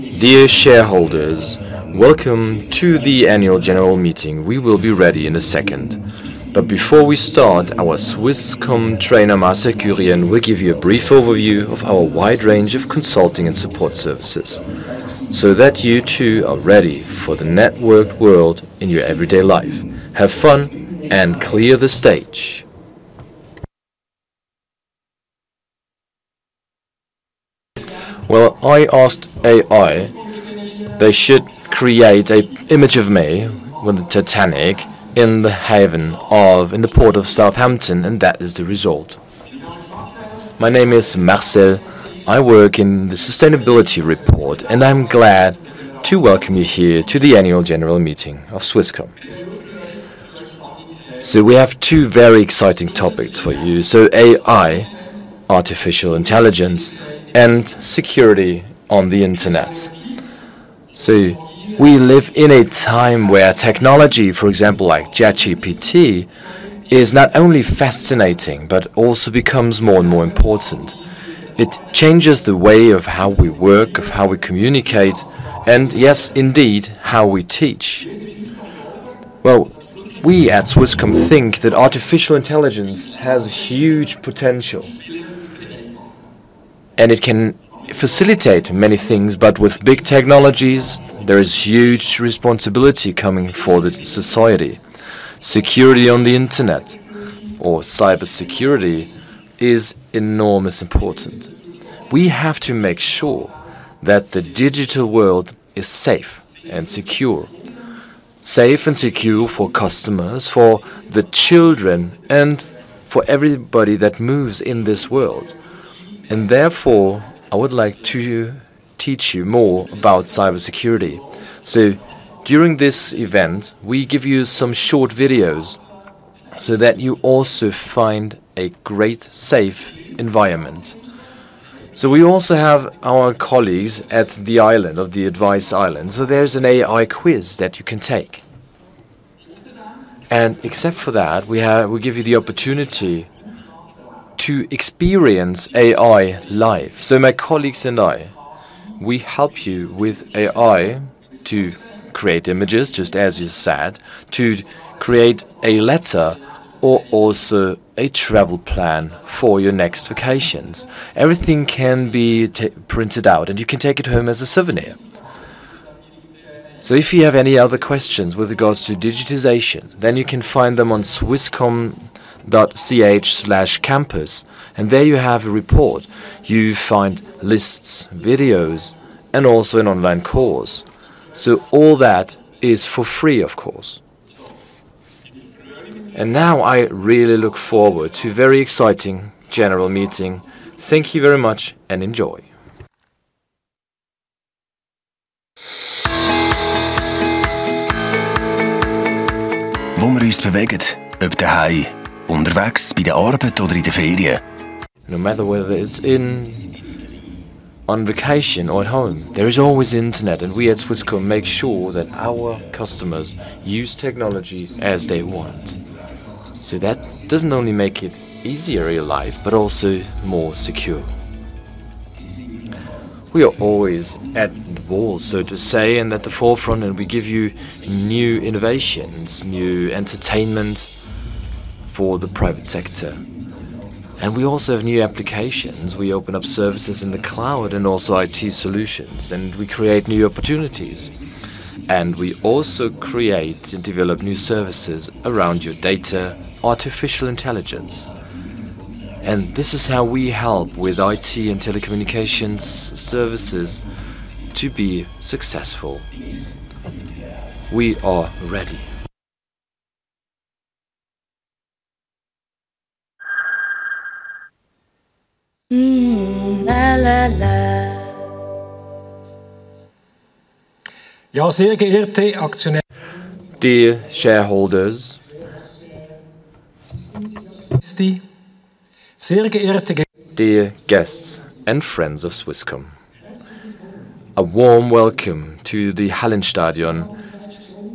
Dear shareholders, welcome to the annual general meeting. We will be ready in a second, but before we start, our Swisscom trainer Marcel Curien will give you a brief overview of our wide range of consulting and support services, so that you too are ready for the networked world in your everyday life. Have fun and clear the stage. Well, I asked AI they should create an image of me with the Titanic in the port of Southampton, and that is the result. My name is Marcel, I work in the sustainability report, and I'm glad to welcome you here to the annual general meeting of Swisscom. So we have two very exciting topics for you: AI, artificial intelligence, and security on the internet. So we live in a time where technology, for example, like ChatGPT, is not only fascinating but also becomes more and more important. It changes the way of how we work, of how we communicate, and yes, indeed, how we teach. Well, we at Swisscom think that artificial intelligence has huge potential, and it can facilitate many things, but with big technologies there is huge responsibility coming for the society. Security on the internet, or cybersecurity, is enormously important. We have to make sure that the digital world is safe and secure. Safe and secure for customers, for the children, and for everybody that moves in this world. And therefore, I would like to teach you more about cybersecurity. So during this event, we give you some short videos so that you also find a great, safe environment. So we also have our colleagues at the island of the Advice Island, so there's an AI quiz that you can take. And except for that, we give you the opportunity to experience AI live. So my colleagues and I, we help you with AI to create images, just as you said, to create a letter, or also a travel plan for your next vacations. Everything can be printed out, and you can take it home as a souvenir. So if you have any other questions with regards to digitization, then you can find them on Swisscom.ch/campus, and there you have a report. You find lists, videos, and also an online course. So all that is for free, of course. And now I really look forward to a very exciting general meeting. Thank you very much, and enjoy! Wo man sich bewegt: ob zu Hause, unterwegs, bei der Arbeit oder in den Ferien. No matter whether it's on vacation or at home, there is always internet, and we at Swisscom make sure that our customers use technology as they want. So that doesn't only make it easier in real life but also more secure. We are always on the ball, so to say, in the forefront, and we give you new innovations, new entertainment for the private sector. We also have new applications. We open up services in the cloud and also IT solutions, and we create new opportunities. We also create and develop new services around your data, artificial intelligence. This is how we help with IT and telecommunications services to be successful. We are ready. Dear shareholders, dear guests and friends of Swisscom, a warm welcome to the Hallenstadion.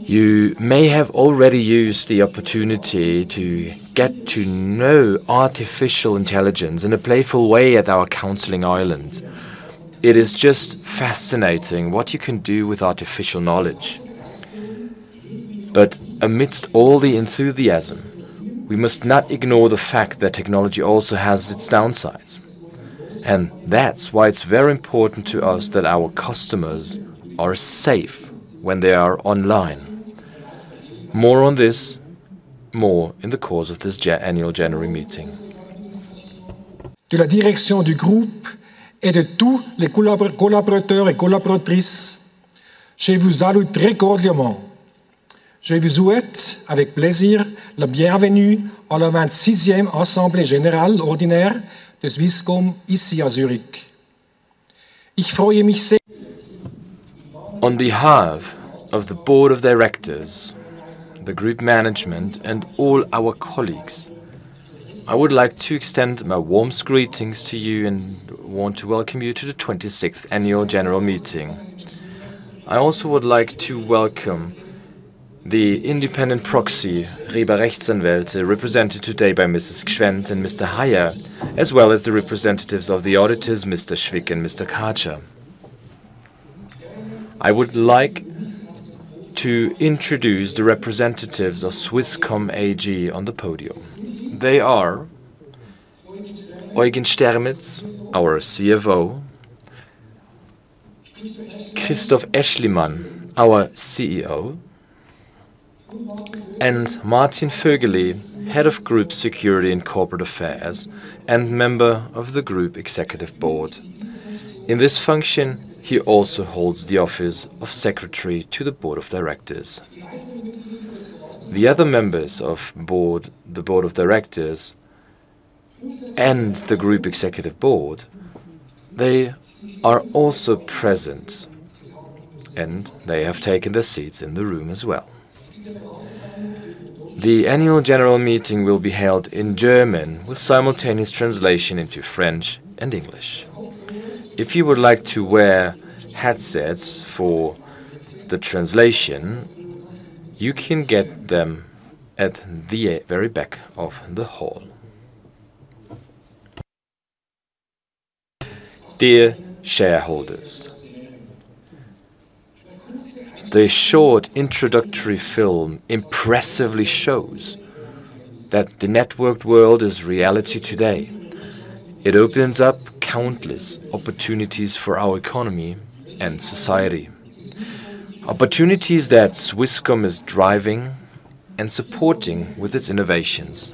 You may have already used the opportunity to get to know artificial intelligence in a playful way at our Counseling Island. It is just fascinating what you can do with artificial knowledge. But amidst all the enthusiasm, we must not ignore the fact that technology also has its downsides. That's why it's very important to us that our customers are safe when they are online. More on this, more in the course of this annual January meeting. On behalf of the board of directors, the group management, and all our colleagues, I would like to extend my warmest greetings to you and want to welcome you to the 26th annual general meeting. I also would like to welcome the independent proxy Rieber Rechtsanwälte, represented today by Mrs. Gschwend and Mr. Heyer, as well as the representatives of the auditors, Mr. Schwick and Mr. Karcher. I would like to introduce the representatives of Swisscom AG on the podium. They are: Eugen Stermetz, our CFO; Christoph Aeschlimann, our CEO; and Martin Vögeli, head of group security and corporate affairs and member of the group executive board. In this function, he also holds the office of secretary to the board of directors. The other members of the board of directors and the group executive board, they are also present, and they have taken their seats in the room as well. The annual general meeting will be held in German with simultaneous translation into French and English. If you would like to wear headsets for the translation, you can get them at the very back of the hall. Dear shareholders, the short introductory film impressively shows that the networked world is reality today. It opens up countless opportunities for our economy and society. Opportunities that Swisscom is driving and supporting with its innovations.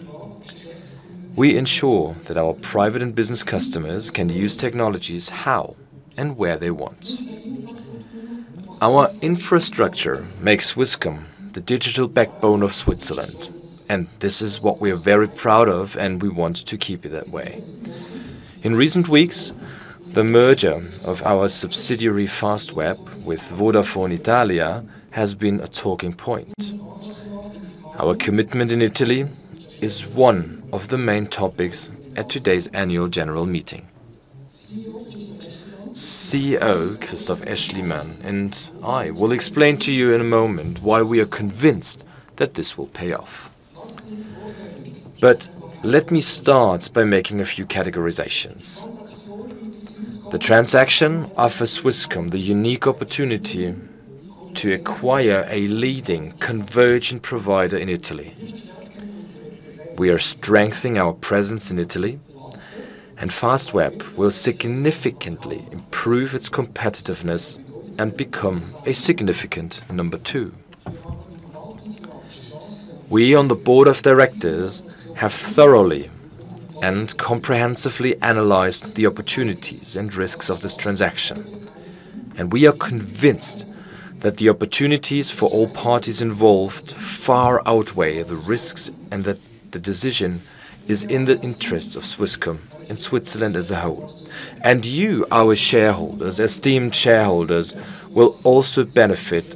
We ensure that our private and business customers can use technologies how and where they want. Our infrastructure makes Swisscom the digital backbone of Switzerland, and this is what we are very proud of, and we want to keep it that way. In recent weeks, the merger of our subsidiary Fastweb with Vodafone Italia has been a talking point. Our commitment in Italy is one of the main topics at today's annual general meeting. CEO Christoph Aeschlimann and I will explain to you in a moment why we are convinced that this will pay off. But let me start by making a few categorizations. The transaction offers Swisscom the unique opportunity to acquire a leading convergent provider in Italy. We are strengthening our presence in Italy, and Fastweb will significantly improve its competitiveness and become a significant number two. We on the board of directors have thoroughly and comprehensively analyzed the opportunities and risks of this transaction, and we are convinced that the opportunities for all parties involved far outweigh the risks and that the decision is in the interests of Swisscom and Switzerland as a whole. And you, our esteemed shareholders, will also benefit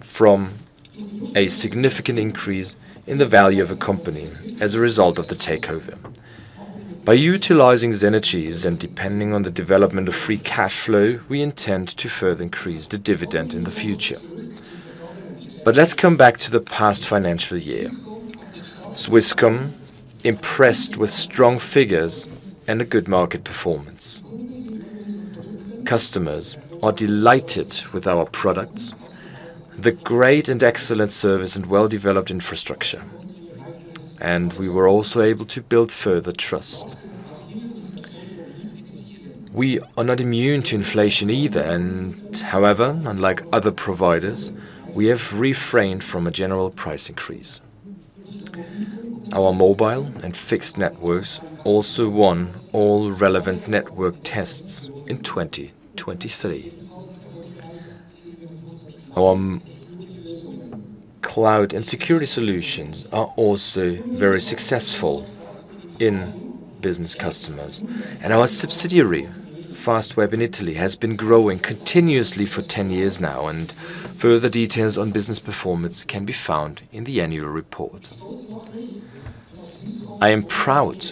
from a significant increase in the value of a company as a result of the takeover. By utilizing synergies and depending on the development of free cash flow, we intend to further increase the dividend in the future. But let's come back to the past financial year. Swisscom impressed with strong figures and a good market performance. Customers are delighted with our products, the great and excellent service and well-developed infrastructure. And we were also able to build further trust. We are not immune to inflation either, and however, unlike other providers, we have refrained from a general price increase. Our mobile and fixed networks also won all relevant network tests in 2023. Our cloud and security solutions are also very successful in business customers. And our subsidiary Fastweb in Italy has been growing continuously for 10 years now, and further details on business performance can be found in the annual report. I am proud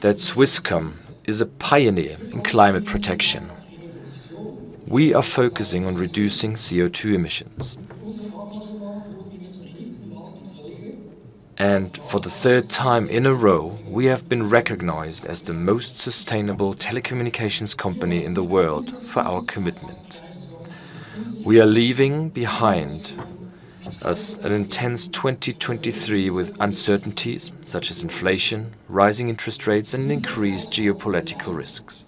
that Swisscom is a pioneer in climate protection. We are focusing on reducing CO2 emissions. For the third time in a row, we have been recognized as the most sustainable telecommunications company in the world for our commitment. We are leaving behind us an intense 2023 with uncertainties such as inflation, rising interest rates, and increased geopolitical risks.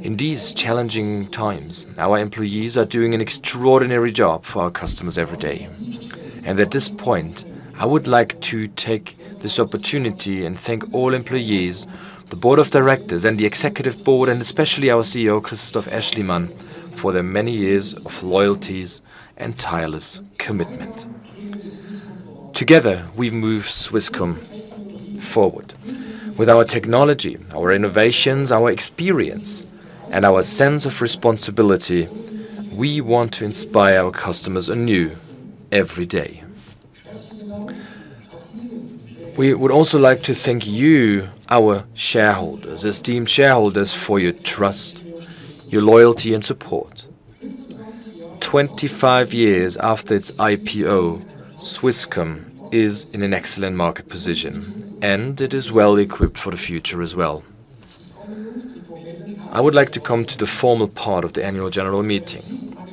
In these challenging times, our employees are doing an extraordinary job for our customers every day. At this point, I would like to take this opportunity and thank all employees, the board of directors, and the executive board, and especially our CEO Christoph Aeschlimann, for their many years of loyalty and tireless commitment. Together, we move Swisscom forward. With our technology, our innovations, our experience, and our sense of responsibility, we want to inspire our customers anew every day. We would also like to thank you, our esteemed shareholders, for your trust, your loyalty, and support. 25 years after its IPO, Swisscom is in an excellent market position, and it is well-equipped for the future as well. I would like to come to the formal part of the annual general meeting.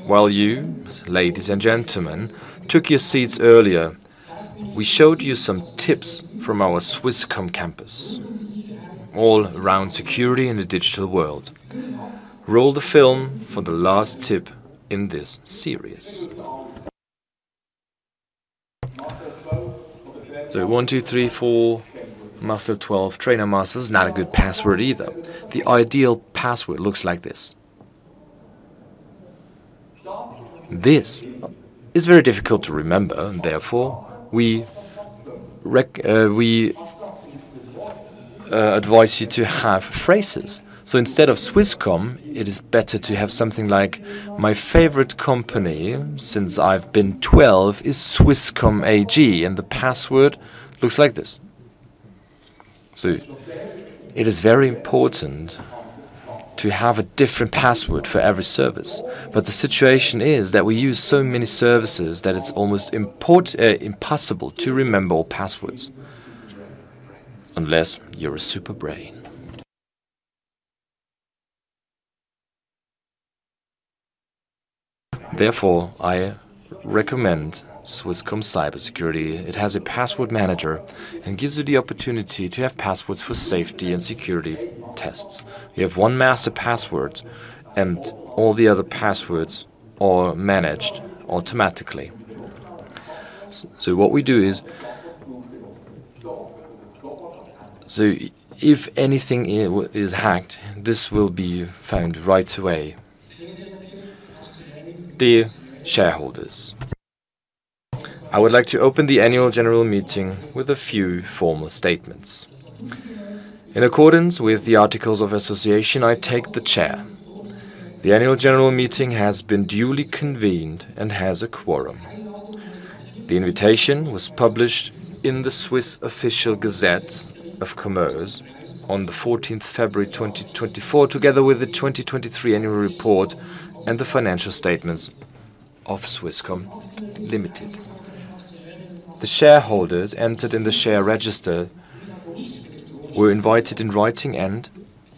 While you, ladies and gentlemen, took your seats earlier, we showed you some tips from our Swisscom Campus, all around security in the digital world. Roll the film for the last tip in this series. So 1, 2, 3, 4. Marcel 12. Trainer Marcel. Not a good password either. The ideal password looks like this. This is very difficult to remember, and therefore we advise you to have phrases. So instead of Swisscom, it is better to have something like: "My favorite company, since I've been 12, is Swisscom AG." And the password looks like this. So it is very important to have a different password for every service. But the situation is that we use so many services that it's almost impossible to remember all passwords. Unless you're a super brain. Therefore, I recommend Swisscom Cybersecurity. It has a password manager and gives you the opportunity to have passwords for safety and security tests. You have one master password, and all the other passwords are managed automatically. So what we do is: So if anything is hacked, this will be found right away. Dear shareholders, I would like to open the annual general meeting with a few formal statements. In accordance with the articles of association, I take the chair. The annual general meeting has been duly convened and has a quorum. The invitation was published in the Swiss Official Gazette of Commerce on the 14th of February, 2024, together with the 2023 annual report and the financial statements of Swisscom Limited. The shareholders entered in the share register, were invited in writing, and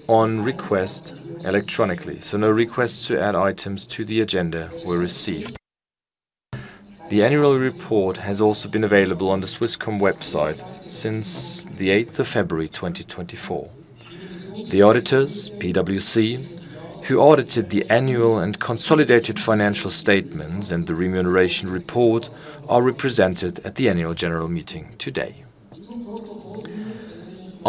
on request electronically. So no requests to add items to the agenda were received. The annual report has also been available on the Swisscom website since the 8th of February, 2024. The auditors, PwC, who audited the annual and consolidated financial statements and the remuneration report, are represented at the annual general meeting today.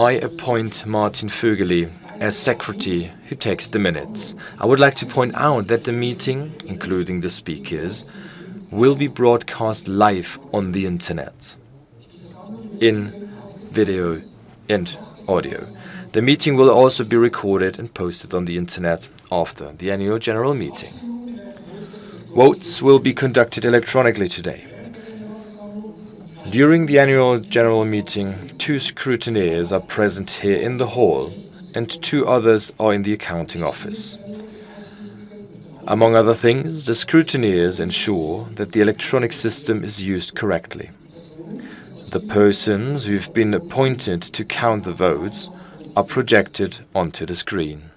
I appoint Martin Vögeli as secretary, who takes the minutes. I would like to point out that the meeting, including the speakers, will be broadcast live on the internet, in video and audio. The meeting will also be recorded and posted on the internet after the annual general meeting. Votes will be conducted electronically today. During the annual general meeting, two scrutineers are present here in the hall, and two others are in the accounting office. Among other things, the scrutineers ensure that the electronic system is used correctly. The persons who have been appointed to count the votes are projected onto the screen.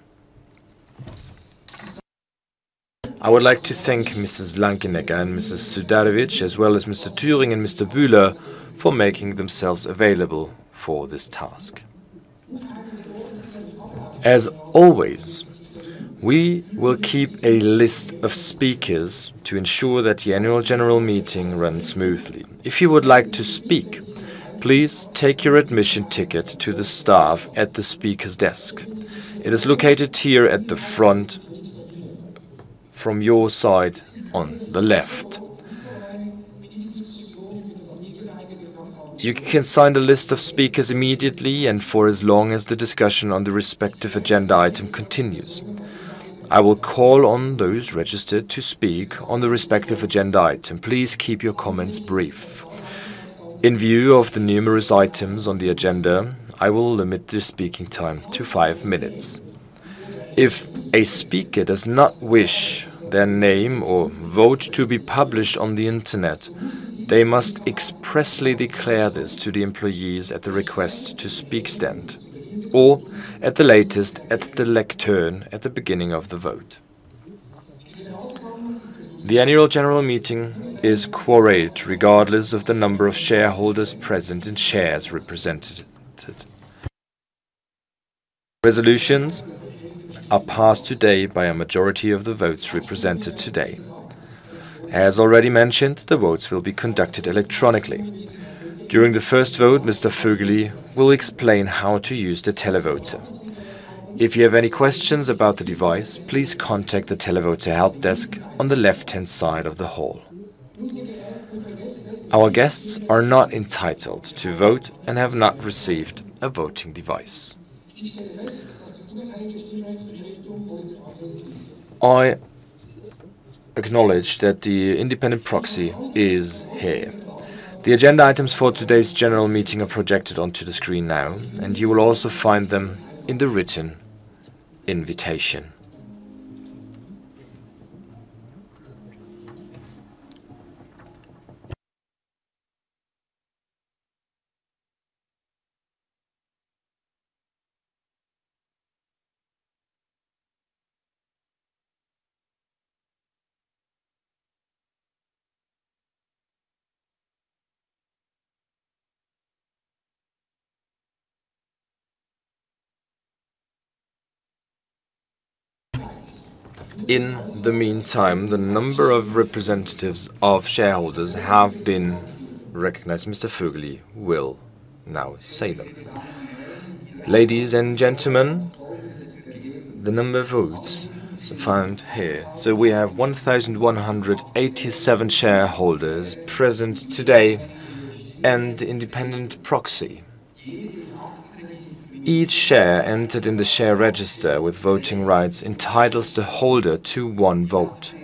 I would like to thank Mrs. Langenecker and Mrs. Sudarević, as well as Mr. Thüring and Mr. Bühler, for making themselves available for this task. As always, we will keep a list of speakers to ensure that the annual general meeting runs smoothly. If you would like to speak, please take your admission ticket to the staff at the speaker's desk. It is located here at the front, from your side on the left. You can sign the list of speakers immediately and for as long as the discussion on the respective agenda item continues. I will call on those registered to speak on the respective agenda item. Please keep your comments brief. In view of the numerous items on the agenda, I will limit the speaking time to five minutes. If a speaker does not wish their name or vote to be published on the internet, they must expressly declare this to the employees at the request to speak stand, or at the latest at the lectern at the beginning of the vote. The annual general meeting is quorate regardless of the number of shareholders present and shares represented. Resolutions are passed today by a majority of the votes represented today. As already mentioned, the votes will be conducted electronically. During the first vote, Mr. Vögeli will explain how to use the Televoter. If you have any questions about the device, please contact the Televoter help desk on the left-hand side of the hall. Our guests are not entitled to vote and have not received a voting device. I acknowledge that the independent proxy is here. The agenda items for today's general meeting are projected onto the screen now, and you will also find them in the written invitation. In the meantime, the number of representatives of shareholders have been recognized. Mr. Vögeli will now say them. Ladies and gentlemen, the number of votes is found here. So we have 1,187 shareholders present today and the independent proxy. Each share entered in the share register with voting rights entitles the holder to 1 vote.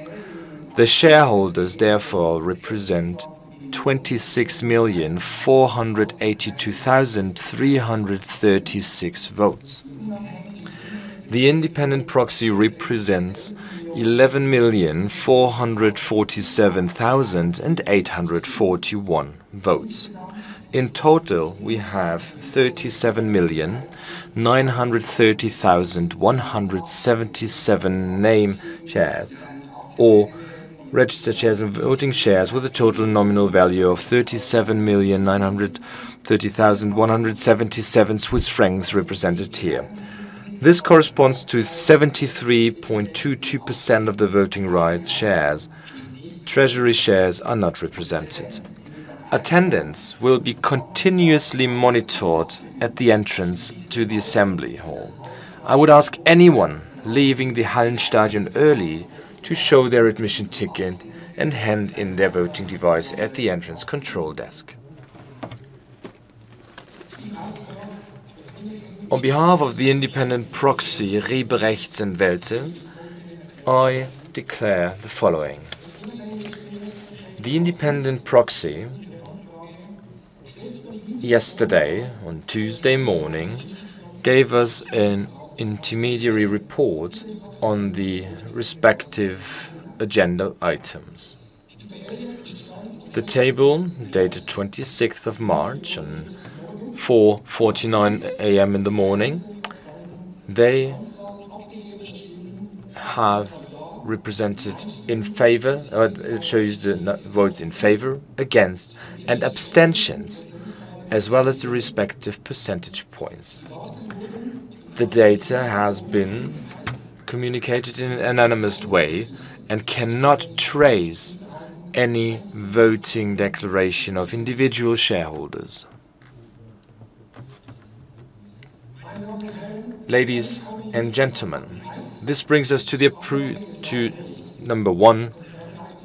The shareholders therefore represent 26,482,336 votes. The independent proxy represents 11,447,841 votes. In total, we have 37,930,177 name shares, or registered shares and voting shares, with a total nominal value of 37,930,177 Swiss francs represented here. This corresponds to 73.22% of the voting rights shares. Treasury shares are not represented. Attendance will be continuously monitored at the entrance to the assembly hall. I would ask anyone leaving the Hallenstadion early to show their admission ticket and hand in their voting device at the entrance control desk. On behalf of the independent proxy Rieber Rechtsanwälte, I declare the following: The independent proxy yesterday, on Tuesday morning, gave us an intermediary report on the respective agenda items. The table, dated 26th of March, on 4:49 A.M. in the morning, they have represented in favor—it shows the votes in favor, against, and abstentions—as well as the respective percentage points. The data has been communicated in an anonymous way and cannot trace any voting declaration of individual shareholders. Ladies and gentlemen, this brings us to number one: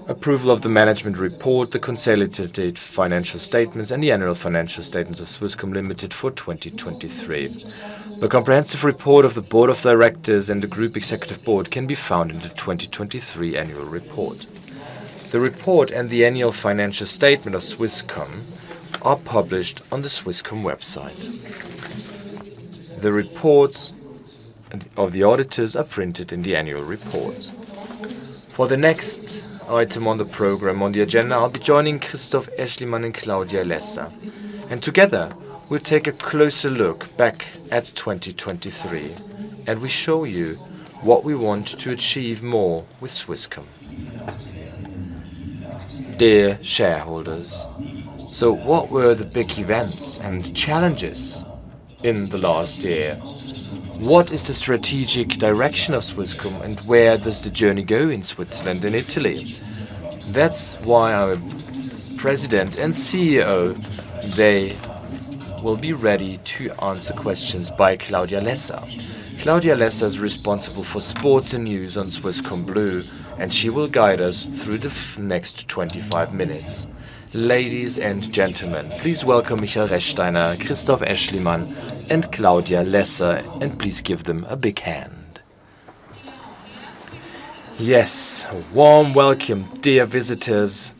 approval of the management report, the consolidated financial statements, and the annual financial statements of Swisscom AG for 2023. The comprehensive report of the board of directors and the group executive board can be found in the 2023 annual report. The report and the annual financial statement of Swisscom are published on the Swisscom website. The reports of the auditors are printed in the annual reports. For the next item on the program, on the agenda, I'll be joining Christoph Aeschlimann and Claudia Lässer. Together, we'll take a closer look back at 2023, and we show you what we want to achieve more with Swisscom. Dear shareholders, so what were the big events and challenges in the last year? What is the strategic direction of Swisscom, and where does the journey go in Switzerland and Italy? That's why our President and CEO will be ready to answer questions by Claudia Lässer. Claudia Lässer is responsible for sports and news on Swisscom Blue, and she will guide us through the next 25 minutes. Ladies and gentlemen, please welcome Michael Rechsteiner, Christoph Aeschlimann, and Claudia Lässer, and please give them a big hand. Yes, a warm welcome, dear visitors,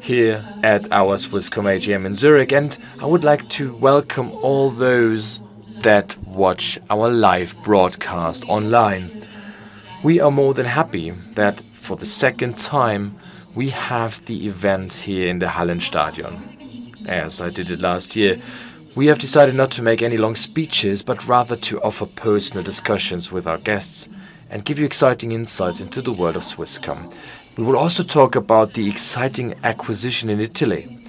here at our Swisscom AGM in Zurich. I would like to welcome all those that watch our live broadcast online. We are more than happy that, for the second time, we have the event here in the Hallenstadion, as I did it last year. We have decided not to make any long speeches, but rather to offer personal discussions with our guests and give you exciting insights into the world of Swisscom. We will also talk about the exciting acquisition in Italy.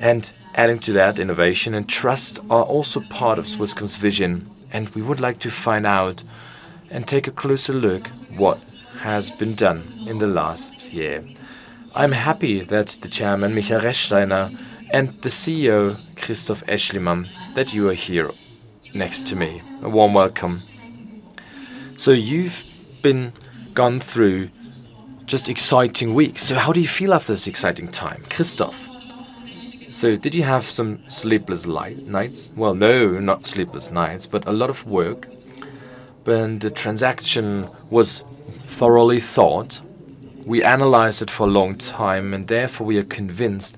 Adding to that, innovation and trust are also part of Swisscom's vision. We would like to find out and take a closer look at what has been done in the last year. I'm happy that the Chairman, Michael Rechsteiner, and the CEO, Christoph Aeschlimann, that you are here next to me. A warm welcome. So you've gone through just exciting weeks. So how do you feel after this exciting time? Christoph, so did you have some sleepless nights? Well, no, not sleepless nights, but a lot of work. And the transaction was thoroughly thought. We analyzed it for a long time, and therefore we are convinced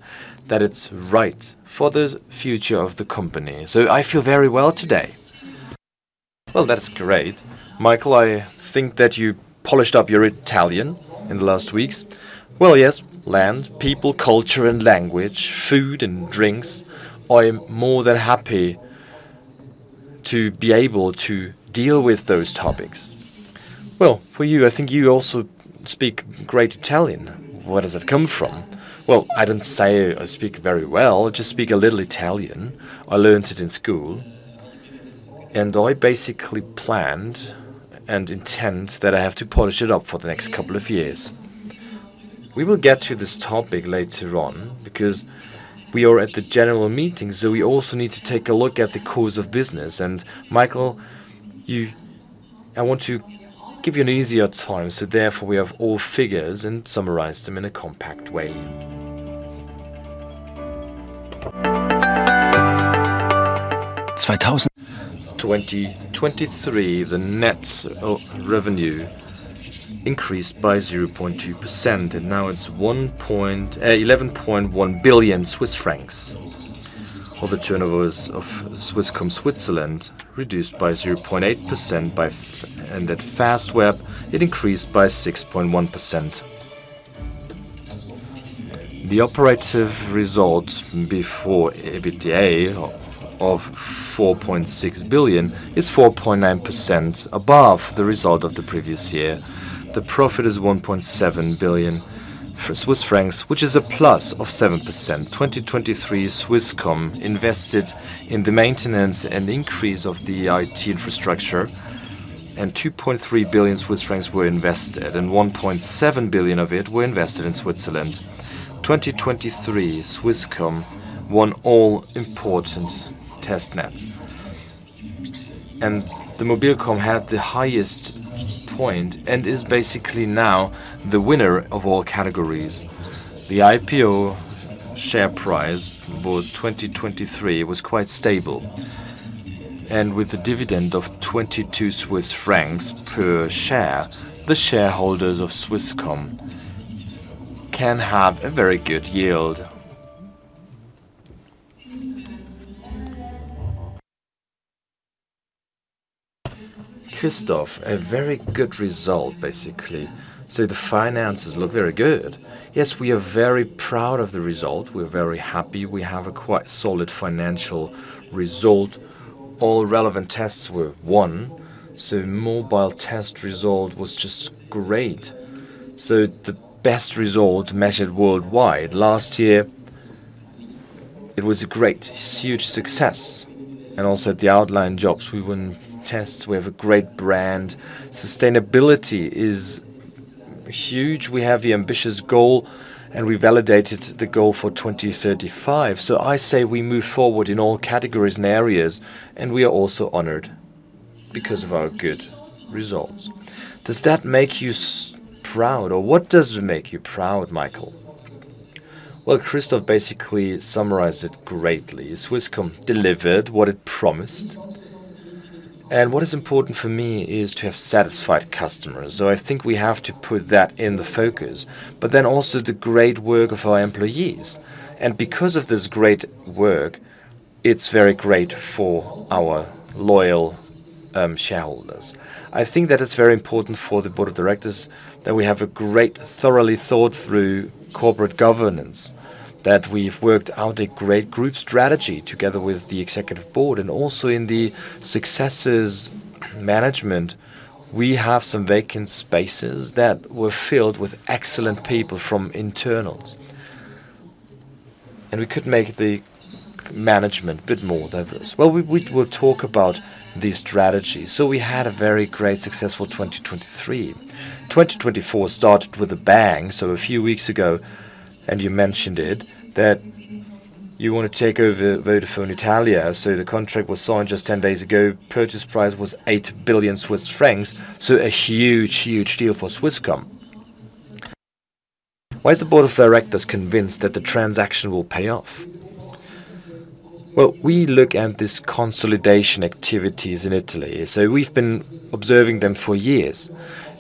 that it's right for the future of the company. So I feel very well today. Well, that's great. Michael, I think that you polished up your Italian in the last weeks. Well, yes. Land, people, culture, and language, food, and drinks. I'm more than happy to be able to deal with those topics. Well, for you, I think you also speak great Italian. Where does it come from? Well, I don't say I speak very well. I just speak a little Italian. I learned it in school. I basically planned and intend that I have to polish it up for the next couple of years. We will get to this topic later on because we are at the general meeting, so we also need to take a look at the course of business. Michael, I want to give you an easier time. So therefore, we have all figures and summarized them in a compact way. In 2023, the net revenue increased by 0.2%, and now it's 11.1 billion Swiss francs. All the turnover is of Swisscom Switzerland, reduced by 0.8% by. At Fastweb, it increased by 6.1%. The operative result before EBITDA of 4.6 billion is 4.9% above the result of the previous year. The profit is 1.7 billion, which is a plus of 7%. 2023, Swisscom invested in the maintenance and increase of the IT infrastructure, and 2.3 billion Swiss francs were invested, and 1.7 billion of it were invested in Switzerland. 2023, Swisscom won all important test nets. The Mobilcom had the highest point and is basically now the winner of all categories. The IPO share price for 2023 was quite stable. With a dividend of 22 Swiss francs per share, the shareholders of Swisscom can have a very good yield. Christoph, a very good result, basically. The finances look very good. Yes, we are very proud of the result. We are very happy. We have a quite solid financial result. All relevant tests were won. The mobile test result was just great. The best result measured worldwide. Last year, it was a great, huge success. Also at the outline jobs, we won tests. We have a great brand. Sustainability is huge. We have the ambitious goal, and we validated the goal for 2035. So I say we move forward in all categories and areas, and we are also honored because of our good results. Does that make you proud, or what does it make you proud, Michael? Well, Christoph basically summarized it greatly. Swisscom delivered what it promised. And what is important for me is to have satisfied customers. So I think we have to put that in the focus. But then also the great work of our employees. And because of this great work, it's very great for our loyal shareholders. I think that it's very important for the board of directors that we have a great, thoroughly thought-through corporate governance, that we've worked out a great group strategy together with the executive board. And also in the successes management, we have some vacant spaces that were filled with excellent people from internals. And we could make the management a bit more diverse. Well, we will talk about these strategies. We had a very great, successful 2023. 2024 started with a bang. A few weeks ago, and you mentioned it, that you want to take over Vodafone Italia. The contract was signed just 10 days ago. Purchase price was 8 billion Swiss francs. A huge, huge deal for Swisscom. Why is the board of directors convinced that the transaction will pay off? Well, we look at these consolidation activities in Italy. So we've been observing them for years,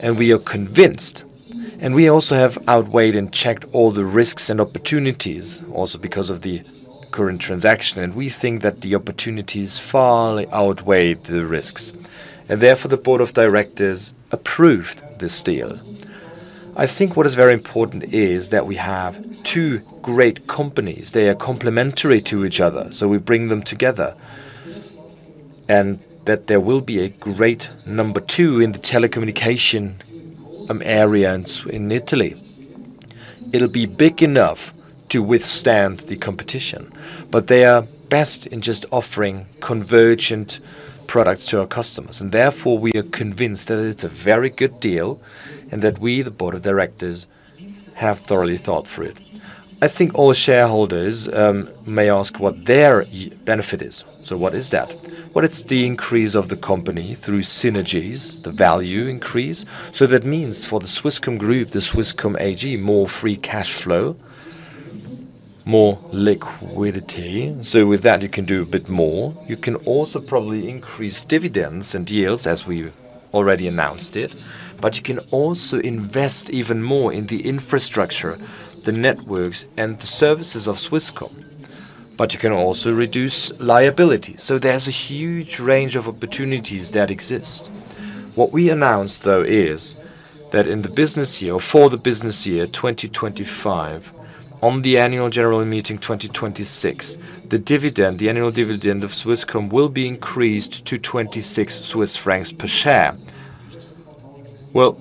and we are convinced. We also have outweighed and checked all the risks and opportunities, also because of the current transaction. We think that the opportunities far outweigh the risks. Therefore, the board of directors approved this deal. I think what is very important is that we have two great companies. They are complementary to each other. We bring them together. That there will be a great number 2 in the telecommunication area in Italy. It'll be big enough to withstand the competition. They are best in just offering convergent products to our customers. Therefore, we are convinced that it's a very good deal and that we, the board of directors, have thoroughly thought through it. I think all shareholders may ask what their benefit is. What is that? Well, it's the increase of the company through synergies, the value increase. So that means for the Swisscom Group, the Swisscom AG, more free cash flow, more liquidity. So with that, you can do a bit more. You can also probably increase dividends and yields, as we already announced it. But you can also invest even more in the infrastructure, the networks, and the services of Swisscom. But you can also reduce liabilities. So there's a huge range of opportunities that exist. What we announced, though, is that in the business year, or for the business year 2025, on the annual general meeting 2026, the dividend, the annual dividend of Swisscom will be increased to 26 Swiss francs per share. Well,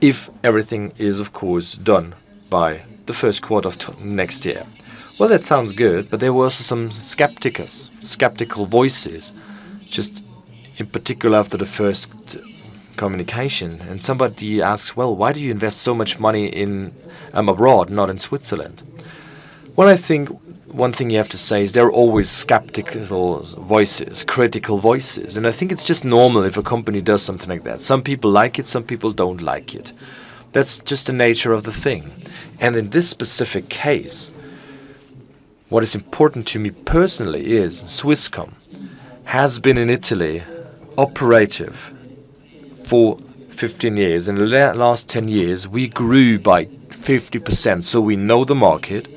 if everything is, of course, done by the first quarter of next year. Well, that sounds good. But there were also some skeptics, skeptical voices, just in particular after the first communication. And somebody asks, "Well, why do you invest so much money abroad, not in Switzerland?" Well, I think one thing you have to say is there are always skeptical voices, critical voices. And I think it's just normal if a company does something like that. Some people like it. Some people don't like it. That's just the nature of the thing. And in this specific case, what is important to me personally is Swisscom has been in Italy operative for 15 years. In the last 10 years, we grew by 50%. So we know the market.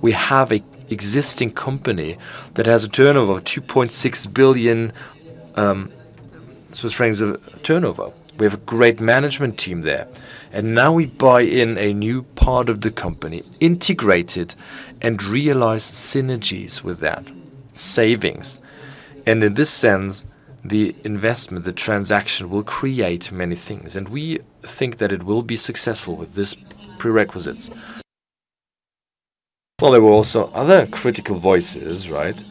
We have an existing company that has a turnover of 2.6 billion francs of turnover. We have a great management team there. And now we buy in a new part of the company, integrate it, and realize synergies with that, savings. And in this sense, the investment, the transaction will create many things. And we think that it will be successful with these prerequisites. Well, there were also other critical voices, right?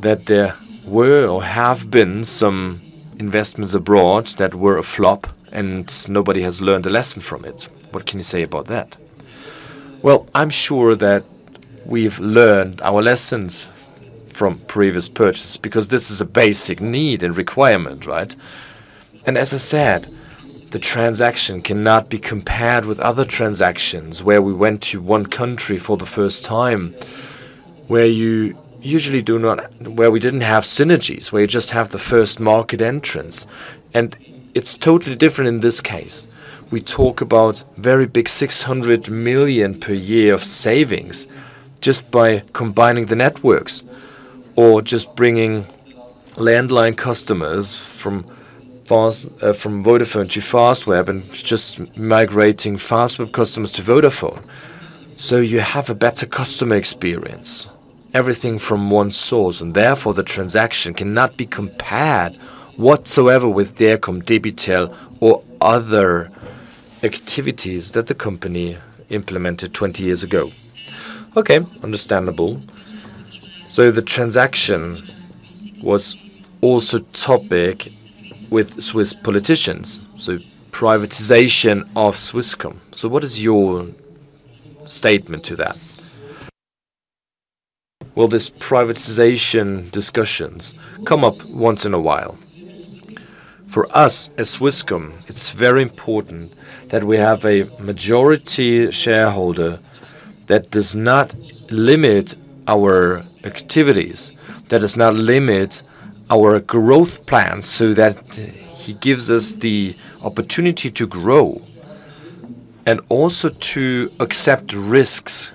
That there were or have been some investments abroad that were a flop, and nobody has learned a lesson from it. What can you say about that? Well, I'm sure that we've learned our lessons from previous purchases because this is a basic need and requirement, right? And as I said, the transaction cannot be compared with other transactions where we went to one country for the first time, where you usually do not, where we didn't have synergies, where you just have the first market entrance. And it's totally different in this case. We talk about very big 600 million per year of savings just by combining the networks or just bringing landline customers from Vodafone to Fastweb and just migrating Fastweb customers to Vodafone. So you have a better customer experience, everything from one source. And therefore, the transaction cannot be compared whatsoever with Eircom, DEBITEL, or other activities that the company implemented 20 years ago. Okay, understandable. So the transaction was also a topic with Swiss politicians. So privatization of Swisscom. So what is your statement to that? Well, these privatization discussions come up once in a while. For us at Swisscom, it's very important that we have a majority shareholder that does not limit our activities, that does not limit our growth plans so that he gives us the opportunity to grow and also to accept risks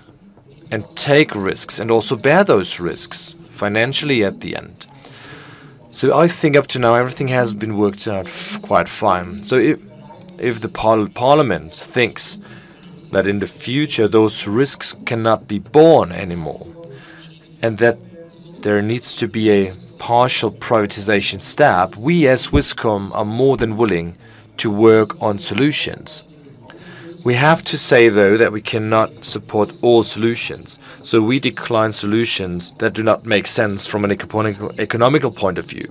and take risks and also bear those risks financially at the end. So I think up to now, everything has been worked out quite fine. If the Parliament thinks that in the future, those risks cannot be borne anymore and that there needs to be a partial privatization step, we at Swisscom are more than willing to work on solutions. We have to say, though, that we cannot support all solutions. We decline solutions that do not make sense from an economic point of view.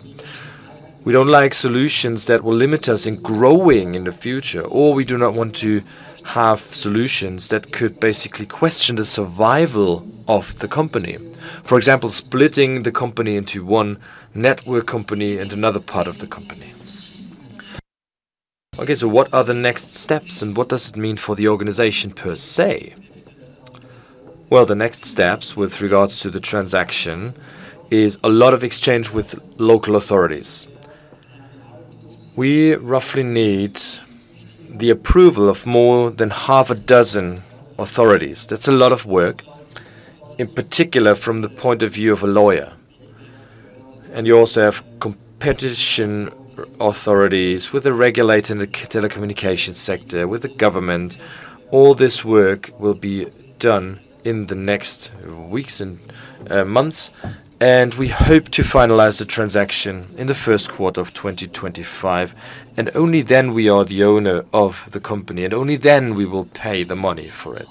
We don't like solutions that will limit us in growing in the future, or we do not want to have solutions that could basically question the survival of the company, for example, splitting the company into one network company and another part of the company. Okay, what are the next steps? And what does it mean for the organization per se? Well, the next steps with regards to the transaction are a lot of exchange with local authorities. We roughly need the approval of more than half a dozen authorities. That's a lot of work, in particular from the point of view of a lawyer. And you also have competition authorities with a regulator in the telecommunications sector, with the government. All this work will be done in the next weeks and months. And we hope to finalize the transaction in the first quarter of 2025. And only then are we the owner of the company. And only then will we pay the money for it.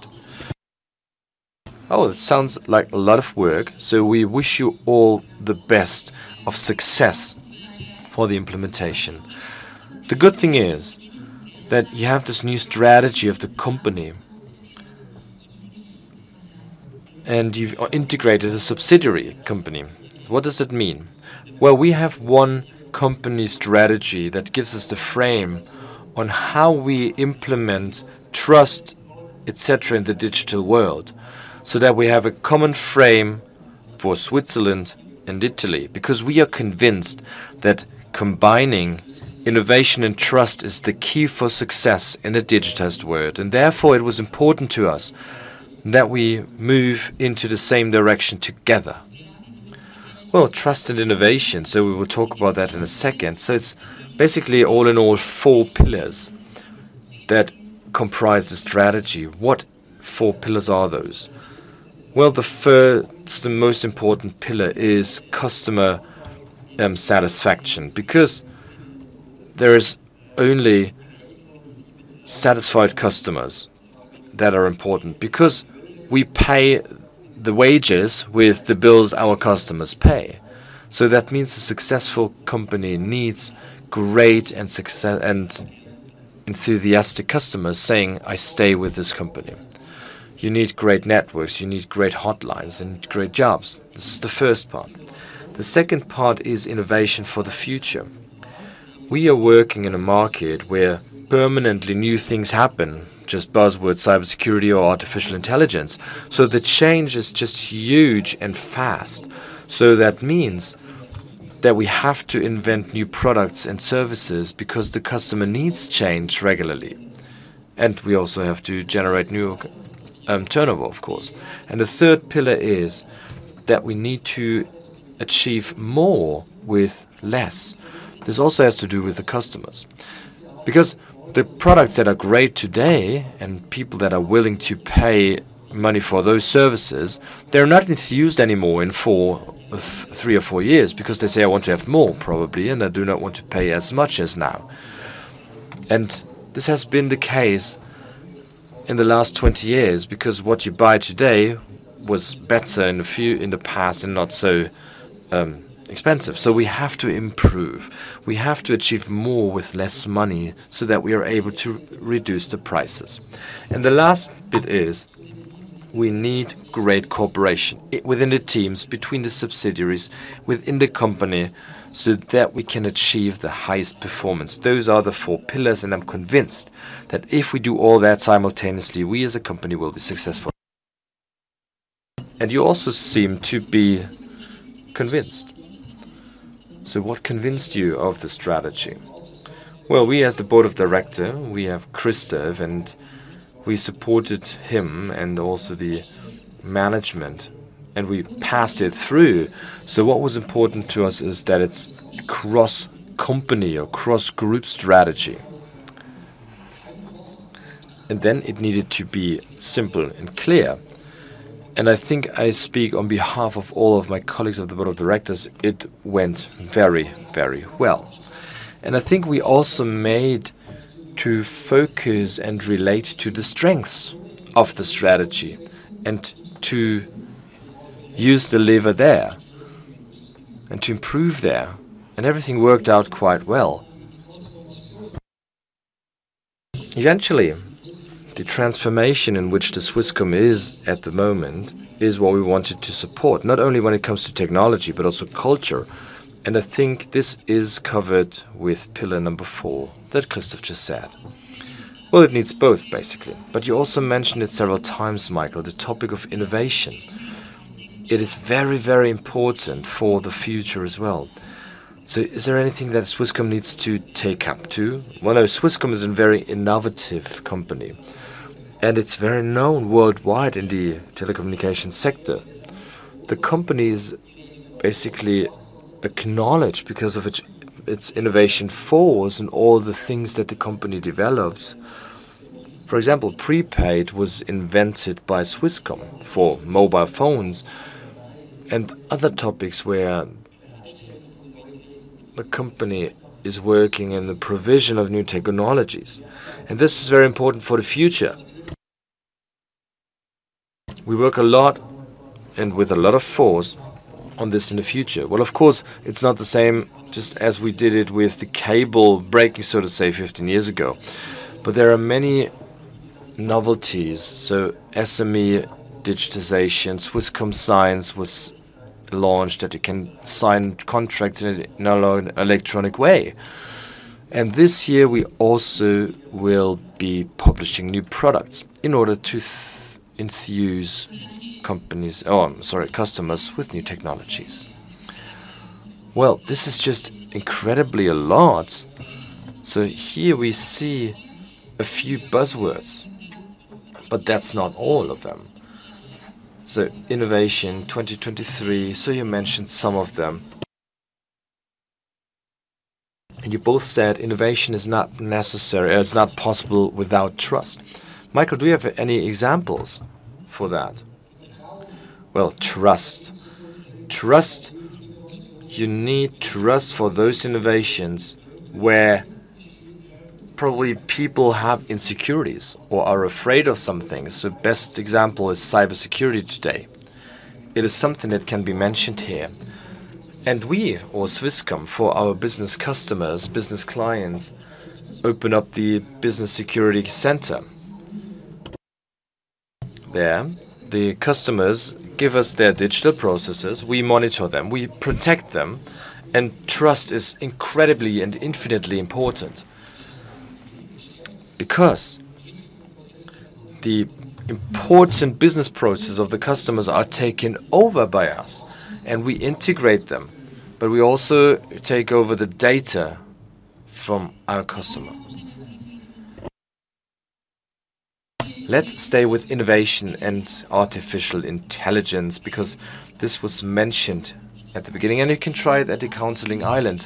Oh, that sounds like a lot of work. So we wish you all the best of success for the implementation. The good thing is that you have this new strategy of the company. And you've integrated a subsidiary company. What does it mean? Well, we have one company strategy that gives us the frame on how we implement trust, etc., in the digital world so that we have a common frame for Switzerland and Italy because we are convinced that combining innovation and trust is the key for success in a digitized world. And therefore, it was important to us that we move into the same direction together. Well, trust and innovation. So we will talk about that in a second. So it's basically, all in all, four pillars that comprise the strategy. What four pillars are those? Well, the first, the most important pillar is customer satisfaction because there are only satisfied customers that are important because we pay the wages with the bills our customers pay. So that means a successful company needs great and enthusiastic customers saying, "I stay with this company." You need great networks. You need great hotlines. You need great jobs. This is the first part. The second part is innovation for the future. We are working in a market where permanently new things happen, just buzzwords, cybersecurity, or artificial intelligence. So the change is just huge and fast. So that means that we have to invent new products and services because the customer needs change regularly. And we also have to generate new turnover, of course. And the third pillar is that we need to achieve more with less. This also has to do with the customers because the products that are great today and people that are willing to pay money for those services, they're not enthused anymore in 3 or 4 years because they say, "I want to have more, probably, and I do not want to pay as much as now." This has been the case in the last 20 years because what you buy today was better in the past and not so expensive. We have to improve. We have to achieve more with less money so that we are able to reduce the prices. The last bit is we need great cooperation within the teams, between the subsidiaries, within the company so that we can achieve the highest performance. Those are the four pillars. I'm convinced that if we do all that simultaneously, we as a company will be successful. And you also seem to be convinced. So what convinced you of the strategy? Well, we as the board of directors, we have Christoph, and we supported him and also the management. And we passed it through. So what was important to us is that it's cross-company or cross-group strategy. And then it needed to be simple and clear. And I think I speak on behalf of all of my colleagues at the board of directors. It went very, very well. And I think we also made a decision to focus and relate to the strengths of the strategy and to use the lever there and to improve there. And everything worked out quite well. Eventually, the transformation in which Swisscom is at the moment is what we wanted to support, not only when it comes to technology but also culture. I think this is covered with pillar number four that Christoph just said. Well, it needs both, basically. You also mentioned it several times, Michael, the topic of innovation. It is very, very important for the future as well. Is there anything that Swisscom needs to take up to? Well, no. Swisscom is a very innovative company. It's very known worldwide in the telecommunications sector. The company is basically acknowledged because of its innovation force and all the things that the company develops. For example, Prepaid was invented by Swisscom for mobile phones and other topics where the company is working in the provision of new technologies. This is very important for the future. We work a lot and with a lot of force on this in the future. Well, of course, it's not the same just as we did it with the cable breaking, so to say, 15 years ago. But there are many novelties. So SME digitization, Swisscom Sign was launched that you can sign contracts in an electronic way. And this year, we also will be publishing new products in order to enthuse companies - oh, I'm sorry - customers with new technologies. Well, this is just incredibly a lot. So here we see a few buzzwords. But that's not all of them. So innovation 2023. So you mentioned some of them. And you both said innovation is not necessary or it's not possible without trust. Michael, do you have any examples for that? Well, trust. Trust. You need trust for those innovations where probably people have insecurities or are afraid of some things. The best example is cybersecurity today. It is something that can be mentioned here. And we or Swisscom, for our business customers, business clients, open up the Business Security Center there. The customers give us their digital processes. We monitor them. We protect them. And trust is incredibly and infinitely important because the important business processes of the customers are taken over by us. And we integrate them. But we also take over the data from our customer. Let's stay with innovation and artificial intelligence because this was mentioned at the beginning. And you can try it at the Counseling Island.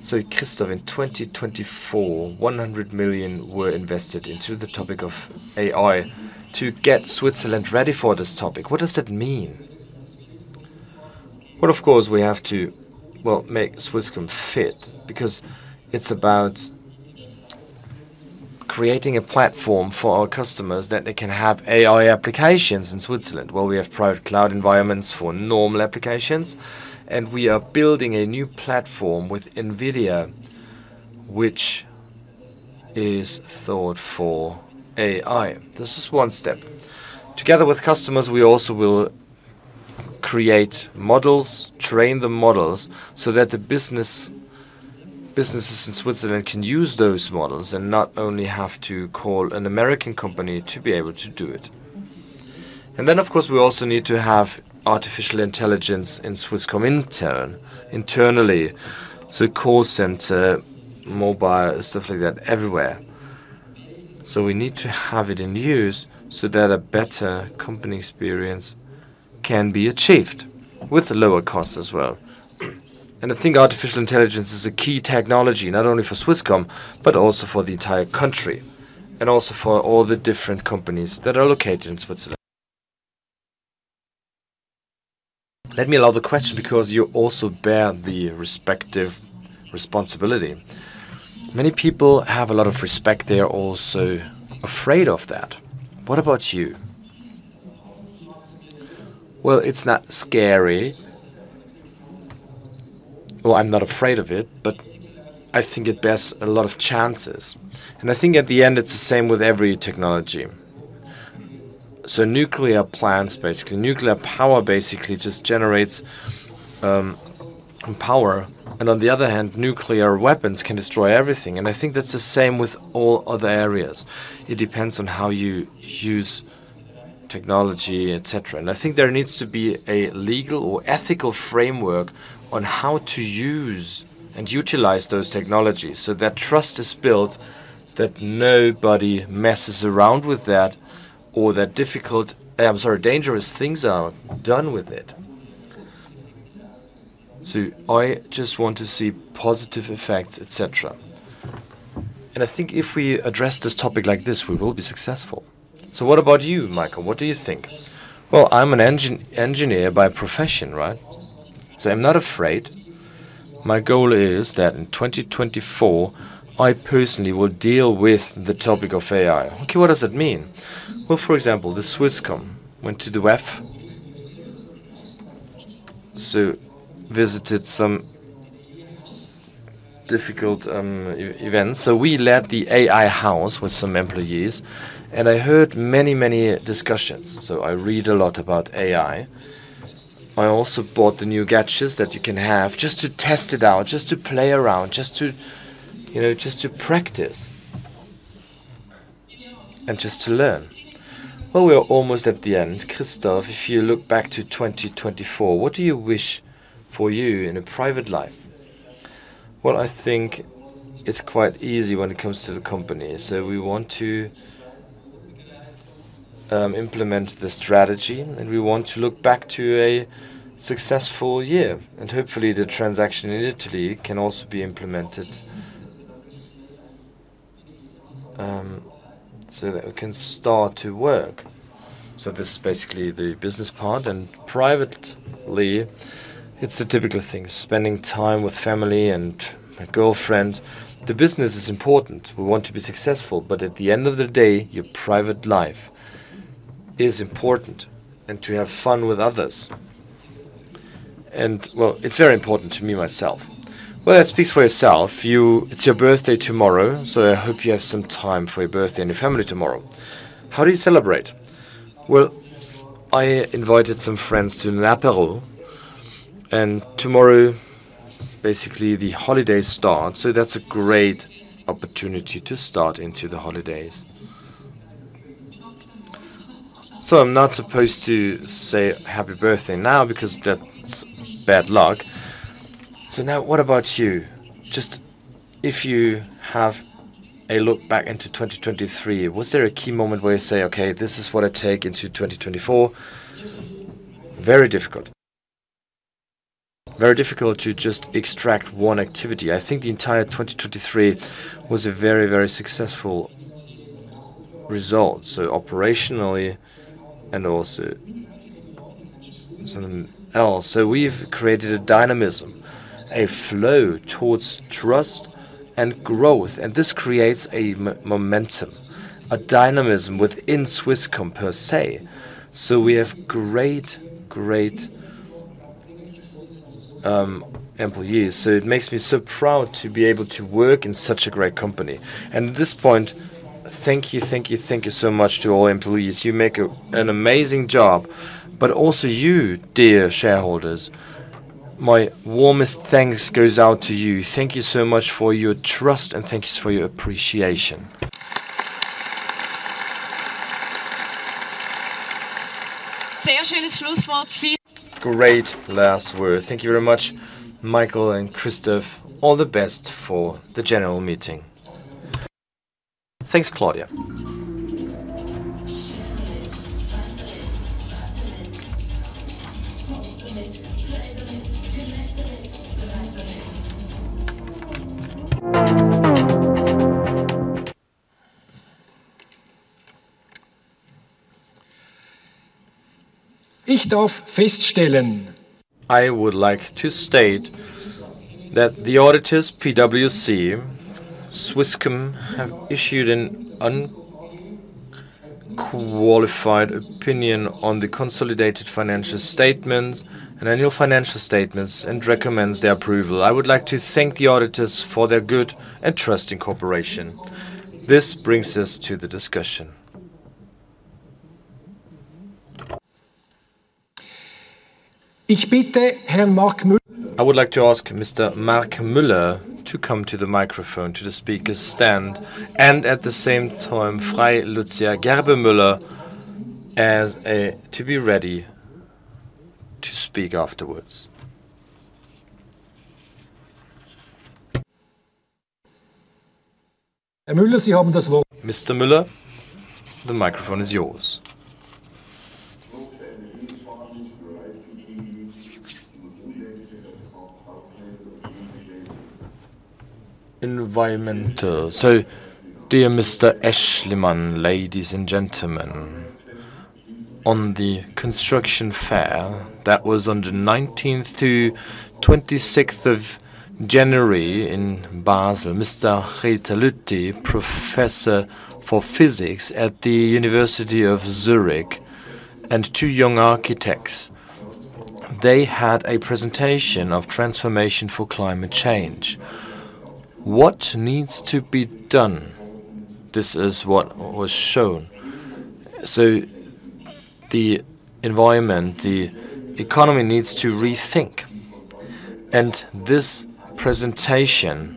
So, Christoph, in 2024, 100 million were invested into the topic of AI to get Switzerland ready for this topic. What does that mean? Well, of course, we have to, well, make Swisscom fit because it's about creating a platform for our customers that they can have AI applications in Switzerland. Well, we have private cloud environments for normal applications. We are building a new platform with NVIDIA, which is thought for AI. This is one step. Together with customers, we also will create models, train the models so that the businesses in Switzerland can use those models and not only have to call an American company to be able to do it. And then, of course, we also need to have artificial intelligence in Swisscom internally, so call center, mobile, stuff like that everywhere. So we need to have it in use so that a better company experience can be achieved with lower costs as well. And I think artificial intelligence is a key technology, not only for Swisscom but also for the entire country and also for all the different companies that are located in Switzerland. Let me allow the question because you also bear the respective responsibility. Many people have a lot of respect. They are also afraid of that. What about you? Well, it's not scary. Or I'm not afraid of it. But I think it bears a lot of chances. And I think at the end, it's the same with every technology. So nuclear plants, basically, nuclear power basically just generates power. And on the other hand, nuclear weapons can destroy everything. And I think that's the same with all other areas. It depends on how you use technology, etc. And I think there needs to be a legal or ethical framework on how to use and utilize those technologies so that trust is built, that nobody messes around with that, or that difficult—I'm sorry—dangerous things are done with it. So I just want to see positive effects, etc. And I think if we address this topic like this, we will be successful. So what about you, Michael? What do you think? Well, I'm an engineer by profession, right? So I'm not afraid. My goal is that in 2024, I personally will deal with the topic of AI. Okay, what does that mean? Well, for example, the Swisscom went to the WEF, so visited some difficult events. So we led the AI house with some employees. And I heard many, many discussions. So I read a lot about AI. I also bought the new gadgets that you can have just to test it out, just to play around, just to, you know, just to practice and just to learn. Well, we are almost at the end. Christoph, if you look back to 2024, what do you wish for you in a private life? Well, I think it's quite easy when it comes to the company. So we want to implement the strategy. And we want to look back to a successful year. And hopefully, the transaction in Italy can also be implemented so that we can start to work. So this is basically the business part. And privately, it's the typical thing: spending time with family and my girlfriend. The business is important. We want to be successful. But at the end of the day, your private life is important and to have fun with others. And, well, it's very important to me myself. Well, that speaks for yourself. It's your birthday tomorrow. So I hope you have some time for your birthday and your family tomorrow. How do you celebrate? Well, I invited some friends to an aperitif. And tomorrow, basically, the holidays start. So that's a great opportunity to start into the holidays. So I'm not supposed to say happy birthday now because that's bad luck. So now, what about you? Just if you have a look back into 2023, was there a key moment where you say, "Okay, this is what I take into 2024"? Very difficult. Very difficult to just extract one activity. I think the entire 2023 was a very, very successful result, so operationally and also something else. So we've created a dynamism, a flow towards trust and growth. And this creates a momentum, a dynamism within Swisscom per se. So we have great, great employees. So it makes me so proud to be able to work in such a great company. And at this point, thank you, thank you, thank you so much to all employees. You make an amazing job. But also you, dear shareholders, my warmest thanks goes out to you. Thank you so much for your trust. And thank you for your appreciation. Great last word. Thank you very much, Michael and Christoph. All the best for the general meeting. Thanks, Claudia. I would like to state that the auditors, PwC, Swisscom, have issued an unqualified opinion on the consolidated financial statements and annual financial statements and recommends their approval. I would like to thank the auditors for their good and trusting cooperation. This brings us to the discussion. I would like to ask Mr. Mark Müller to come to the microphone, to the speaker stand, and at the same time, Frau Luzia Gerber-Müller, to be ready to speak afterwards. Mr. Müller, the microphone is yours. Environmental. So, dear Mr. Aeschlimann, ladies and gentlemen, on the construction fair that was on the 19th to 26th of January in Basel, Prof. Reto Knutti, Professor for Physics at the University of Zurich, and two young architects, they had a presentation of transformation for climate change. What needs to be done? This is what was shown. So the environment, the economy needs to rethink. This presentation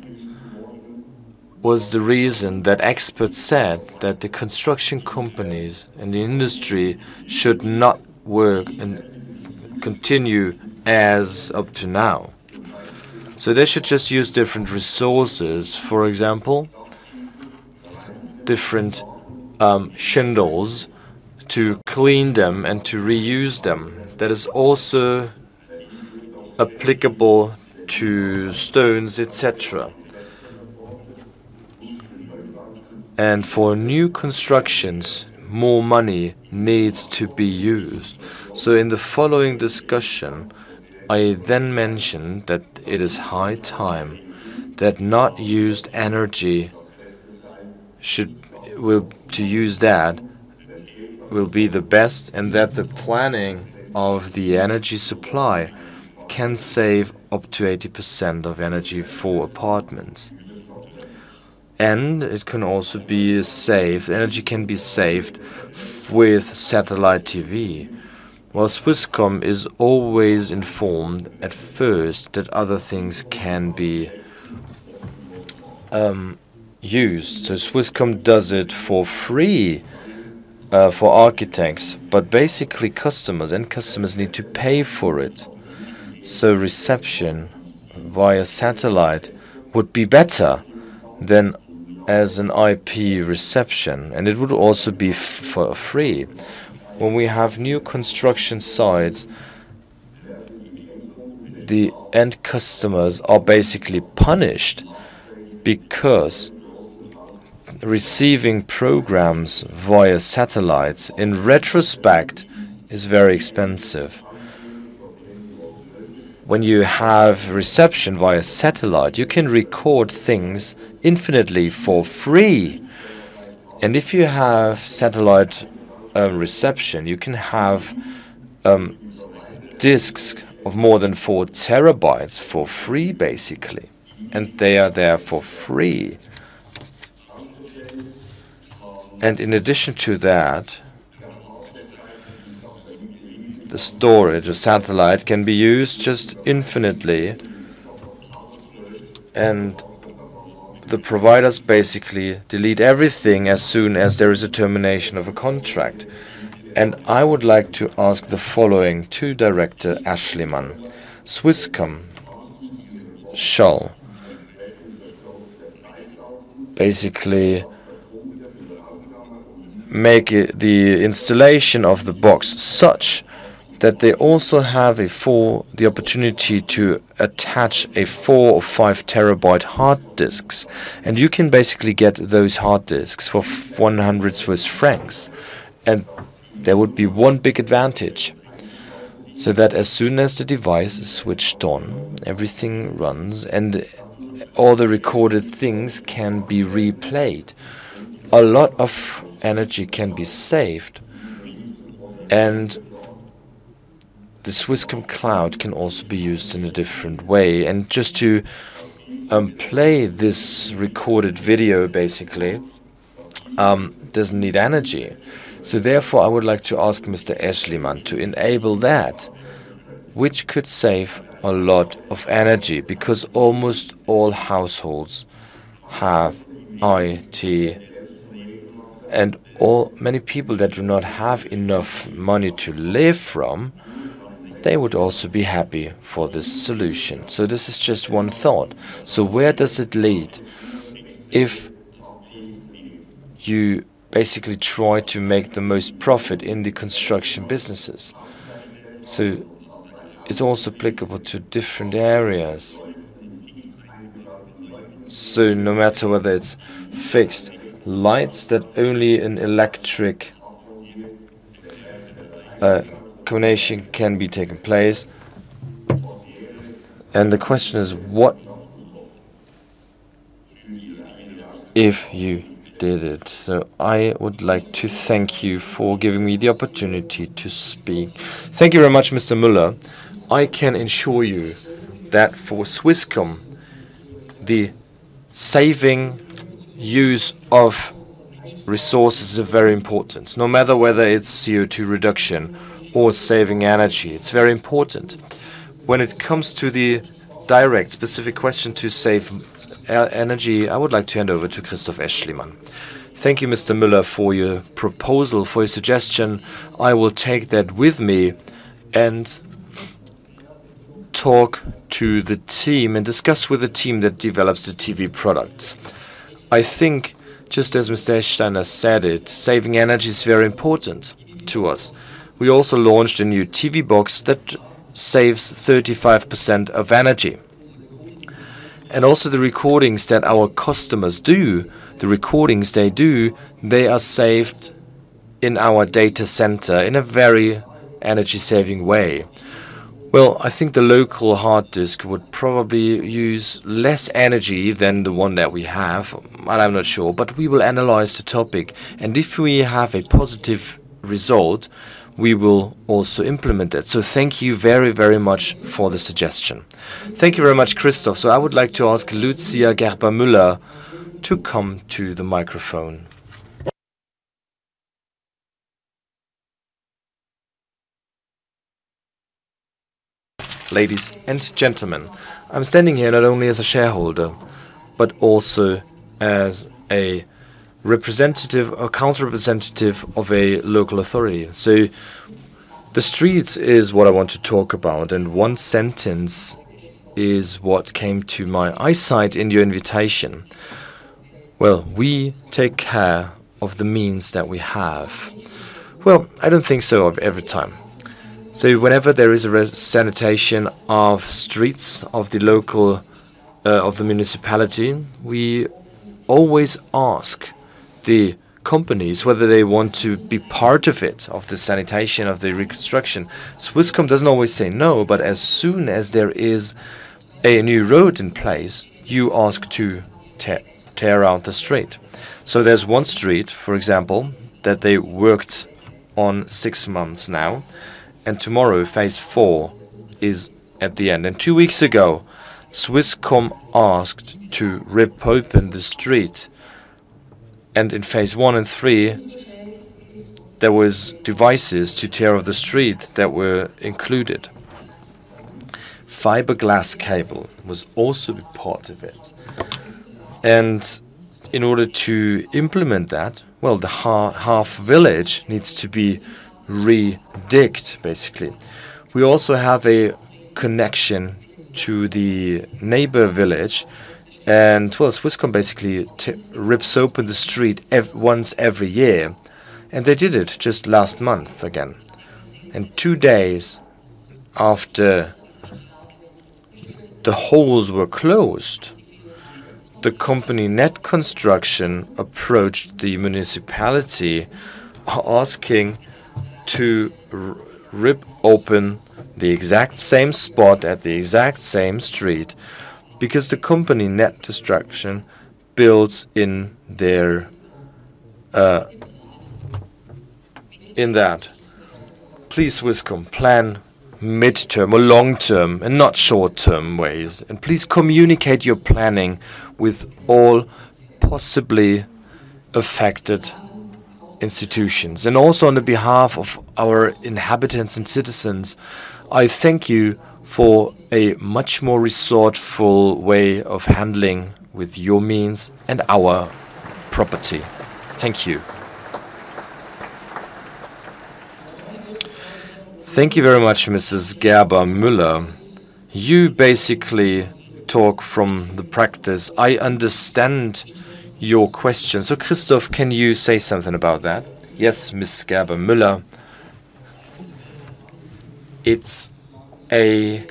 was the reason that experts said that the construction companies and the industry should not work and continue as up to now. So they should just use different resources, for example, different shingles to clean them and to reuse them. That is also applicable to stones, etc. And for new constructions, more money needs to be used. So in the following discussion, I then mentioned that it is high time that not used energy will be the best and that the planning of the energy supply can save up to 80% of energy for apartments. And it can also be saved. Energy can be saved with satellite TV. Well, Swisscom is always informed at first that other things can be used. So Swisscom does it for free for architects. But basically, customers and customers need to pay for it. So reception via satellite would be better than as an IP reception. It would also be for free. When we have new construction sites, the end customers are basically punished because receiving programs via satellites, in retrospect, is very expensive. When you have reception via satellite, you can record things infinitely for free. And if you have satellite reception, you can have disks of more than 4 TB for free, basically. And they are there for free. And in addition to that, the storage, the satellite, can be used just infinitely. And the providers basically delete everything as soon as there is a termination of a contract. And I would like to ask the following to Director Aeschlimann: Swisscom shall basically make the installation of the box such that they also have the opportunity to attach a 4- or 5-TB hard disks. You can basically get those hard disks for 100 Swiss francs. There would be one big advantage: so that as soon as the device is switched on, everything runs and all the recorded things can be replayed. A lot of energy can be saved. The Swisscom cloud can also be used in a different way. Just to play this recorded video, basically, doesn't need energy. Therefore, I would like to ask Mr. Aeschlimann to enable that, which could save a lot of energy because almost all households have IT. Many people that do not have enough money to live from, they would also be happy for this solution. This is just one thought. Where does it lead if you basically try to make the most profit in the construction businesses? It's also applicable to different areas. No matter whether it's fixed lines that only an electric combination can be taken place. The question is what if you did it? I would like to thank you for giving me the opportunity to speak. Thank you very much, Mr. Müller. I can assure you that for Swisscom, the saving use of resources is very important, no matter whether it's CO2 reduction or saving energy. It's very important. When it comes to the direct specific question to save energy, I would like to hand over to Christoph Aeschlimann. Thank you, Mr. Müller, for your proposal, for your suggestion. I will take that with me and talk to the team and discuss with the team that develops the TV products. I think, just as Mr. Aeschlimann said it, saving energy is very important to us. We also launched a new TV box that saves 35% of energy. And also the recordings that our customers do, the recordings they do, they are saved in our data center in a very energy-saving way. Well, I think the local hard disk would probably use less energy than the one that we have. I'm not sure. But we will analyze the topic. And if we have a positive result, we will also implement it. So thank you very, very much for the suggestion. Thank you very much, Christoph. So I would like to ask Luzia Gerber-Müller to come to the microphone. Ladies and gentlemen, I'm standing here not only as a shareholder but also as a representative, a council representative of a local authority. So the streets is what I want to talk about. And one sentence is what came to my eyesight in your invitation. Well, we take care of the means that we have. Well, I don't think so every time. So whenever there is a sanitation of streets of the local, of the municipality, we always ask the companies whether they want to be part of it, of the sanitation, of the reconstruction. Swisscom doesn't always say no. But as soon as there is a new road in place, you ask to tear out the street. So there's one street, for example, that they worked on six months now. And tomorrow, phase four is at the end. And two weeks ago, Swisscom asked to rip open the street. And in phase one and three, there were devices to tear off the street that were included. Fiberglass cable was also a part of it. And in order to implement that, well, the half village needs to be redigged, basically. We also have a connection to the neighbor village. Well, Swisscom basically rips open the street once every year. And they did it just last month again. And two days after the holes were closed, the company Net Construction approached the municipality asking to rip open the exact same spot at the exact same street because the company Net Construction builds in that. Please, Swisscom, plan midterm, long-term, and not short-term ways. And please communicate your planning with all possibly affected institutions. And also on behalf of our inhabitants and citizens, I thank you for a much more resourceful way of handling with your means and our property. Thank you. Thank you very much, Mrs. Gerber-Müller. You basically talk from the practice. I understand your question. So Christoph, can you say something about that? Yes, Ms. Gerber-Müller. It's a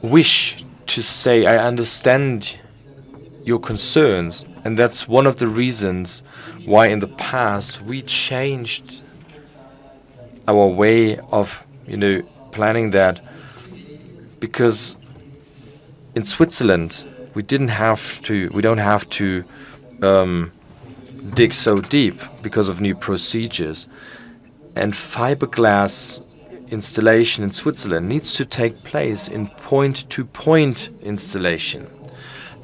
wish to say I understand your concerns. That's one of the reasons why in the past we changed our way of planning that because in Switzerland, we didn't have to—we don't have to—dig so deep because of new procedures. Fiberglass installation in Switzerland needs to take place in point-to-point installation.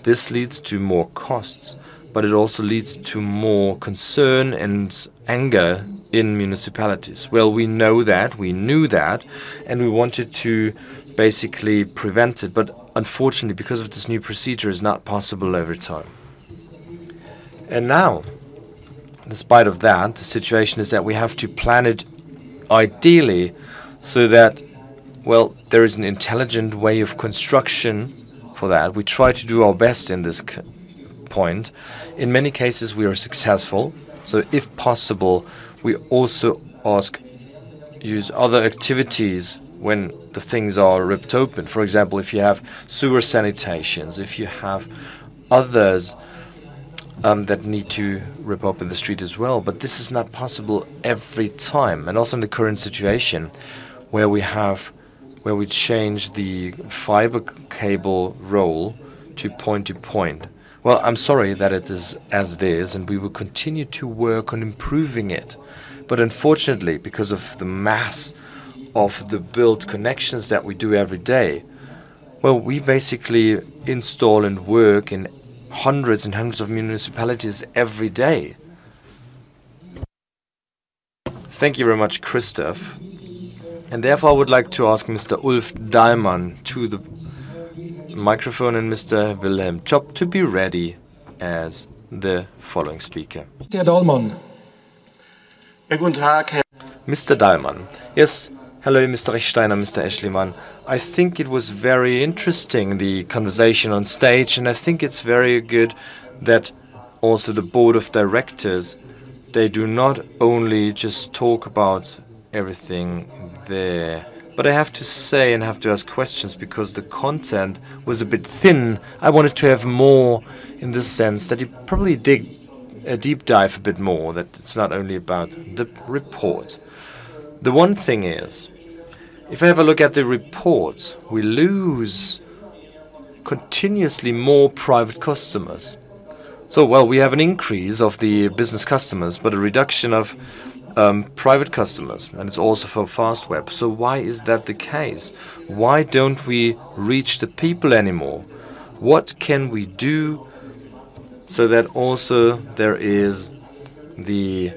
This leads to more costs. But it also leads to more concern and anger in municipalities. Well, we know that. We knew that. And we wanted to basically prevent it. But unfortunately, because of this new procedure, it's not possible every time. And now, in spite of that, the situation is that we have to plan it ideally so that, well, there is an intelligent way of construction for that. We try to do our best in this point. In many cases, we are successful. So if possible, we also ask use other activities when the things are ripped open. For example, if you have sewer sanitations, if you have others that need to rip open the street as well. But this is not possible every time. And also in the current situation where we have where we changed the fiber cable roll to point-to-point, well, I'm sorry that it is as it is. And we will continue to work on improving it. But unfortunately, because of the mass of the built connections that we do every day, well, we basically install and work in hundreds and hundreds of municipalities every day. Thank you very much, Christoph. And therefore, I would like to ask Mr. Rolf Dahlmann to the microphone and Mr. Wilhelm Tschopp to be ready as the following speaker. Mr. Dahlmann. Yes. Hello, Mr. Stermetz, Mr. Aeschlimann. I think it was very interesting, the conversation on stage. I think it's very good that also the board of directors, they do not only just talk about everything there. But I have to say and have to ask questions because the content was a bit thin. I wanted to have more in the sense that you probably do a deep dive a bit more, that it's not only about the report. The one thing is, if I have a look at the report, we lose continuously more private customers. So, well, we have an increase of the business customers but a reduction of private customers. And it's also for Fastweb. So why is that the case? Why don't we reach the people anymore? What can we do so that also there is the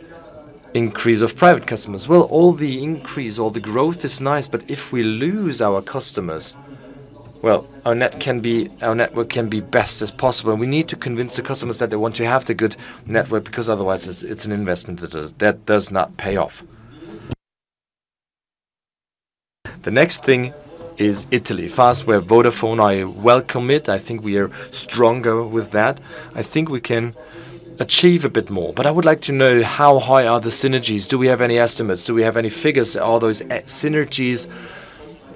increase of private customers? Well, all the increase, all the growth is nice. But if we lose our customers, well, our network can be best as possible. And we need to convince the customers that they want to have the good network because otherwise, it's an investment that does not pay off. The next thing is Italy. Fastweb, Vodafone, I welcome it. I think we are stronger with that. I think we can achieve a bit more. But I would like to know, how high are the synergies? Do we have any estimates? Do we have any figures? Are those synergies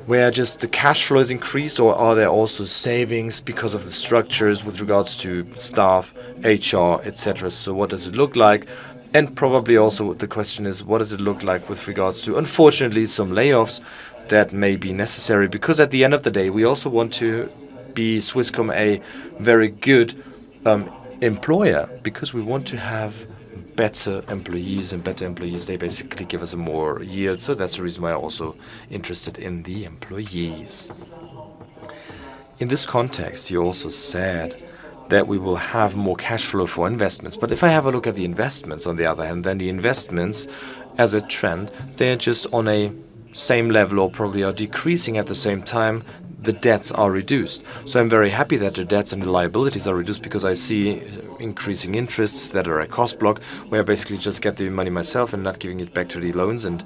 where just the cash flow is increased? Or are there also savings because of the structures with regards to staff, HR, etc.? So what does it look like? And probably also the question is, what does it look like with regards to, unfortunately, some layoffs that may be necessary? Because at the end of the day, we also want to be Swisscom a very good employer because we want to have better employees. Better employees, they basically give us a more yield. So that's the reason why I'm also interested in the employees. In this context, you also said that we will have more cash flow for investments. If I have a look at the investments, on the other hand, then the investments, as a trend, they're just on a same level or probably are decreasing at the same time. The debts are reduced. So I'm very happy that the debts and the liabilities are reduced because I see increasing interests that are a cost block where I basically just get the money myself and not giving it back to the loans and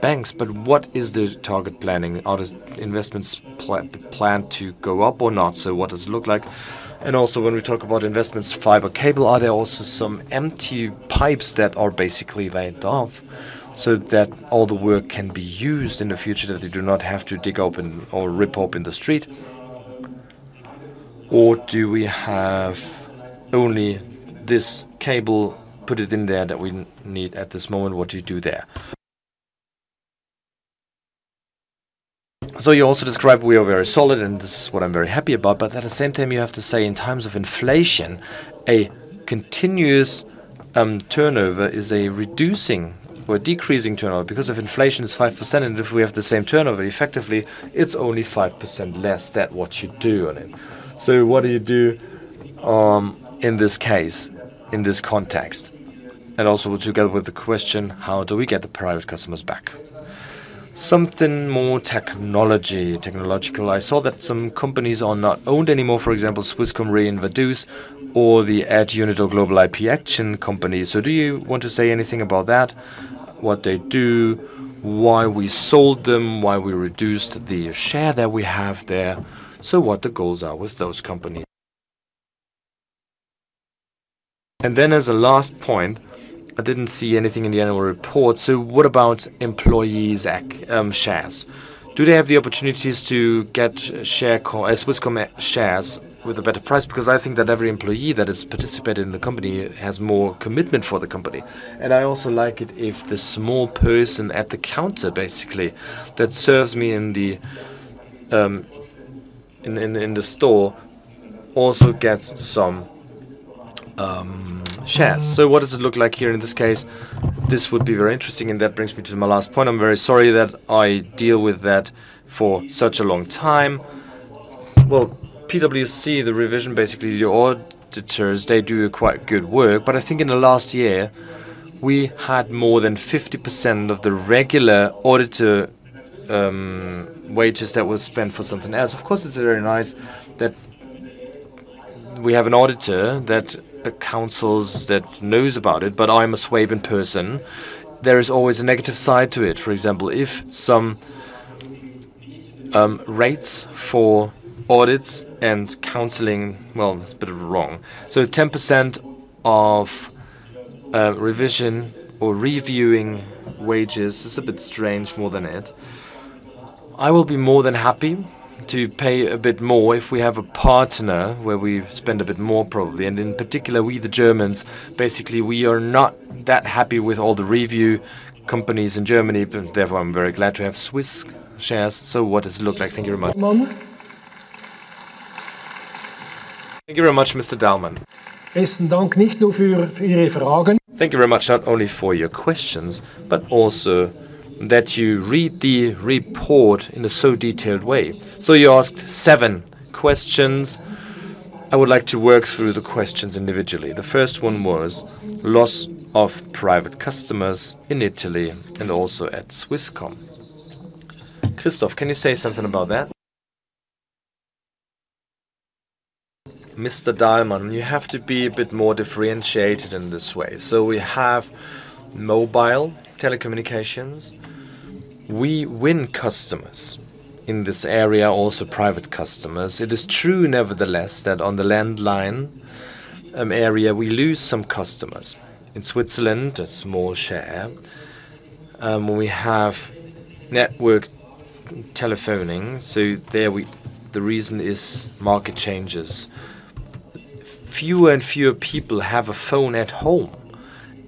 banks. What is the target planning? Are the investments planned to go up or not? So what does it look like? And also, when we talk about investments, fiber cable, are there also some empty pipes that are basically laid off so that all the work can be used in the future, that they do not have to dig open or rip open the street? Or do we have only this cable, put it in there that we need at this moment? What do you do there? So you also describe we are very solid. And this is what I'm very happy about. But at the same time, you have to say, in times of inflation, a continuous turnover is a reducing or decreasing turnover because if inflation is 5% and if we have the same turnover, effectively, it's only 5% less than what you do on it. So what do you do in this case, in this context? And also together with the question, how do we get the private customers back? Something more technology, technological. I saw that some companies are not owned anymore. For example, Swisscom Re, AdUnit, or Global IP Action. So do you want to say anything about that? What they do, why we sold them, why we reduced the share that we have there. So what the goals are with those companies. And then as a last point, I didn't see anything in the annual report. So what about employees' shares? Do they have the opportunities to get Swisscom shares with a better price? Because I think that every employee that has participated in the company has more commitment for the company. And I also like it if the small person at the counter, basically, that serves me in the store also gets some shares. So what does it look like here in this case? This would be very interesting. And that brings me to my last point. I'm very sorry that I deal with that for such a long time. Well, PwC, the revision, basically the auditors, they do quite good work. But I think in the last year, we had more than 50% of the regular auditor wages that were spent for something else. Of course, it's very nice that we have an auditor that counsels that knows about it. But I'm a Swabian person. There is always a negative side to it. For example, if some rates for audits and counseling, well, it's a bit of a wrong. So 10% of revision or reviewing wages, it's a bit strange more than it. I will be more than happy to pay a bit more if we have a partner where we spend a bit more, probably. And in particular, we, the Germans, basically, we are not that happy with all the review companies in Germany. But therefore, I'm very glad to have Swiss shares. So what does it look like? Thank you very much. Thank you very much, Mr. Dahlmann. Thank you very much. Not only for your questions but also that you read the report in a so detailed way. So you asked seven questions. I would like to work through the questions individually. The first one was loss of private customers in Italy and also at Swisscom. Christoph, can you say something about that? Mr. Dahlmann, you have to be a bit more differentiated in this way. So we have mobile telecommunications. We win customers in this area, also private customers. It is true, nevertheless, that on the landline area, we lose some customers. In Switzerland, a small share. We have network telephoning. So there, the reason is market changes. Fewer and fewer people have a phone at home.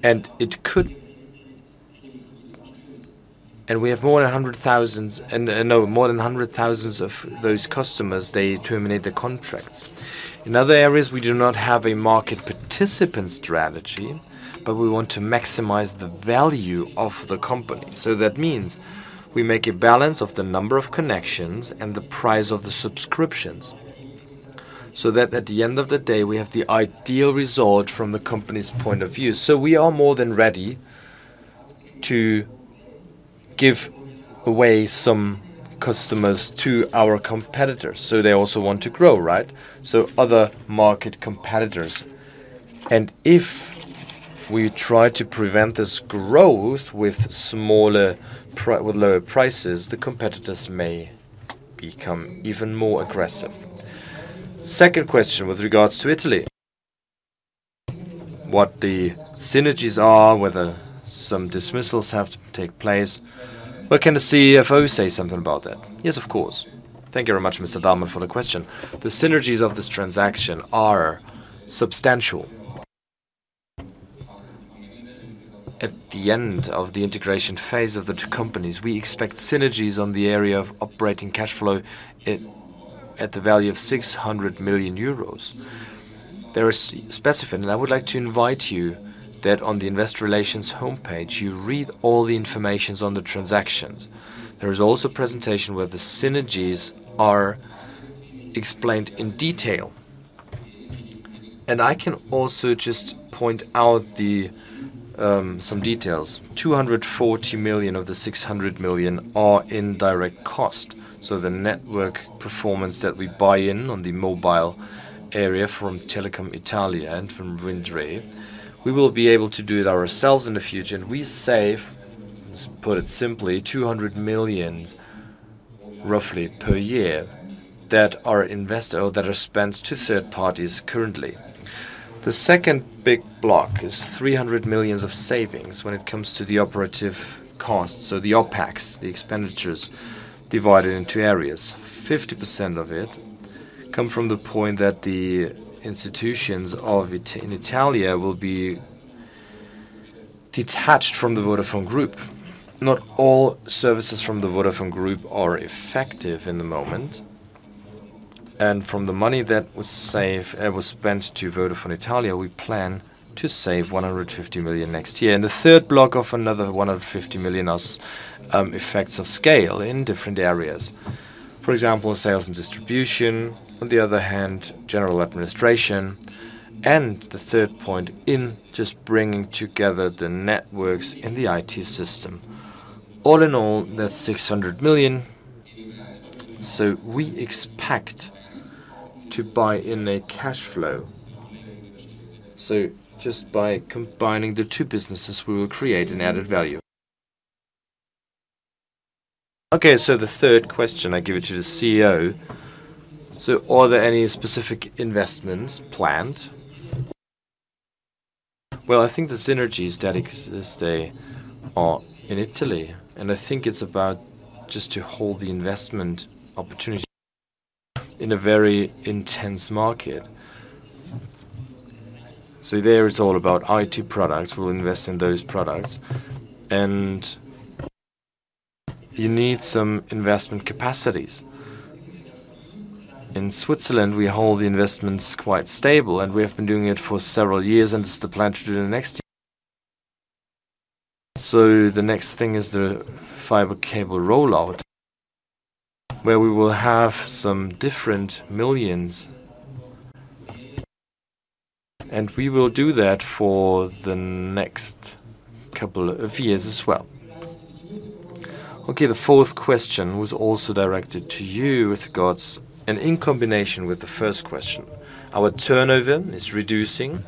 And it could. And we have more than 100,000 and no, more than 100,000 of those customers, they terminate the contracts. In other areas, we do not have a market participant strategy. But we want to maximize the value of the company. So that means we make a balance of the number of connections and the price of the subscriptions so that at the end of the day, we have the ideal result from the company's point of view. So we are more than ready to give away some customers to our competitors. So they also want to grow, right? So other market competitors. And if we try to prevent this growth with smaller with lower prices, the competitors may become even more aggressive. Second question with regards to Italy. What the synergies are, whether some dismissals have to take place. What can the CFO say something about that? Yes, of course. Thank you very much, Mr. Dahlmann, for the question. The synergies of this transaction are substantial. At the end of the integration phase of the two companies, we expect synergies on the area of operating cash flow at the value of 600 million euros. There is specific and I would like to invite you that on the Investor Relations homepage, you read all the information on the transactions. There is also a presentation where the synergies are explained in detail. And I can also just point out some details. 240 million of the 600 million are in direct cost. So the network performance that we buy in on the mobile area from Telecom Italia and from Wind Tre, we will be able to do it ourselves in the future. And we save, let's put it simply, 200 million roughly per year that are invested or that are spent to third parties currently. The second big block is 300 million of savings when it comes to the operative costs. So the OpEx, the expenditures divided into areas. 50% of it come from the point that the institutions in Italia will be detached from the Vodafone Group. Not all services from the Vodafone Group are effective in the moment. And from the money that was saved and was spent to Vodafone Italia, we plan to save 150 million next year. And the third block of another 150 million are effects of scale in different areas. For example, sales and distribution. On the other hand, general administration. And the third point in just bringing together the networks in the IT system. All in all, that's 600 million. So we expect to buy in a cash flow. So just by combining the two businesses, we will create an added value. Okay. So the third question, I give it to the CEO. So are there any specific investments planned? Well, I think the synergies that exist there are in Italy. And I think it's about just to hold the investment opportunity in a very intense market. So there, it's all about IT products. We'll invest in those products. And you need some investment capacities. In Switzerland, we hold the investments quite stable. And we have been doing it for several years. It's the plan to do it next year. So the next thing is the fiber cable rollout where we will have some different millions. And we will do that for the next couple of years as well. Okay. The fourth question was also directed to you with regards and in combination with the first question. Our turnover is reducing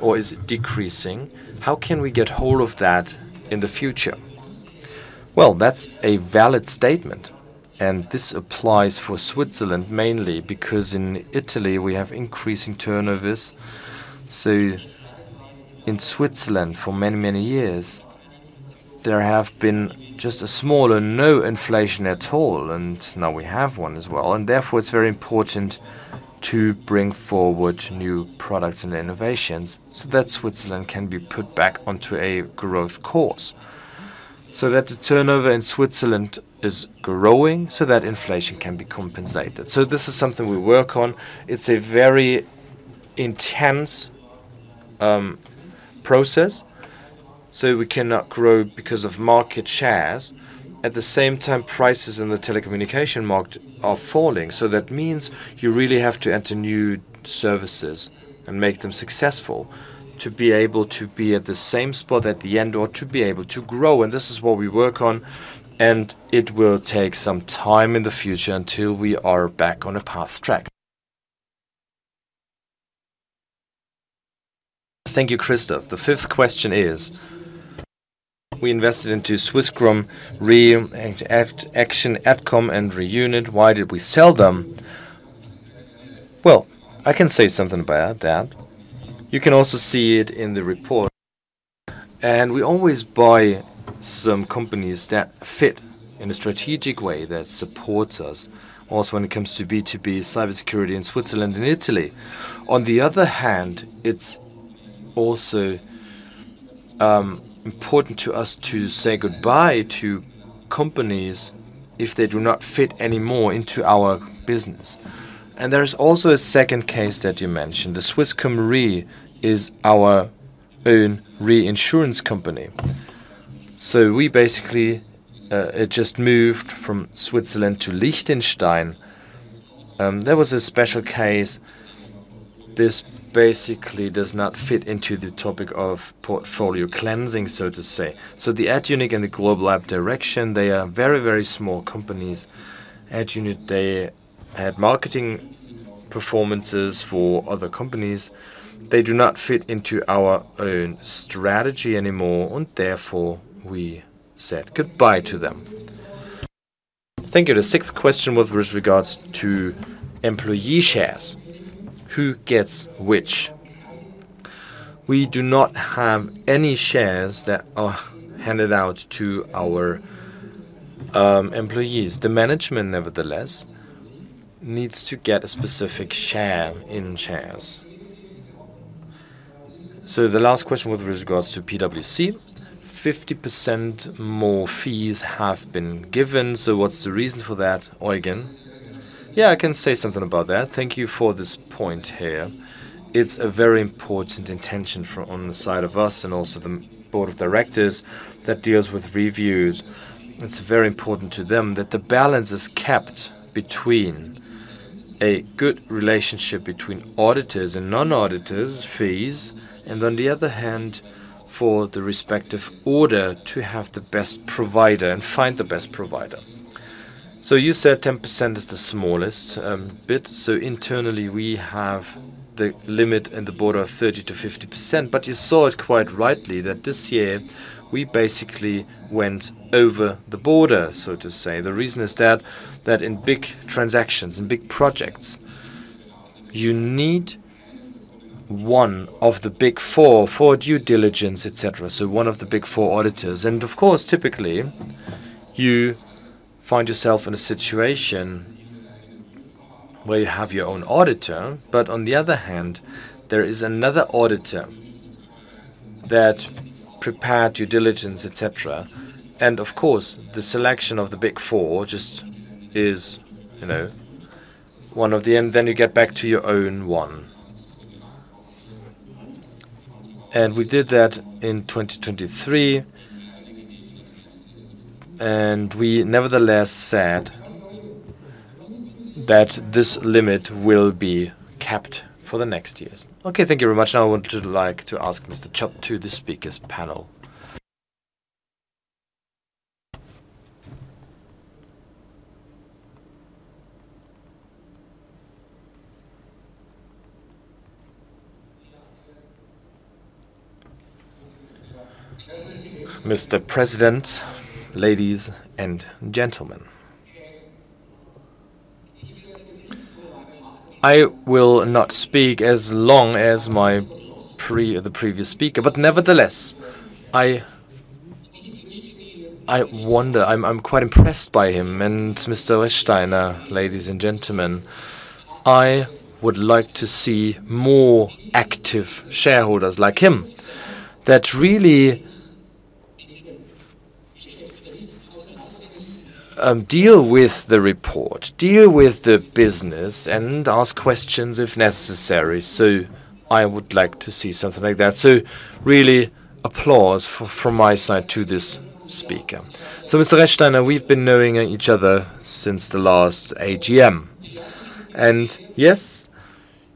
or is decreasing. How can we get hold of that in the future? Well, that's a valid statement. And this applies for Switzerland mainly because in Italy, we have increasing turnovers. So in Switzerland, for many, many years, there have been just a smaller, no inflation at all. And now we have one as well. Therefore, it's very important to bring forward new products and innovations so that Switzerland can be put back onto a growth course so that the turnover in Switzerland is growing so that inflation can be compensated. This is something we work on. It's a very intense process. We cannot grow because of market shares. At the same time, prices in the telecommunication market are falling. That means you really have to enter new services and make them successful to be able to be at the same spot at the end or to be able to grow. This is what we work on. It will take some time in the future until we are back on a path track. Thank you, Christoph. The fifth question is: We invested into Swisscom Re, AdUnit, global IP action. Why did we sell them? Well, I can say something about that. You can also see it in the report. We always buy some companies that fit in a strategic way that supports us also when it comes to B2B cybersecurity in Switzerland and Italy. On the other hand, it's also important to us to say goodbye to companies if they do not fit anymore into our business. There is also a second case that you mentioned. The Swisscom Re is our own reinsurance company. So we basically just moved from Switzerland to Liechtenstein. There was a special case. This basically does not fit into the topic of portfolio cleansing, so to say. So the AdUnit and the global IP action, they are very, very small companies. AdUnit, they had marketing performances for other companies. They do not fit into our own strategy anymore. And therefore, we said goodbye to them. Thank you. The sixth question was with regards to employee shares. Who gets which? We do not have any shares that are handed out to our employees. The management, nevertheless, needs to get a specific share in shares. So the last question was with regards to PwC. 50% more fees have been given. So what's the reason for that? Eugen. Yeah, I can say something about that. Thank you for this point here. It's a very important intention on the side of us and also the board of directors that deals with reviews. It's very important to them that the balance is kept between a good relationship between auditors and non-auditors fees. And on the other hand, for the respective order to have the best provider and find the best provider. So you said 10% is the smallest bit. So internally, we have the limit in the border of 30%-50%. But you saw it quite rightly that this year, we basically went over the border, so to say. The reason is that in big transactions, in big projects, you need one of the Big Four for due diligence, etc. So one of the Big Four auditors. And of course, typically, you find yourself in a situation where you have your own auditor. But on the other hand, there is another auditor that prepared due diligence, etc. And of course, the selection of the Big Four just is, you know, one of the and then you get back to your own one. And we did that in 2023. And we nevertheless said that this limit will be kept for the next years. Okay. Thank you very much. Now I would like to ask Mr. Tschopp to the speakers' panel. Mr. President, ladies and gentlemen. I will not speak as long as the previous speaker. But nevertheless, I wonder. I'm quite impressed by him. And Mr. Rechsteiner, ladies and gentlemen. I would like to see more active shareholders like him that really deal with the report, deal with the business, and ask questions if necessary. So I would like to see something like that. So really applause from my side to this speaker. So Mr. Rechsteiner, we've been knowing each other since the last AGM. And yes,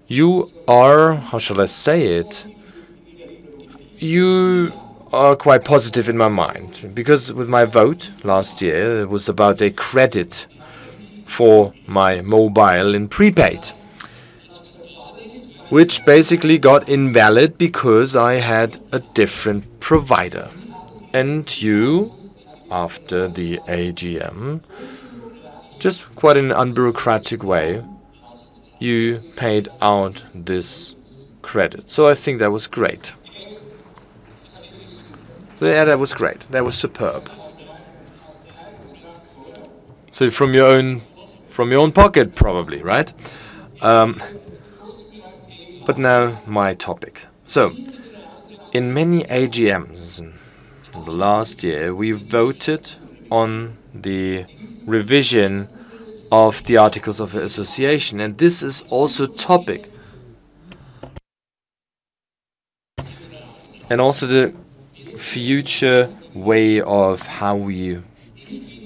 you are how shall I say it? You are quite positive in my mind because with my vote last year, it was about a credit for my mobile in prepaid, which basically got invalid because I had a different provider. And you, after the AGM, just quite in an unbureaucratic way, you paid out this credit. So I think that was great. So yeah, that was great. That was superb. So from your own pocket, probably, right? But now my topic. So in many AGMs in the last year, we voted on the revision of the articles of association. And this is also topic and also the future way of how we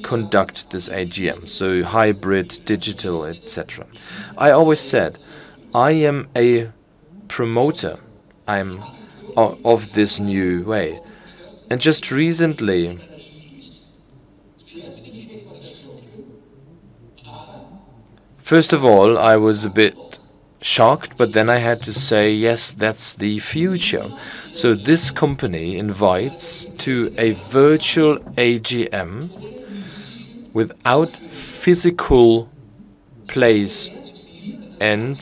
conduct this AGM. So hybrid, digital, etc. I always said, "I am a promoter of this new way." And just recently, first of all, I was a bit shocked. But then I had to say, "Yes, that's the future." So this company invites to a virtual AGM without physical place and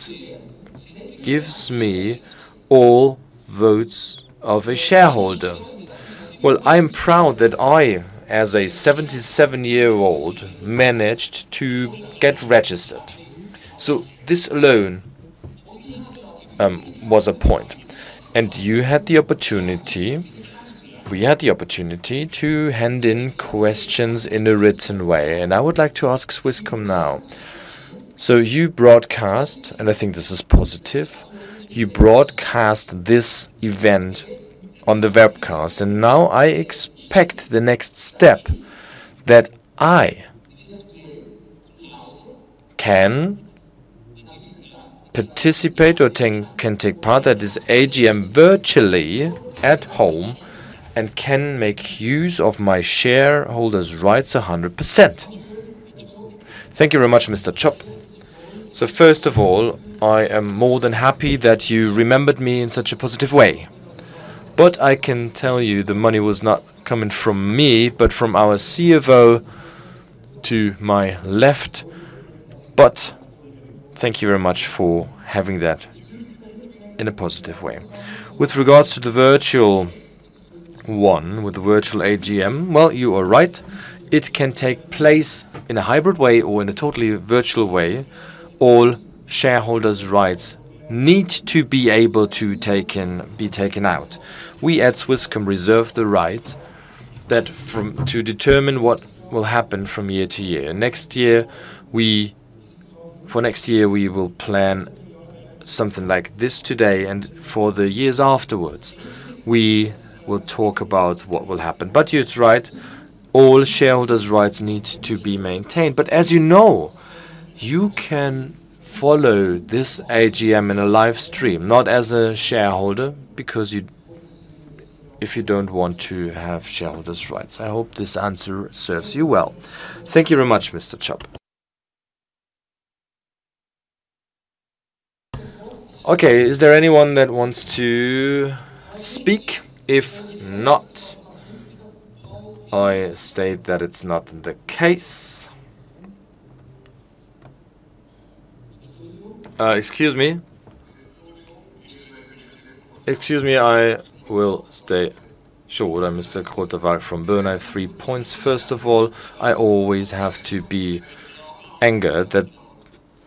gives me all votes of a shareholder. Well, I am proud that I, as a 77-year-old, managed to get registered. So this alone was a point. And we had the opportunity to hand in questions in a written way. And I would like to ask Swisscom now. So you broadcast and I think this is positive. You broadcast this event on the webcast. And now I expect the next step that I can participate or can take part at this AGM virtually at home and can make use of my shareholders' rights 100%. Thank you very much, Mr. Chop. So first of all, I am more than happy that you remembered me in such a positive way. But I can tell you the money was not coming from me but from our CFO to my left. But thank you very much for having that in a positive way. With regards to the virtual one with the virtual AGM, well, you are right. It can take place in a hybrid way or in a totally virtual way. All shareholders' rights need to be able to take in be taken out. We at Swisscom reserve the right to determine what will happen from year to year. Next year, we for next year, we will plan something like this today. And for the years afterwards, we will talk about what will happen. But you're right. All shareholders' rights need to be maintained. But as you know, you can follow this AGM in a live stream not as a shareholder because you if you don't want to have shareholders' rights. I hope this answer serves you well. Thank you very much, Mr. Tschopp. Okay. Is there anyone that wants to speak? If not, I state that it's not the case. Excuse me. Excuse me. I will stay short. Mr. Groth from Bern, I have three points. First of all, I always have to be angered that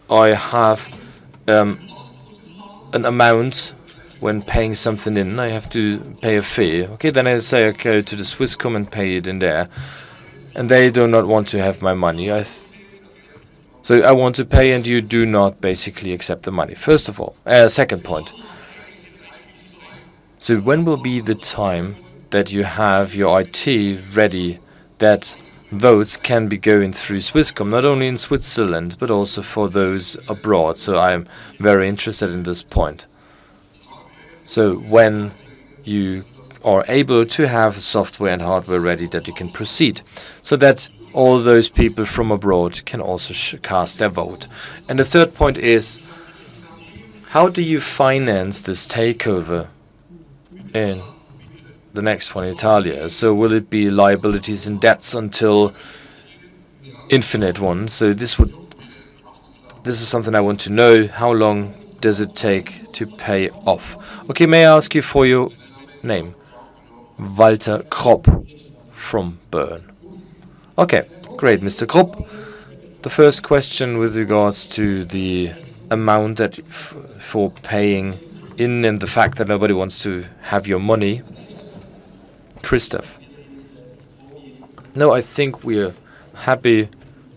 I have an amount when paying something in. I have to pay a fee. Okay. Then I say okay to Swisscom and pay it in there. And they do not want to have my money. So I want to pay. And you do not basically accept the money, first of all. Second point. So when will be the time that you have your IT ready that votes can be going through Swisscom not only in Switzerland but also for those abroad? So I am very interested in this point. So when you are able to have software and hardware ready that you can proceed so that all those people from abroad can also cast their vote. And the third point is. How do you finance this takeover in the next one in Italy? So will it be liabilities and debts until infinite ones? So this would this is something I want to know. How long does it take to pay off? Okay. May I ask you for your name? Walter Groth from Bern. Okay. Great, Mr. Groth. The first question with regards to the amount that for paying in and the fact that nobody wants to have your money. Christoph. No, I think we are happy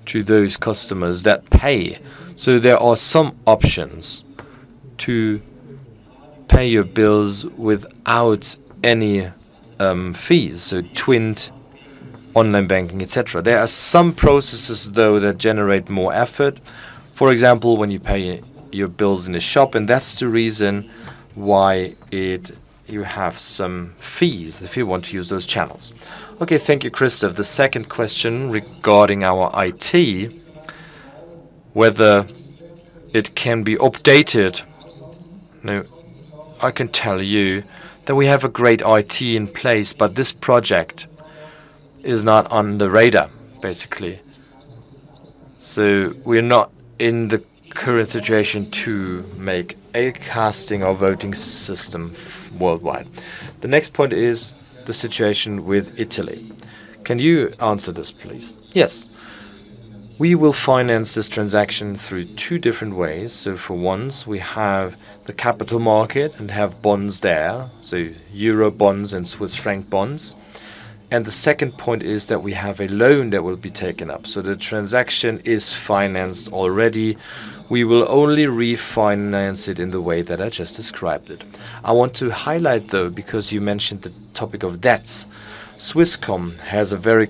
to those customers that pay. So there are some options to pay your bills without any fees. So TWINT online banking, etc. There are some processes, though, that generate more effort. For example, when you pay your bills in a shop. And that's the reason why you have some fees if you want to use those channels. Okay. Thank you, Christoph. The second question regarding our IT. Whether it can be updated. No, I can tell you that we have a great IT in place. But this project is not on the radar, basically. So we are not in the current situation to make a casting or voting system worldwide. The next point is the situation with Italy. Can you answer this, please? Yes. We will finance this transaction through two different ways. So for once, we have the capital market and have bonds there. So Euro bonds and Swiss franc bonds. And the second point is that we have a loan that will be taken up. So the transaction is financed already. We will only refinance it in the way that I just described it. I want to highlight, though, because you mentioned the topic of debts. Swisscom has a very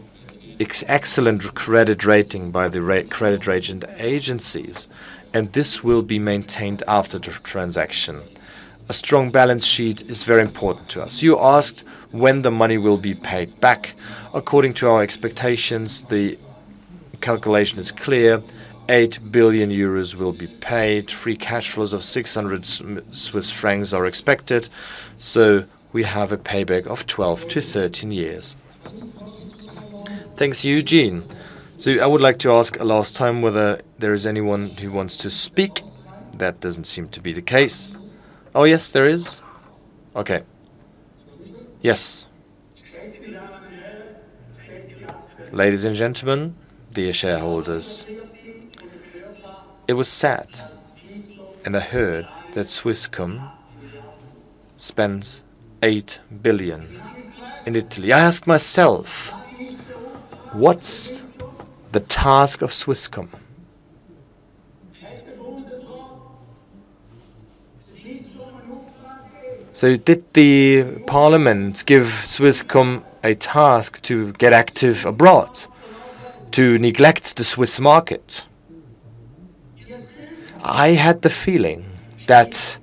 excellent credit rating by the credit rating agencies. And this will be maintained after the transaction. A strong balance sheet is very important to us. You asked when the money will be paid back. According to our expectations, the calculation is clear. 8 billion euros will be paid. Free cash flows of 600 Swiss francs are expected. So we have a payback of 12-13 years. Thanks, Eugen. So I would like to ask a last time whether there is anyone who wants to speak. That doesn't seem to be the case. Oh, yes, there is. Okay. Yes. Ladies and gentlemen, dear shareholders. It was sad and I heard that Swisscom spends 8 billion in Italy. I asked myself, what's the task of Swisscom? So did the parliament give Swisscom a task to get active abroad to neglect the Swiss market? I had the feeling that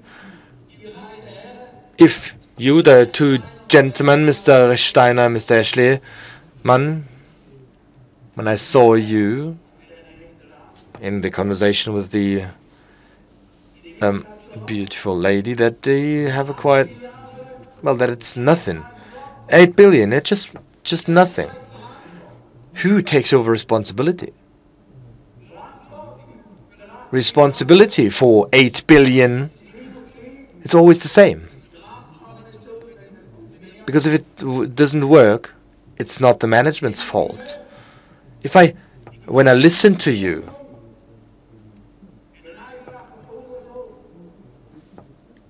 if you, the two gentlemen, Mr. Rechsteiner, Mr. Aeschlimann, when I saw you in the conversation with the beautiful lady that they have a quite well, that it's nothing. 8 billion. It's just nothing. Who takes over responsibility? Responsibility for 8 billion. It's always the same. Because if it doesn't work, it's not the management's fault. If I when I listen to you.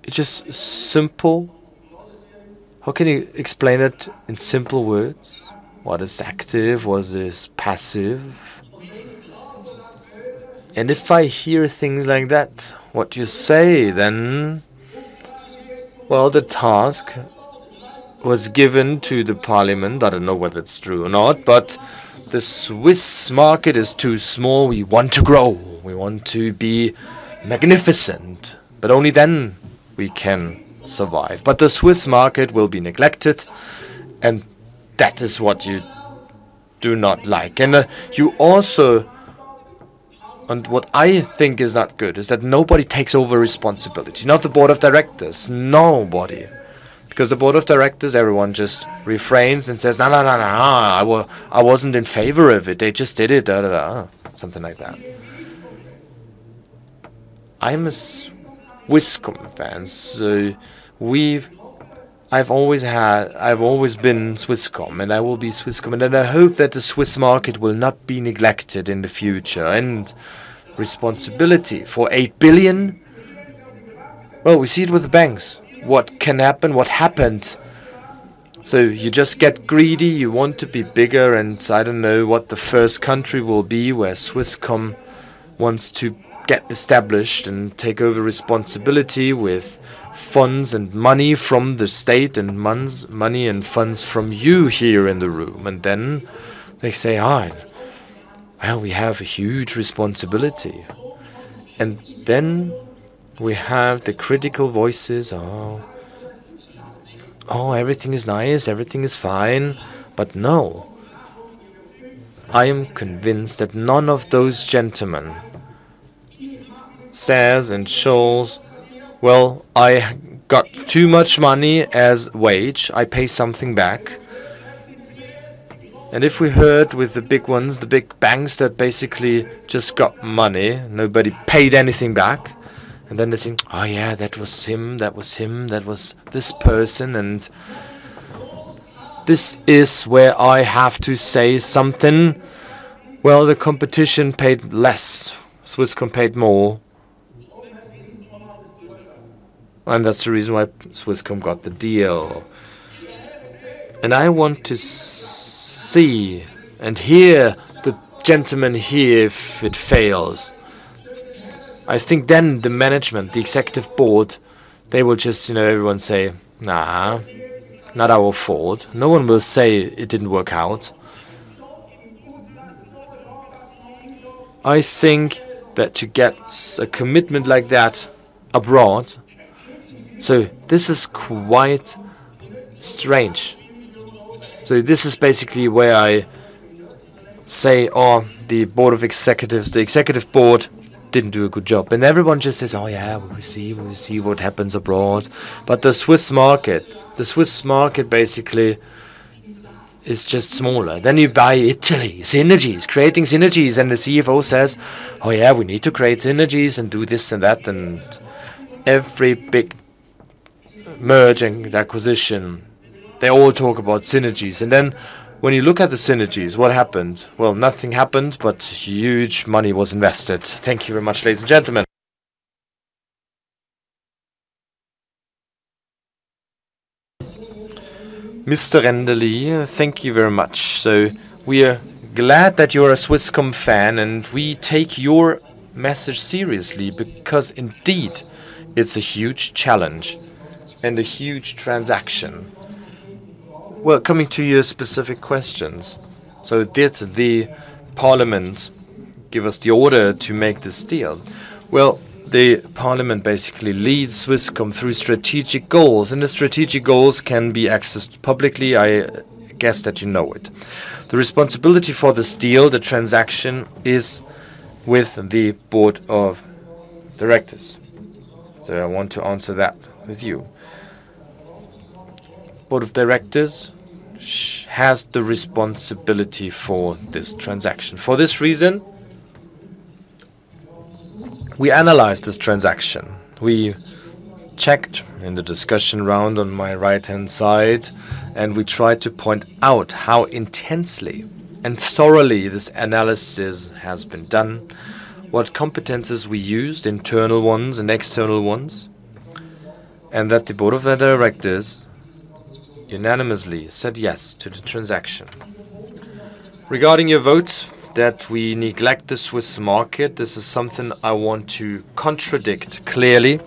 It's just simple. How can you explain it in simple words? What is active? What is passive? And if I hear things like that, what you say, then. Well, the task was given to the parliament. I don't know whether it's true or not. But the Swiss market is too small. We want to grow. We want to be magnificent. But only then we can survive. But the Swiss market will be neglected. And that is what you do not like. And you also and what I think is not good is that nobody takes over responsibility. Not the board of directors. Nobody. Because the board of directors, everyone just refrains and says, "No, no, no, no, no. I wasn't in favor of it. They just did it." Something like that. I'm a Swisscom fan. So I've always had. I've always been Swisscom. And I will be Swisscom. And then I hope that the Swiss market will not be neglected in the future. And responsibility for 8 billion. Well, we see it with the banks. What can happen? What happened? So you just get greedy. You want to be bigger. And I don't know what the first country will be where Swisscom wants to get established and take over responsibility with funds and money from the state and money and funds from you here in the room. And then they say, "Well, we have a huge responsibility." And then we have the critical voices. Oh, everything is nice. Everything is fine. But no. I am convinced that none of those gentlemen says and shows, "Well, I got too much money as wage. I pay something back." If we heard with the big ones, the big banks that basically just got money, nobody paid anything back. Then they think, "Oh, yeah, that was him. That was him. That was this person." This is where I have to say something. Well, the competition paid less. Swisscom paid more. That's the reason why Swisscom got the deal. I want to see and hear the gentleman here if it fails. I think then the management, the executive board, they will just, you know, everyone say, "Nah, not our fault." No one will say it didn't work out. I think that to get a commitment like that abroad. This is quite strange. This is basically where I say, "Oh, the board of executives the executive board didn't do a good job." Everyone just says, "Oh, yeah, we'll see. We'll see what happens abroad." But the Swiss market the Swiss market basically is just smaller. Then you buy Italy. Synergies. Creating synergies. And the CFO says, "Oh, yeah, we need to create synergies and do this and that." And every big merger and acquisition, they all talk about synergies. And then when you look at the synergies, what happened? Well, nothing happened. But huge money was invested. Thank you very much, ladies and gentlemen. Mr. Rendeli, thank you very much. So we are glad that you are a Swisscom fan. And we take your message seriously because indeed it's a huge challenge and a huge transaction. Well, coming to your specific questions. So did the parliament give us the order to make this deal? Well, the parliament basically leads Swisscom through strategic goals. And the strategic goals can be accessed publicly. I guess that you know it. The responsibility for this deal, the transaction, is with the Board of Directors. So I want to answer that with you. Board of Directors has the responsibility for this transaction. For this reason. We analyzed this transaction. We checked in the discussion round on my right-hand side. We tried to point out how intensely and thoroughly this analysis has been done. What competences we used, internal ones and external ones. That the Board of Directors unanimously said yes to the transaction. Regarding your votes that we neglect the Swiss market, this is something I want to contradict clearly.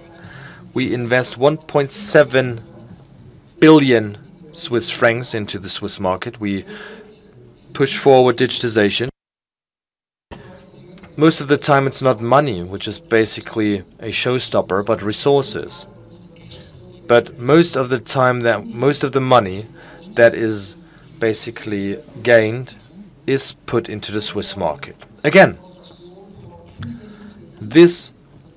We invest 1.7 billion Swiss francs into the Swiss market. We push forward digitization. Most of the time, it's not money, which is basically a showstopper, but resources. But most of the time that most of the money that is basically gained is put into the Swiss market. Again. This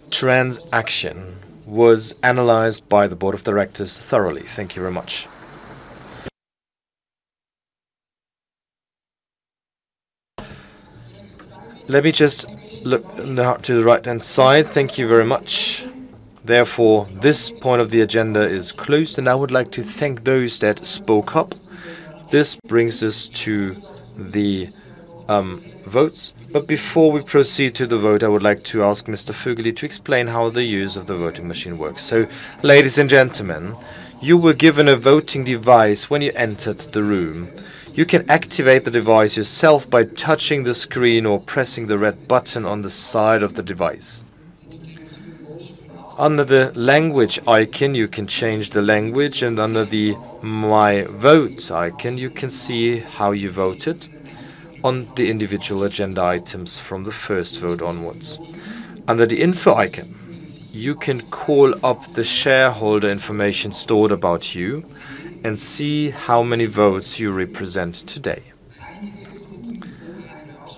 transaction was analyzed by the board of directors thoroughly. Thank you very much. Let me just look to the right-hand side. Thank you very much. Therefore, this point of the agenda is closed. And I would like to thank those that spoke up. This brings us to the votes. But before we proceed to the vote, I would like to ask Mr. Vögeli to explain how the use of the voting machine works. So, ladies and gentlemen, you were given a voting device when you entered the room. You can activate the device yourself by touching the screen or pressing the red button on the side of the device. Under the language icon, you can change the language. And under the My Vote icon, you can see how you voted on the individual agenda items from the first vote onwards. Under the info icon, you can call up the shareholder information stored about you and see how many votes you represent today.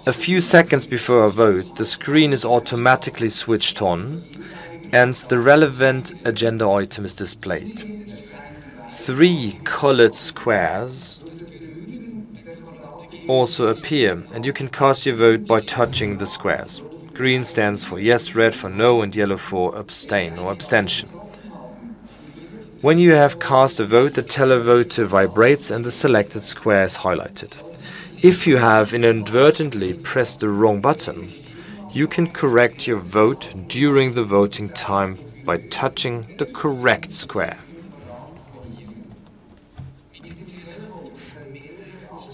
A few seconds before a vote, the screen is automatically switched on. The relevant agenda item is displayed. Three colored squares also appear. You can cast your vote by touching the squares. Green stands for yes, red for no, and yellow for abstain or abstention. When you have cast a vote, the Televoter vibrates. The selected square is highlighted. If you have inadvertently pressed the wrong button, you can correct your vote during the voting time by touching the correct square.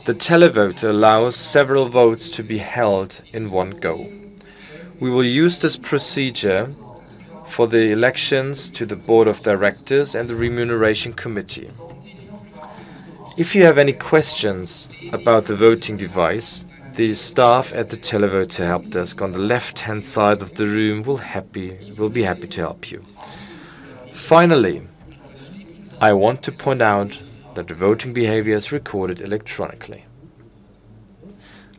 The Televoter allows several votes to be held in one go. We will use this procedure for the elections to the board of directors and the remuneration committee. If you have any questions about the voting device, the staff at the Televoter help desk on the left-hand side of the room will be happy to help you. Finally, I want to point out that the voting behavior is recorded electronically.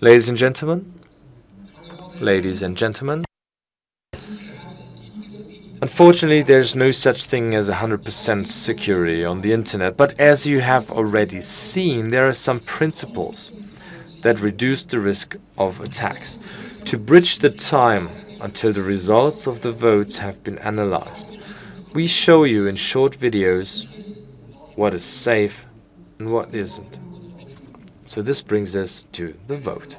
Ladies and gentlemen. Ladies and gentlemen. Unfortunately, there is no such thing as a 100% security on the internet. But as you have already seen, there are some principles that reduce the risk of attacks. To bridge the time until the results of the votes have been analyzed, we show you in short videos what is safe and what isn't. So this brings us to the vote.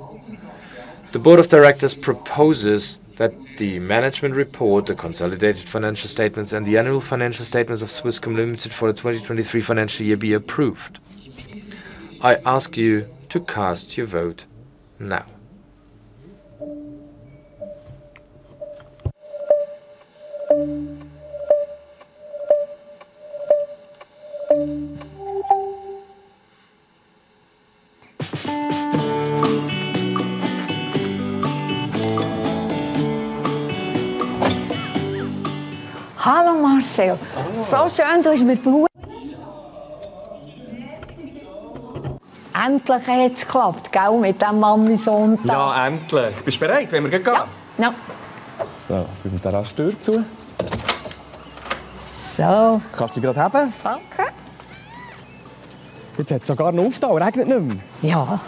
The board of directors proposes that the management report, the consolidated financial statements, and the annual financial statements of Swisscom Limited for the 2023 financial year be approved. I ask you to cast your vote now. Hallo Marcel. So schön, dass ich mit dir sprechen darf. Endlich hat es geklappt, gell, mit diesem Mami-Sonntag. Ja, endlich. Ich bin bereit. Wollen wir gleich gehen? Ja. So, ich mache gleich die Tür zu. So. Kannst du sie gleich halten? Danke. Jetzt hat es sogar noch aufgetaucht. Es regnet nicht mehr. Ja.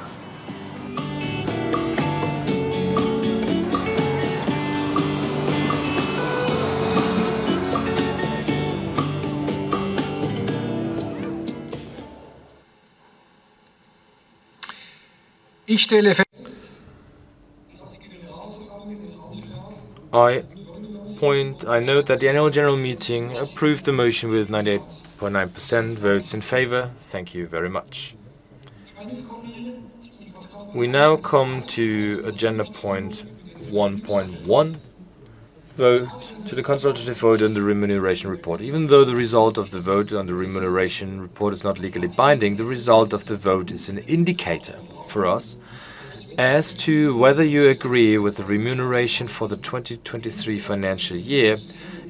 Ich stelle. Off. Ist der Generalvorsitzende in Anspruch? Hi. I know that the annual general meeting approved the motion with 98.9% votes in favour. Thank you very much. We now come to agenda point 1.1. Vote to the consultative vote on the remuneration report. Even though the result of the vote on the remuneration report is not legally binding, the result of the vote is an indicator for us as to whether you agree with the remuneration for the 2023 financial year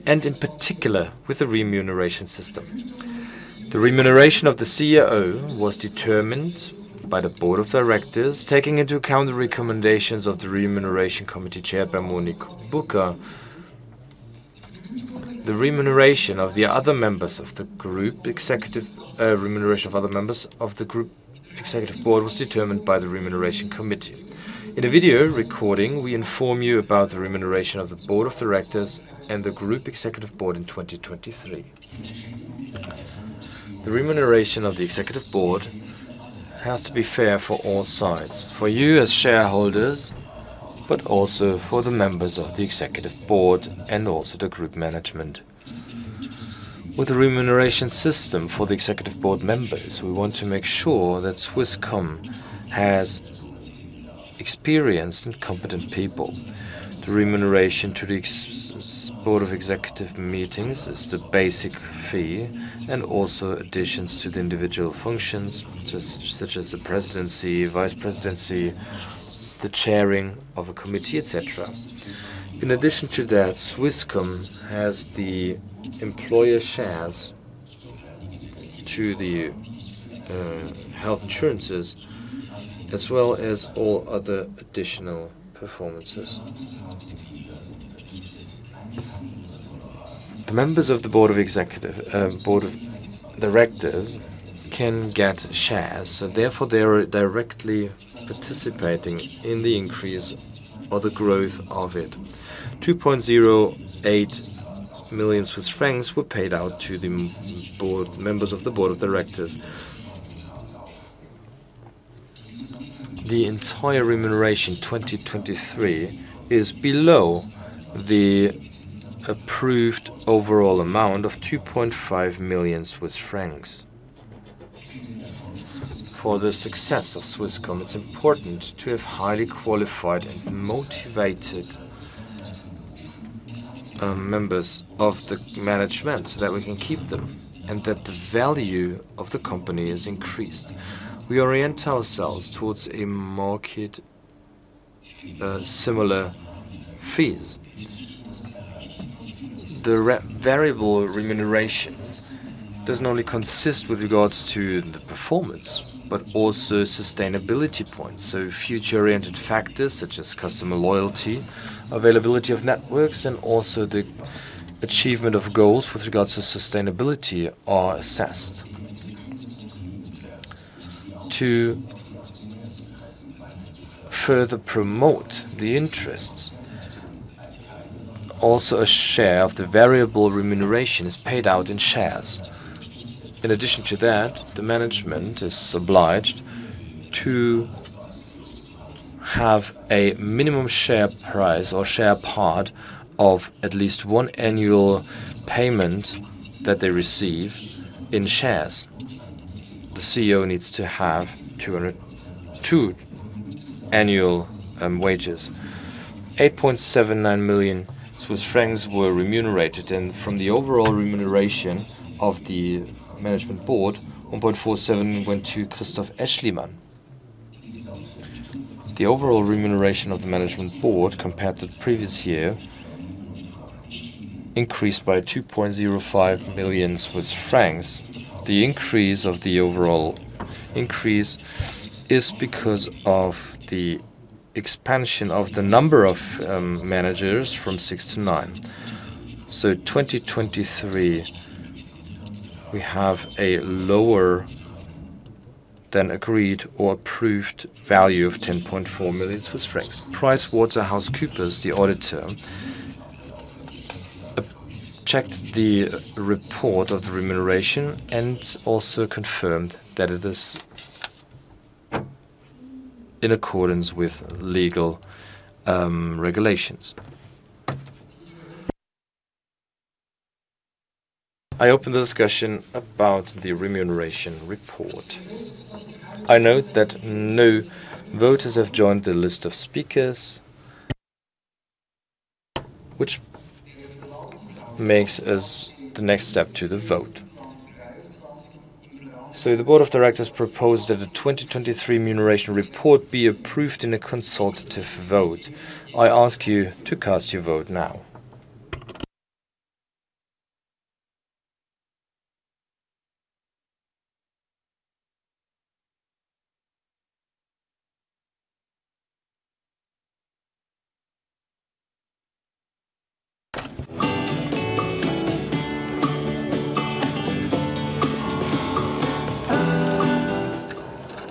and in particular with the remuneration system. The remuneration of the CEO was determined by the board of directors, taking into account the recommendations of the remuneration committee chaired by Monique Bourquin. The remuneration of the other members of the group executive board was determined by the remuneration committee. In a video recording, we inform you about the remuneration of the board of directors and the group executive board in 2023. The remuneration of the executive board has to be fair for all sides. For you as shareholders, but also for the members of the executive board and also the group management. With the remuneration system for the executive board members, we want to make sure that Swisscom has experienced and competent people. The remuneration to theBoard of Directors members is the basic fee and also additions to the individual functions such as the presidency, vice presidency, the chairing of a committee, etc. In addition to that, Swisscom has the employer shares to the health insurances as well as all other additional performances. The members of the board of executive board of directors can get shares. So therefore, they are directly participating in the increase or the growth of it. 2.08 million Swiss francs were paid out to the board members of the board of directors. The entire remuneration 2023 is below the approved overall amount of 2.5 million Swiss francs. For the success of Swisscom, it's important to have highly qualified and motivated members of the management so that we can keep them and that the value of the company is increased. We orient ourselves towards a market-similar fees. The variable remuneration doesn't only consist with regards to the performance, but also sustainability points. So future-oriented factors such as customer loyalty, availability of networks, and also the achievement of goals with regards to sustainability are assessed. To further promote the interests. Also, a share of the variable remuneration is paid out in shares. In addition to that, the management is obliged to have a minimum share price or share part of at least one annual payment that they receive in shares. The CEO needs to have two annual wages. 8.79 million Swiss francs were remunerated. And from the overall remuneration of the Management Board, 1.47 went to Christoph Aeschlimann. The overall remuneration of the Management Board compared to the previous year increased by 2.05 million Swiss francs. The increase of the overall increase is because of the expansion of the number of managers from six to nine. So 2023, we have a lower than agreed or approved value of 10.4 million Swiss francs. PricewaterhouseCoopers, the auditor, checked the report of the remuneration and also confirmed that it is in accordance with legal regulations. I open the discussion about the remuneration report. I note that no voters have joined the list of speakers. Which makes us the next step to the vote. So the board of directors proposed that the 2023 remuneration report be approved in a consultative vote. I ask you to cast your vote now.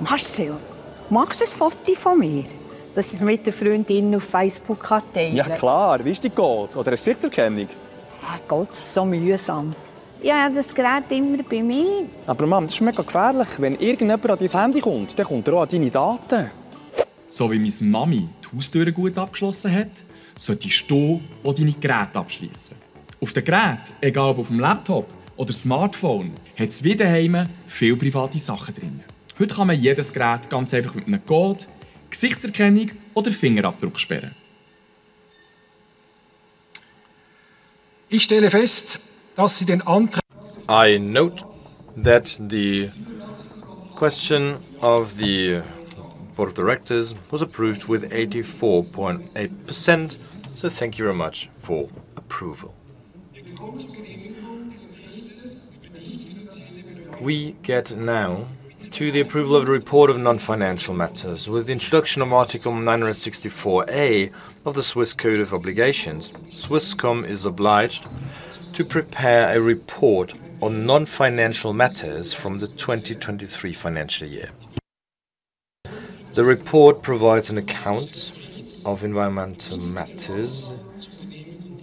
Marcel, magst du das Foto von mir? Das ich mit den Freundinnen auf Facebook teile. Ja klar, wie ist die Code? Oder eine Gesichtserkennung? Hä Code? So mühsam. Ja, ja, das Gerät immer bei mir. Aber Mama, das ist mega gefährlich. Wenn irgendjemand an dein Handy kommt, dann kommt auch an deine Daten. So wie meine Mami die Haustür gut abgeschlossen hat, solltest du auch deine Geräte abschliessen. Auf den Geräten, egal ob auf dem Laptop oder Smartphone, hat es wie zu Hause viele private Sachen drin. Heute kann man jedes Gerät ganz einfach mit einem Code, Gesichtserkennung oder Fingerabdruck sperren. Ich stelle fest, dass Sie den Antrag. I note that the question of the board of directors was approved with 84.8%, so thank you very much for approval. We get now to the approval of the report of non-financial matters. With the introduction of Article 964A of the Swiss Code of Obligations, Swisscom is obliged to prepare a report on non-financial matters from the 2023 financial year. The report provides an account of environmental matters.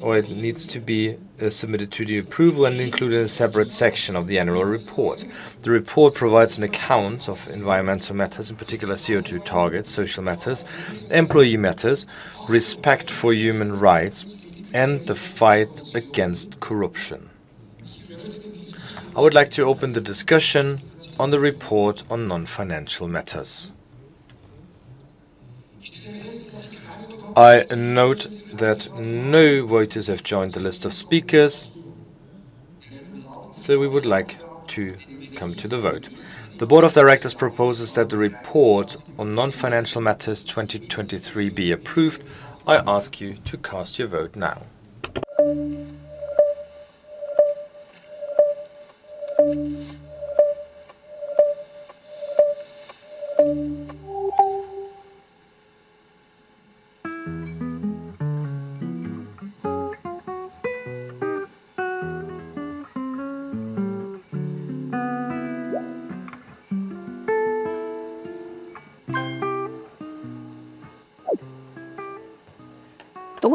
Or it needs to be submitted to the approval and included in a separate section of the annual report. The report provides an account of environmental matters, in particular CO2 targets, social matters, employee matters, respect for human rights, and the fight against corruption. I would like to open the discussion on the report on non-financial matters. I note that no voters have joined the list of speakers. So we would like to come to the vote. The board of directors proposes that the report on non-financial matters 2023 be approved. I ask you to cast your vote now.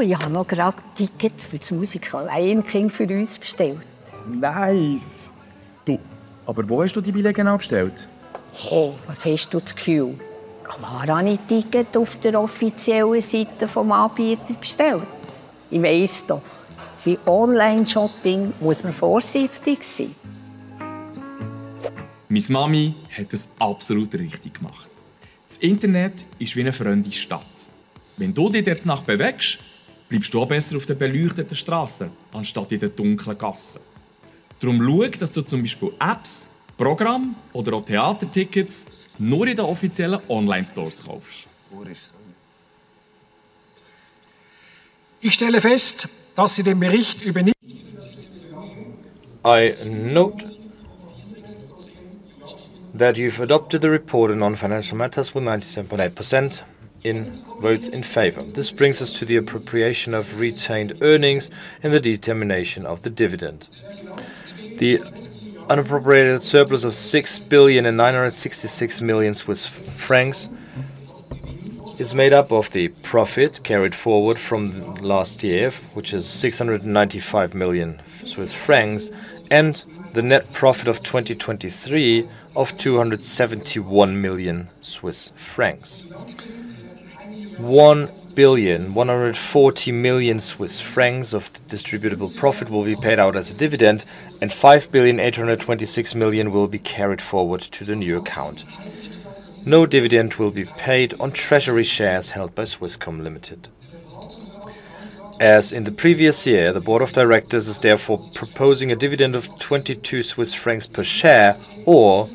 Hier haben wir gerade Tickets für das Musical «Lion King» für uns bestellt. Nice! Du, aber wo hast du die Billets abgestellt? Hey, was hast du das Gefühl? Klar, habe ich Tickets auf der offiziellen Seite des Anbieters bestellt. Ich weiß doch, bei Online-Shopping muss man vorsichtig sein. Meine Mami hat es absolut richtig gemacht. Das Internet ist wie eine Freundesstadt. Wenn du dich dort nachher bewegst, bleibst du auch besser auf den beleuchteten Strassen, anstatt in den dunklen Gassen. Darum schaue, dass du zum Beispiel Apps, Programme oder auch Theatertickets nur in den offiziellen Online-Stores kaufst. Ich stelle fest, dass Sie den Bericht über. I note that you've adopted the report on non-financial matters with 97.8% in votes in favour. This brings us to the appropriation of retained earnings and the determination of the dividend. The unappropriated surplus of 6.966 billion is made up of the profit carried forward from last year, which is 695 million Swiss francs, and the net profit of 2023 of 271 million Swiss francs. 1,140 million Swiss francs of the distributable profit will be paid out as a dividend, and 5,826 million will be carried forward to the new account. No dividend will be paid on treasury shares held by Swisscom Limited. As in the previous year, the Board of Directors is therefore proposing a dividend of 22 Swiss francs per share or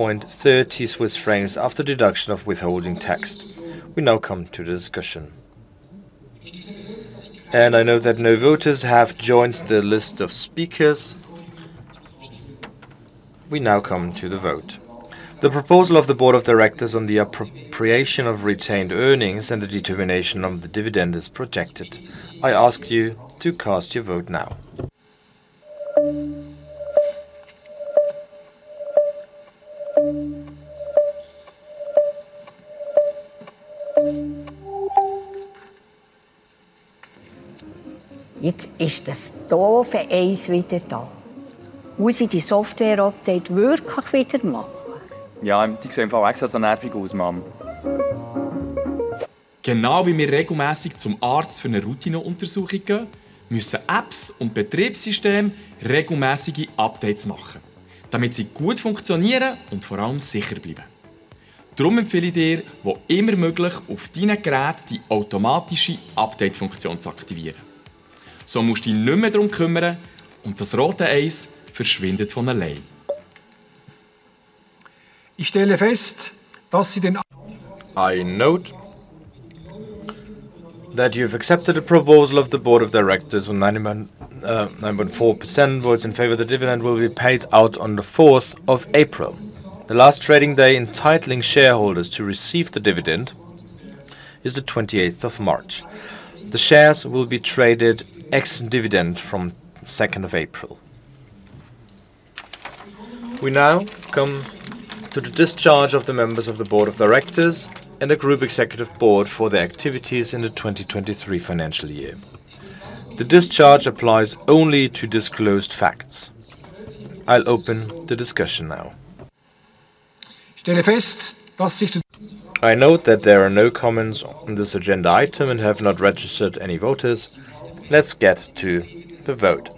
14.30 Swiss francs after deduction of withholding tax. We now come to the discussion. I know that no voters have joined the list of speakers. We now come to the vote. The proposal of the Board of Directors on the appropriation of retained earnings and the determination of the dividend is projected. I ask you to cast your vote now. Jetzt ist das doofe Eis wieder da. Muss ich die Software-Update wirklich wieder machen? Ja, die sieht einfach auch extra so nervig aus, Mama. Genau wie wir regelmäßig zum Arzt für eine Routineuntersuchung gehen, müssen Apps und Betriebssysteme regelmäßige Updates machen, damit sie gut funktionieren und vor allem sicher bleiben. Darum empfehle ich dir, wo immer möglich, auf deinen Geräten die automatische Update-Funktion zu aktivieren. So musst du dich nicht mehr darum kümmern und das rote Eis verschwindet von allein. Ich stelle fest, dass Sie den. I note that you've accepted the proposal of the board of directors on 91.4%. Votes in favor of the dividend will be paid out on the fourth of April. The last trading day entitling shareholders to receive the dividend is the 28th of March. The shares will be traded ex-dividend from the second of April. We now come to the discharge of the members of the Board of Directors and the Group Executive Board for their activities in the 2023 financial year. The discharge applies only to disclosed facts. I'll open the discussion now. I note that there are no comments on this agenda item and have not registered any voters. Let's get to the vote.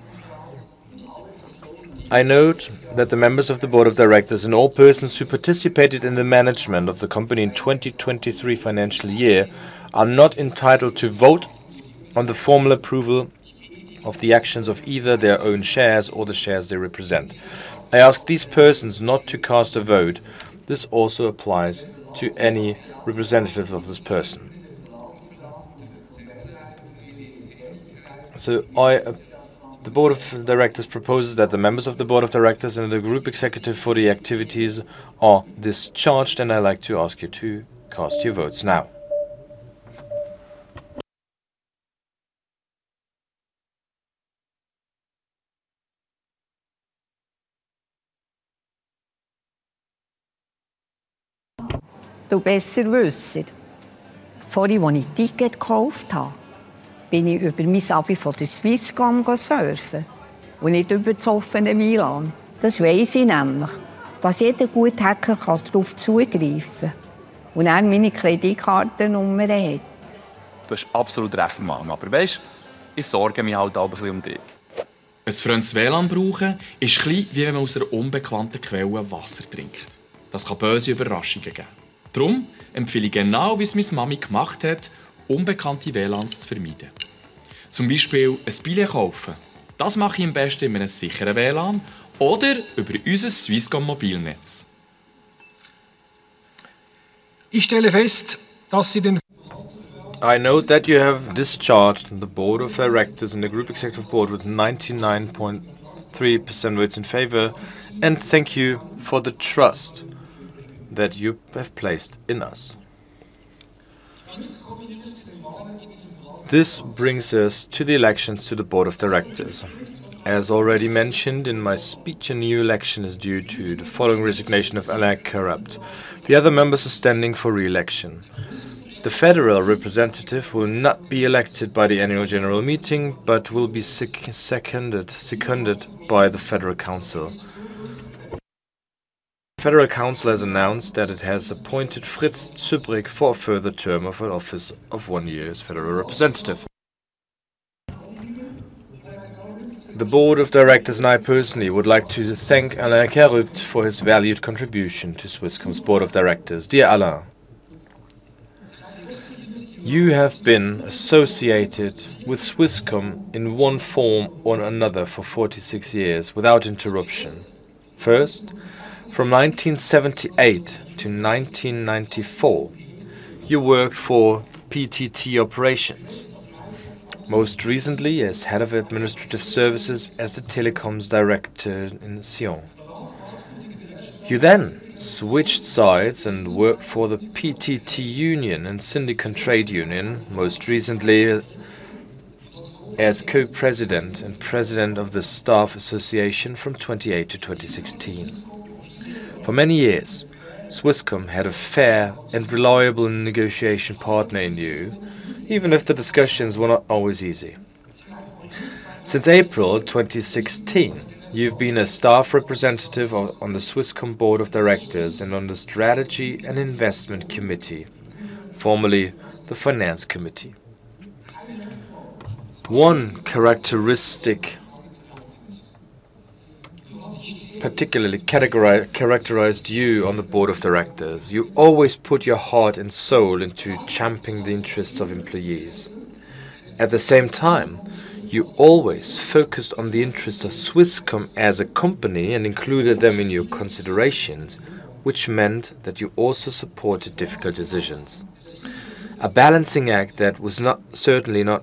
I note that the members of the Board of Directors and all persons who participated in the management of the company in the 2023 financial year are not entitled to vote on the formal approval of the actions of either their own shares or the shares they represent. I ask these persons not to cast a vote. This also applies to any representative of this person. So I. The Board of Directors proposes that the members of the Board of Directors and the Group Executive Board for the activities are discharged, and I'd like to ask you to cast your votes now. Da weißt du, wo es sitzt. Vorher, als ich Tickets gekauft habe, bin ich über meine App von der Swisscom surfen gegangen und nicht über das offene WLAN. Das weiß ich nämlich, dass jeder Guthaben darauf zugreifen kann und auch meine Kreditkartennummer hat. Du hast absolut recht, Mama. Aber weißt du, ich sorge mich halt auch ein bisschen um dich. Ein fremdes WLAN zu brauchen, ist ein bisschen wie wenn man aus einer unbekannten Quelle Wasser trinkt. Das kann böse Überraschungen geben. Darum empfehle ich genau, wie es meine Mami gemacht hat, unbekannte WLANs zu vermeiden. Zum Beispiel ein Billett kaufen. Das mache ich am besten in einem sicheren WLAN oder über unser Swisscom Mobilnetz. Ich stelle fest, dass Sie. I note that you have discharged the board of directors and the group executive board with 99.3% votes in favor, and thank you for the trust that you have placed in us. Damit kommen wir nun zu den Wahlen in diesem Land. This brings us to the elections to the board of directors. As already mentioned in my speech, a new election is due to the following resignation of Alain Carrupt. The other members are standing for re-election. The federal representative will not be elected by the annual general meeting, but will be seconded by the Federal Council. The Federal Council has announced that it has appointed Fritz Zurbrügg for a further term of an office of one year as federal representative. The board of directors and I personally would like to thank Alain Carrupt for his valued contribution to Swisscom's board of directors. Dear Alain. You have been associated with Swisscom in one form or another for 46 years without interruption. First, from 1978 to 1994, you worked for PTT Operations. Most recently, as head of administrative services as the telecom director in Sion. You then switched sides and worked for the PTT Union and Syndicom Trade Union, most recently as co-president and president of the staff association from 2008 to 2016. For many years, Swisscom had a fair and reliable negotiation partner in you, even if the discussions were not always easy. Since April 2016, you've been a staff representative on the Swisscom board of directors and on the Strategy and Investment Committee, formerly the Finance Committee. One characteristic particularly characterized you on the board of directors: you always put your heart and soul into championing the interests of employees. At the same time, you always focused on the interests of Swisscom as a company and included them in your considerations, which meant that you also supported difficult decisions. A balancing act that was certainly not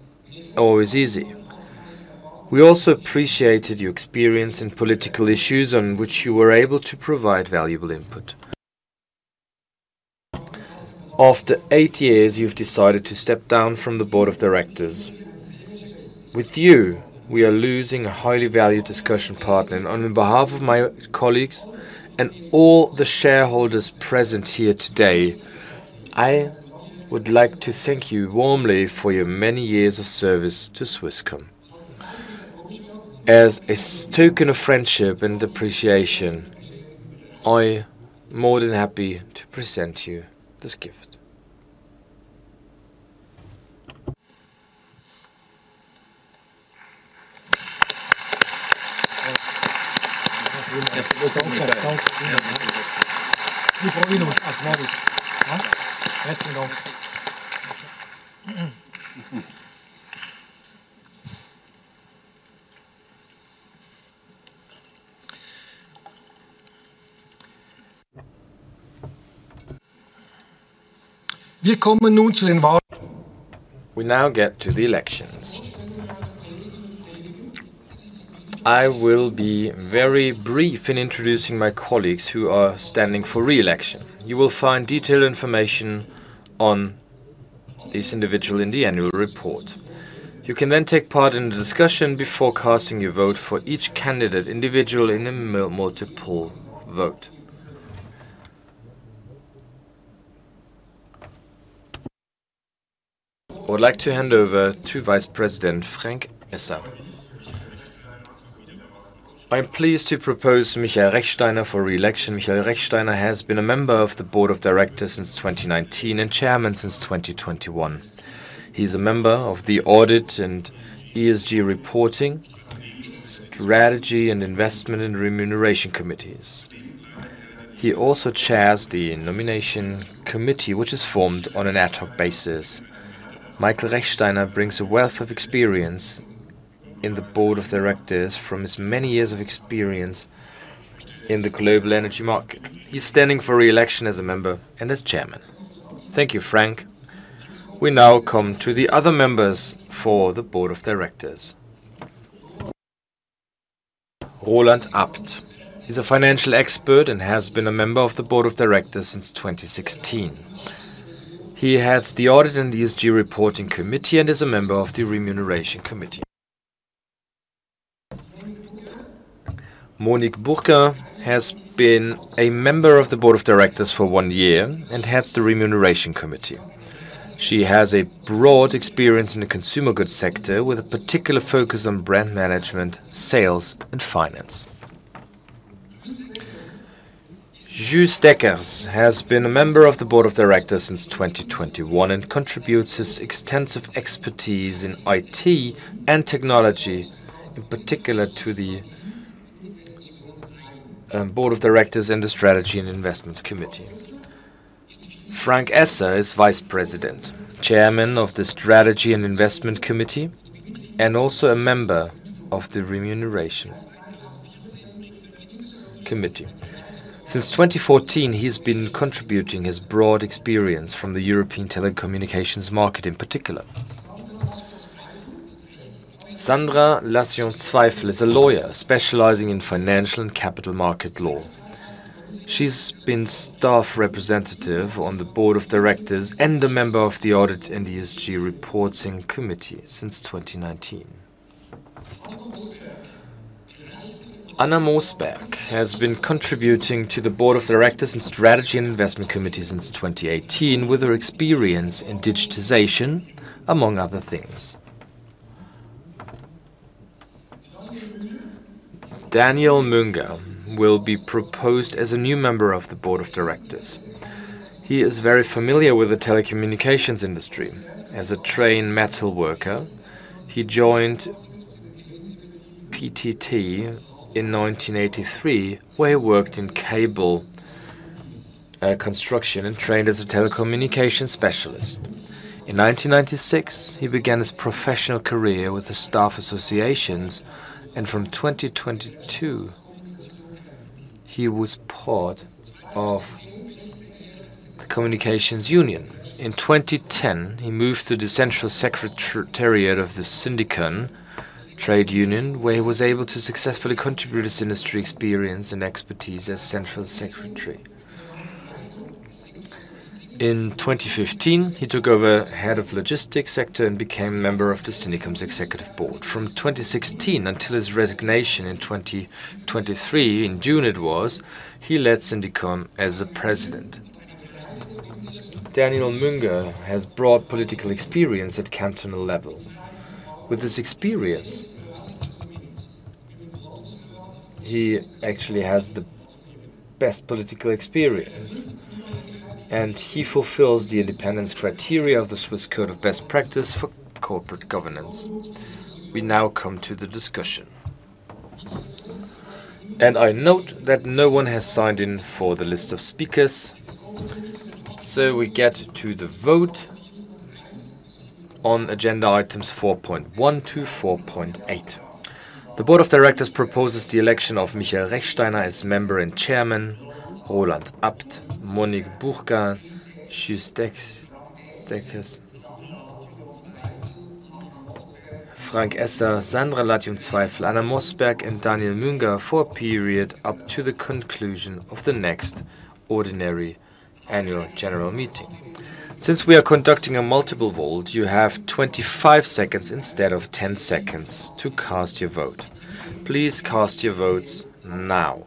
always easy. We also appreciated your experience in political issues, on which you were able to provide valuable input. After eight years, you've decided to step down from the board of directors. With you, we are losing a highly valued discussion partner, and on behalf of my colleagues and all the shareholders present here today, I would like to thank you warmly for your many years of service to Swisscom. As a token of friendship and appreciation, I'm more than happy to present you this gift. Wir freuen uns aufs Neue. Herzlichen Dank. Wir kommen nun zu den Wahlen. We now get to the elections. I will be very brief in introducing my colleagues who are standing for re-election. You will find detailed information on this individual in the annual report. You can then take part in the discussion before casting your vote for each candidate individually in a multiple vote. I would like to hand over to Vice President Frank Esser. I am pleased to propose Michael Rechsteiner for re-election. Michael Rechsteiner has been a member of the board of directors since 2019 and chairman since 2021. He is a member of the Audit and ESG Reporting, Strategy and Investment and Remuneration Committees. He also chairs the Nomination Committee, which is formed on an ad hoc basis. Michael Rechsteiner brings a wealth of experience in the board of directors from his many years of experience in the global energy market. He is standing for re-election as a member and as chairman. Thank you, Frank. We now come to the other members for the board of directors. Roland Abt is a financial expert and has been a member of the board of directors since 2016. He heads the Audit and ESG Reporting Committee and is a member of the Remuneration Committee. Monique Bourquin has been a member of the board of directors for one year and heads the Remuneration Committee. She has a broad experience in the consumer goods sector, with a particular focus on brand management, sales, and finance. Guus Dekkers has been a member of the board of directors since 2021 and contributes his extensive expertise in IT and technology, in particular to the board of directors and the Strategy and Investments Committee. Frank Esser is vice president, chairman of the Strategy and Investment Committee, and also a member of the Remuneration Committee. Since 2014, he has been contributing his broad experience from the European telecommunications market in particular. Sandra Lathion-Zweifel is a lawyer specializing in financial and capital market law. She has been staff representative on the board of directors and a member of the Audit and ESG Reporting Committee since 2019. Anna Mossberg has been contributing to the board of directors and Strategy and Investment Committee since 2018, with her experience in digitization, among other things. Daniel Münger will be proposed as a new member of the board of directors. He is very familiar with the telecommunications industry. As a trained metal worker, he joined PTT in 1983, where he worked in cable construction and trained as a telecommunications specialist. In 1996, he began his professional career with the staff associations, and from 2022, he was part of the communications union. In 2010, he moved to the central secretariat of the Syndicom Trade Union, where he was able to successfully contribute his industry experience and expertise as central secretary. In 2015, he took over head of logistics sector and became a member of the Syndicom's executive board. From 2016 until his resignation in 2023, in June it was, he led Syndicom as the president. Daniel Münger has broad political experience at cantonal level. With his experience, he actually has the best political experience, and he fulfills the independence criteria of the Swiss Code of Best Practice for corporate governance. We now come to the discussion. I note that no one has signed in for the list of speakers. So we get to the vote on agenda items 4.1 to 4.8. The board of directors proposes the election of Michael Rechsteiner as member and chairman, Roland Abt, Monique Bourquin, Guus Dekkers, Frank Esser, Sandra Lathion-Zweifel, Anna Mossberg, and Daniel Münger for a period up to the conclusion of the next ordinary annual general meeting. Since we are conducting a multiple vote, you have 25 seconds instead of 10 seconds to cast your vote. Please cast your votes now.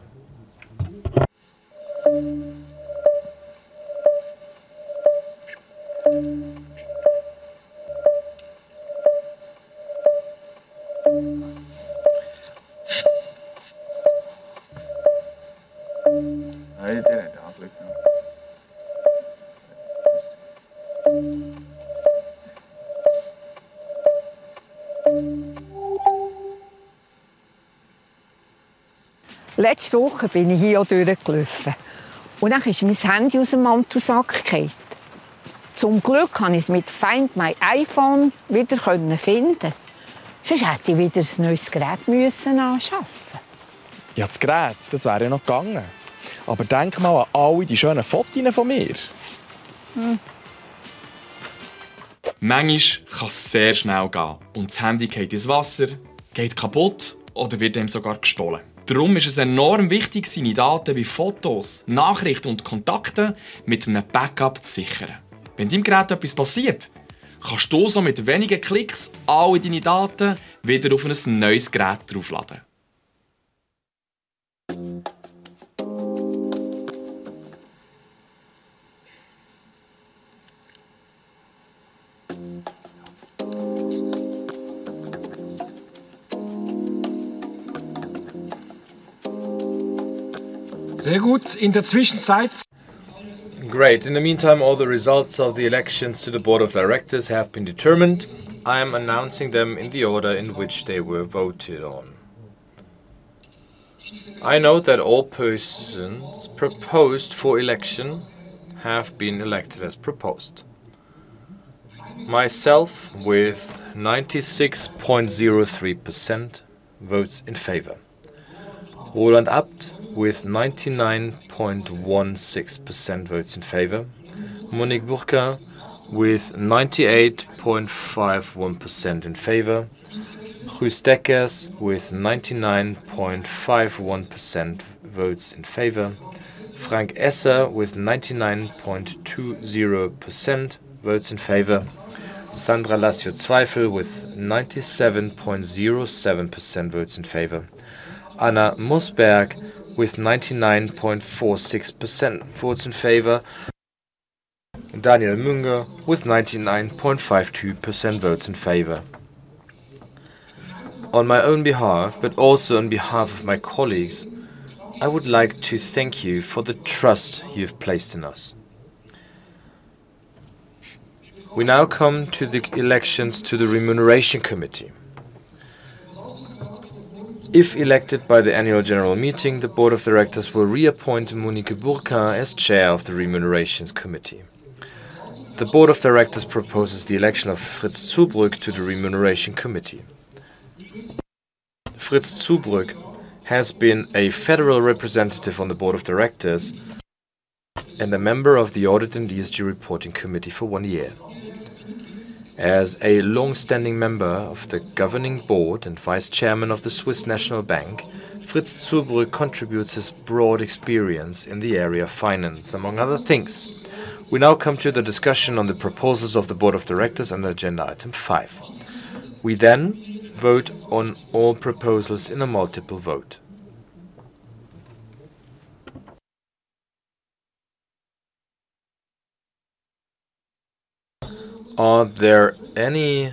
Letztes Wochenende bin ich hier durchgelaufen und dann ist mein Handy aus dem Mantelsack gefallen. Zum Glück konnte ich es mit "Find My iPhone" wiederfinden. Sonst hätte ich wieder ein neues Gerät anschaffen müssen. Ja, das Gerät, das wäre ja noch gegangen. Aber denk mal an all diese schönen Fotos von mir. Manchmal kann es sehr schnell gehen und das Handy fällt ins Wasser, geht kaputt oder wird einem sogar gestohlen. Darum ist es enorm wichtig, seine Daten wie Fotos, Nachrichten und Kontakte mit einem Backup zu sichern. Wenn deinem Gerät etwas passiert, kannst du so mit wenigen Klicks all deine Daten wieder auf ein neues Gerät hochladen. Sehr gut. In der Zwischenzeit. Great. In the meantime, all the results of the elections to the board of directors have been determined. I am announcing them in the order in which they were voted on. I note that all persons proposed for election have been elected as proposed. Myself, with 96.03% votes in favor. Roland Abt, with 99.16% votes in favor. Monique Bourquin, with 98.51% in favor. Guus Dekkers, with 99.51% votes in favor. Frank Esser, with 99.20% votes in favor. Sandra Lathion-Zweifel, with 97.07% votes in favor. Anna Mossberg, with 99.46% votes in favor. Daniel Münger, with 99.52% votes in favor. On my own behalf, but also on behalf of my colleagues, I would like to thank you for the trust you have placed in us. We now come to the elections to the Remuneration Committee. If elected by the annual general meeting, the board of directors will reappoint Monique Bourquin as chair of the Remuneration Committee. The board of directors proposes the election of Fritz Zurbrügg to the Remuneration Committee. Fritz Zurbrügg has been a federal representative on the board of directors and a member of the Audit and ESG Reporting Committee for one year. As a longstanding member of the governing board and vice chairman of the Swiss National Bank, Fritz Zurbrügg contributes his broad experience in the area of finance, among other things. We now come to the discussion on the proposals of the board of directors and agenda item five. We then vote on all proposals in a multiple vote. Are there any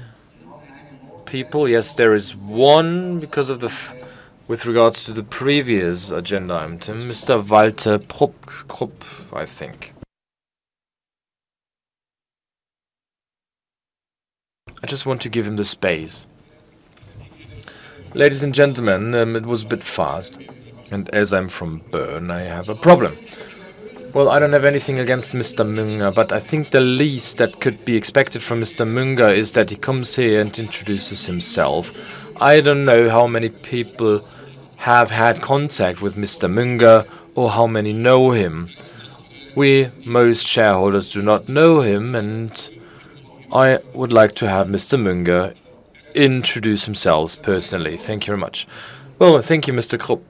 people? Yes, there is one because of the with regards to the previous agenda item. Mr. Walter Groth, I think. I just want to give him the space. Ladies and gentlemen, it was a bit fast. As I'm from Bern, I have a problem. Well, I don't have anything against Mr. Münger, but I think the least that could be expected from Mr. Münger is that he comes here and introduces himself. I don't know how many people have had contact with Mr. Münger or how many know him. We, most shareholders, do not know him, and I would like to have Mr. Münger introduce himself personally. Thank you very much. Well, thank you, Mr. Groth.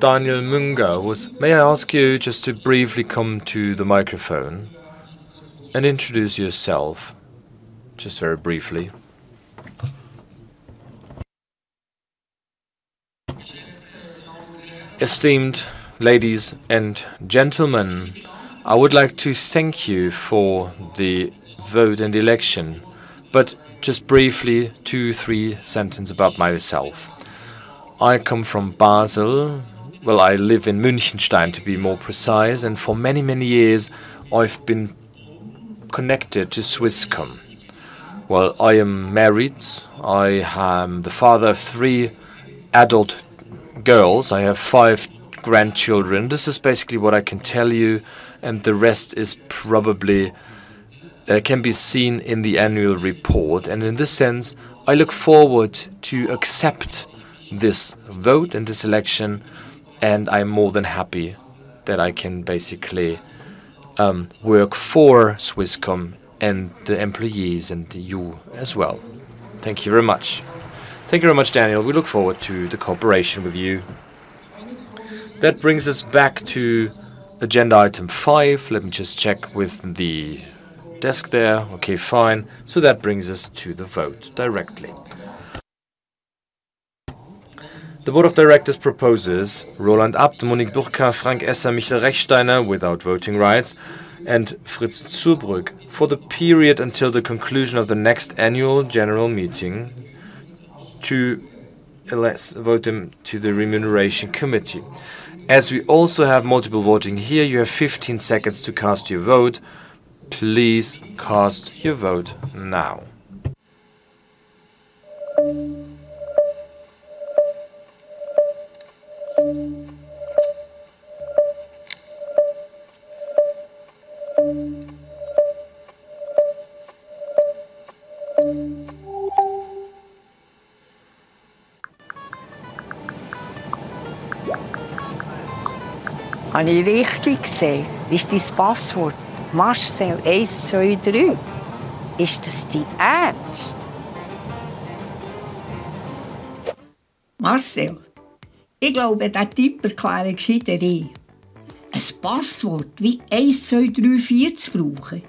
Daniel Münger, may I ask you just to briefly come to the microphone and introduce yourself just very briefly? Esteemed ladies and gentlemen, I would like to thank you for the vote and election. But just briefly, 2, 3 sentences about myself. I come from Basel. Well, I live in Münchenstein, to be more precise. And for many, many years, I've been connected to Swisscom. Well, I am married. I am the father of 3 adult girls. I have 5 grandchildren. This is basically what I can tell you. And the rest is probably can be seen in the annual report. And in this sense, I look forward to accepting this vote and this election. And I'm more than happy that I can basically work for Swisscom and the employees and you as well. Thank you very much. Thank you very much, Daniel. We look forward to the cooperation with you. That brings us back to agenda item five. Let me just check with the desk there. Okay, fine. So that brings us to the vote directly. The board of directors proposes Roland Abt, Monique Bourquin, Frank Esser, Michael Rechsteiner without voting rights, and Fritz Zurbrügg for the period until the conclusion of the next annual general meeting to vote him to the Remuneration Committee. As we also have multiple voting here, you have 15 seconds to cast your vote. Please cast your vote now. Eine richtige Säge ist dein Passwort. Marcel, 1, 2, 3. Ist das dein Ernst? Marcel, ich glaube, das tippt klarerweise rein. Ein Passwort wie 1, 2, 3, 4 zu brauchen,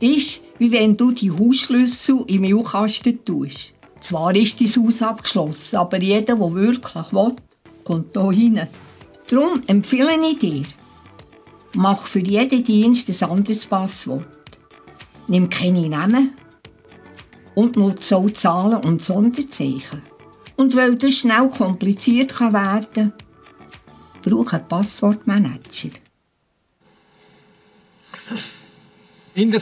ist, wie wenn du die Hausschlüssel in den Schrank legst. Zwar ist dein Haus abgeschlossen, aber jeder, der wirklich will, kommt hier rein. Darum empfehle ich dir: Mach für jeden Dienst ein anderes Passwort. Nimm keine Namen und nutze auch Zahlen und Sonderzeichen. Und weil das schnell kompliziert werden kann, brauche ich einen Passwortmanager. In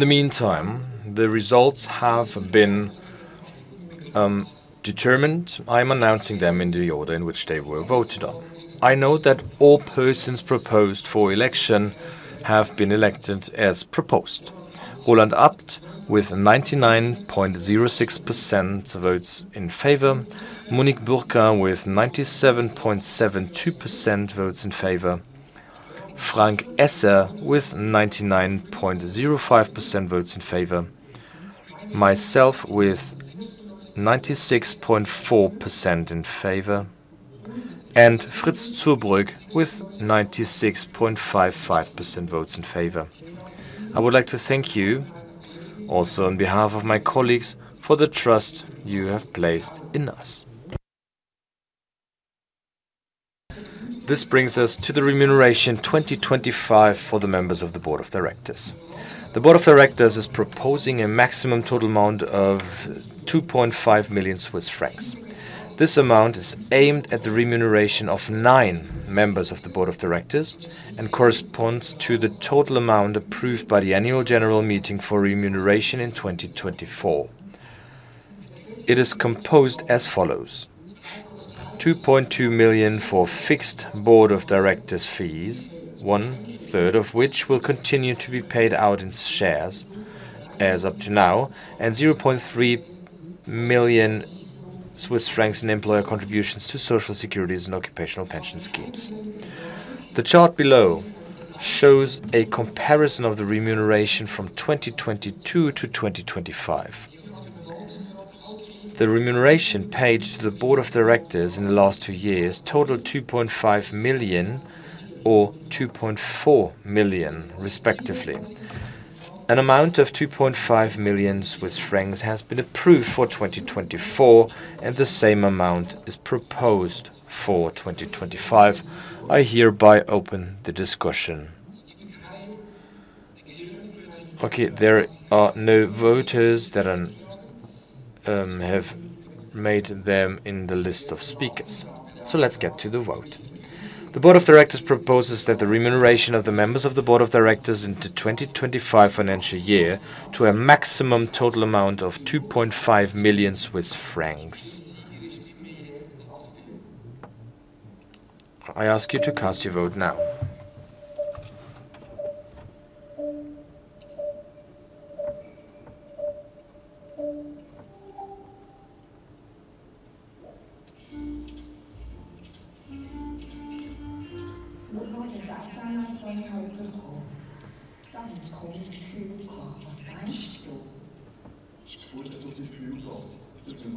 the meantime, the results have been determined. I am announcing them in the order in which they were voted on. I note that all persons proposed for election have been elected as proposed. Roland Abt, with 99.06% votes in favor. Monique Bourquin, with 97.72% votes in favor. Frank Esser, with 99.05% votes in favor. Myself, with 96.4% in favor. And Fritz Zurbrügg, with 96.55% votes in favor. I would like to thank you, also on behalf of my colleagues, for the trust you have placed in us. This brings us to the Remuneration 2025 for the members of the board of directors. The board of directors is proposing a maximum total amount of 2.5 million Swiss francs. This amount is aimed at the remuneration of nine members of the board of directors and corresponds to the total amount approved by the annual general meeting for remuneration in 2024. It is composed as follows: 2.2 million for fixed board of directors fees, one third of which will continue to be paid out in shares as up to now, and 0.3 million Swiss francs in employer contributions to Social Security and occupational pension schemes. The chart below shows a comparison of the remuneration from 2022 to 2025. The remuneration paid to the board of directors in the last two years totaled 2.5 million or 2.4 million, respectively. An amount of 2.5 million Swiss francs has been approved for 2024, and the same amount is proposed for 2025. I hereby open the discussion. Okay, there are no voters that have made them in the list of speakers. So let's get to the vote. The Board of Directors proposes that the remuneration of the members of the Board of Directors into the 2025 financial year to a maximum total amount of 2.5 million Swiss francs. I ask you to cast your vote now.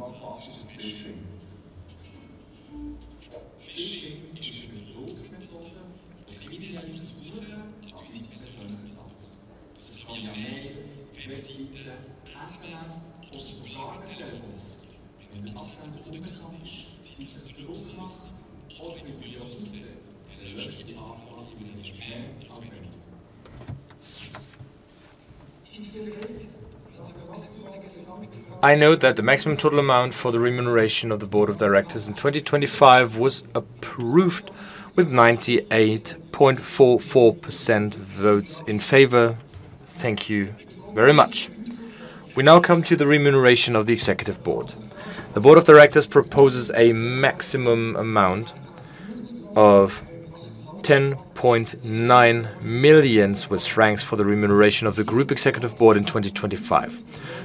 Guten Morgen, das ist das Schweizer Kühlgas. Das ist kein Stuhl. Es ist wohl einfach das Kühlgas. Das nennt man klassisches Phishing. Phishing ist eine Betrugsmethode, bei der Kriminelle versuchen, an uns persönlich anzutreten. Das kann per Mail, Webseite, SMS oder sogar per Telefon sein. Wenn der Absender unbekannt ist, zeitlichen Druck macht oder bei der Videoaufnahme löst die Anfrage wieder schneller als wenn. Ist die BFS? Frage: Was für Fragen geht der Gang durch? I note that the maximum total amount for the remuneration of the Board of Directors in 2025 was approved with 98.44% votes in favor. Thank you very much. We now come to the remuneration of the executive board. The board of directors proposes a maximum amount of 10.9 million Swiss francs for the remuneration of the group executive board in 2025.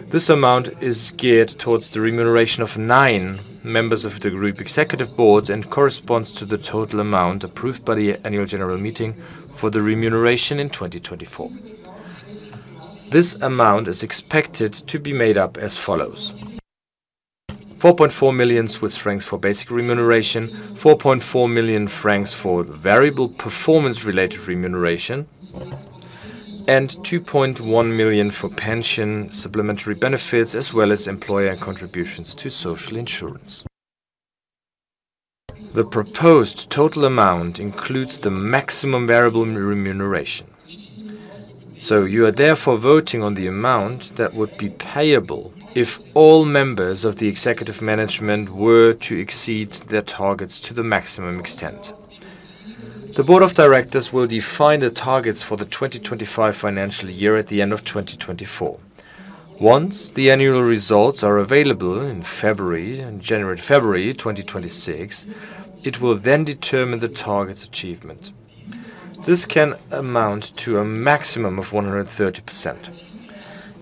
This amount is geared towards the remuneration of nine members of the group executive boards and corresponds to the total amount approved by the annual general meeting for the remuneration in 2024. This amount is expected to be made up as follows: 4.4 million Swiss francs for basic remuneration, 4.4 million francs for variable performance-related remuneration, and 2.1 million for pension, supplementary benefits, as well as employer contributions to social insurance. The proposed total amount includes the maximum variable remuneration. So you are therefore voting on the amount that would be payable if all members of the executive management were to exceed their targets to the maximum extent. The board of directors will define the targets for the 2025 financial year at the end of 2024. Once the annual results are available in February and January-February 2026, it will then determine the target's achievement. This can amount to a maximum of 130%.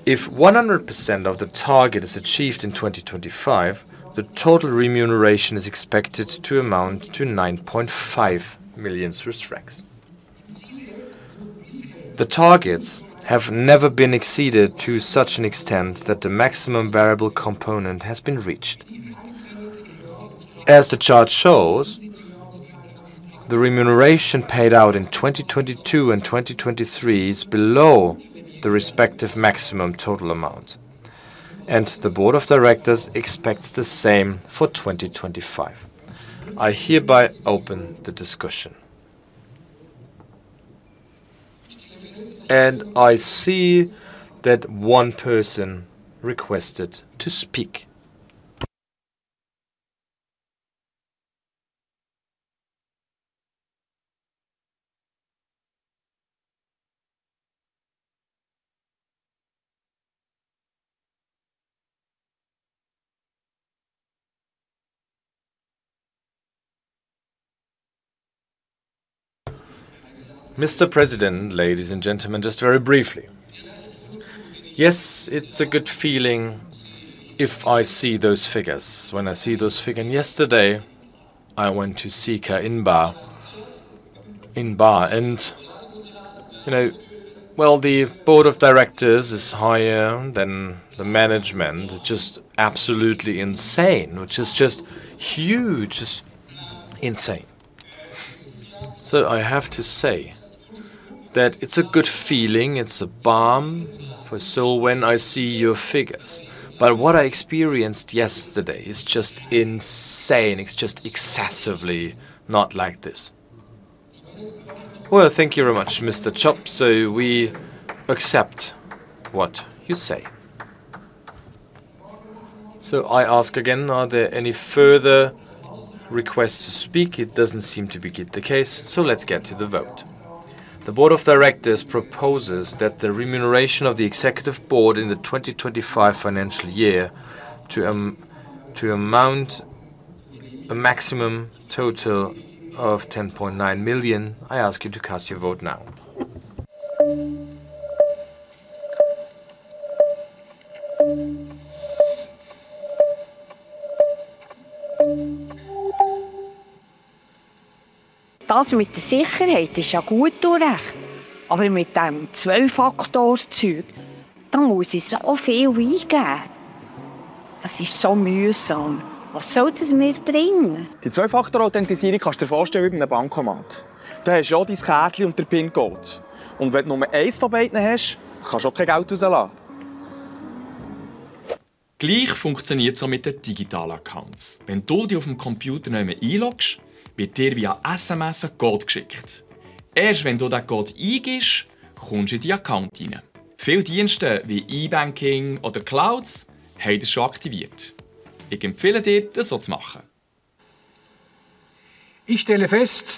If 100% of the target is achieved in 2025, the total remuneration is expected to amount to 9.5 million Swiss francs. The targets have never been exceeded to such an extent that the maximum variable component has been reached. As the chart shows, the remuneration paid out in 2022 and 2023 is below the respective maximum total amounts. The board of directors expects the same for 2025. I hereby open the discussion. I see that one person requested to speak. Mr. President, ladies and gentlemen, just very briefly. Yes, it's a good feeling if I see those figures, when I see those figures. And yesterday, I went to see Kärinbäck in Bari. And, you know, well, the board of directors is higher than the management. It's just absolutely insane, which is just huge, just insane. So I have to say that it's a good feeling. It's a balm for soul when I see your figures. But what I experienced yesterday is just insane. It's just excessively not like this. Well, thank you very much, Mr. Chop. So we accept what you say. So I ask again, are there any further requests to speak? It doesn't seem to be the case. So let's get to the vote. The board of directors proposes that the remuneration of the executive board in the 2025 financial year to amount to a maximum total of 10.9 million. I ask you to cast your vote now. Das mit der Sicherheit ist ja gut und recht. Aber mit diesem Zwei-Faktor-Zeug, da muss ich so viel eingeben. Das ist so mühsam. Was soll das mir bringen? Die Zwei-Faktor-Authentisierung kannst du dir vorstellen wie bei einem Bankomat. Da hast du ja dein Kärtchen und den PIN-Code. Und wenn du nur eines von beiden hast, kannst du auch kein Geld herauslassen. Gleich funktioniert es auch mit den digitalen Accounts. Wenn du dich auf dem Computer nicht mehr einloggst, wird dir via SMS ein Code geschickt. Erst wenn du diesen Code eingibst, kommst du in die Account rein. Viele Dienste wie E-Banking oder Clouds haben das schon aktiviert. Ich empfehle dir, das so zu machen. Ich stelle fest...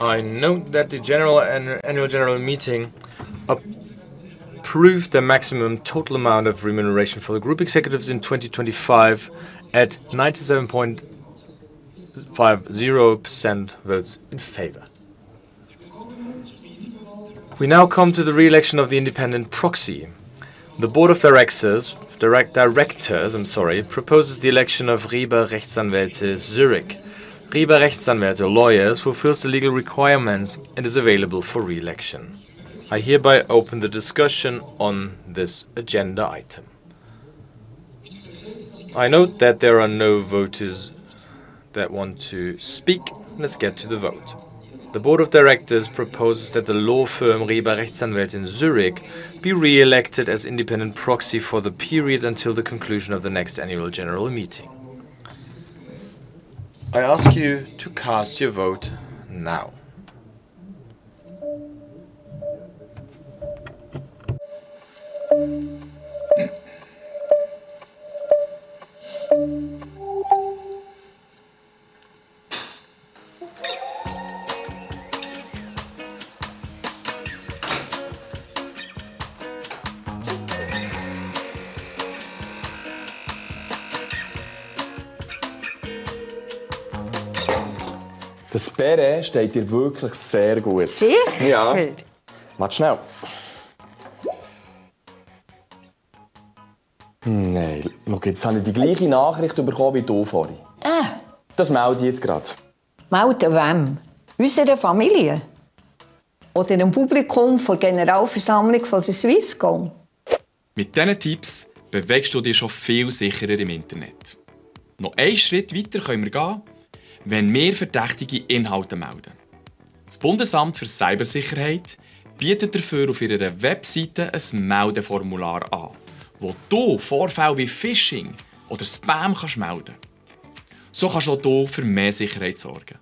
I note that the annual general meeting approved the maximum total amount of remuneration for the group executives in 2025 at 97.50% votes in favor. We now come to the reelection of the independent proxy. The board of directors proposes the election of Rieber Rechtsanwälte Zürich. Rieber Rechtsanwälte fulfills the legal requirements and is available for reelection. I hereby open the discussion on this agenda item. I note that there are no voters that want to speak. Let's get to the vote. The board of directors proposes that the law firm Rieber Rechtsanwälte in Zürich be reelected as independent proxy for the period until the conclusion of the next annual general meeting. I ask you to cast your vote now. Das Beste steht dir wirklich sehr gut. Siehst du? Ja. Gut. Mach schnell. Nein, schau mal, jetzt habe ich die gleiche Nachricht bekommen wie die Ophorie. Das melden sie jetzt gerade. Melden wem? Unserer Familie? Oder dem Publikum der Generalversammlung der Swisscom? Mit diesen Tipps bewegst du dich schon viel sicherer im Internet. Noch einen Schritt weiter können wir gehen, wenn mehr verdächtige Inhalte melden. Das Bundesamt für Cybersicherheit bietet dafür auf ihrer Webseite ein Meldeformular an, mit dem du Vorfälle wie Phishing oder Spam melden kannst. So kannst auch du für mehr Sicherheit sorgen.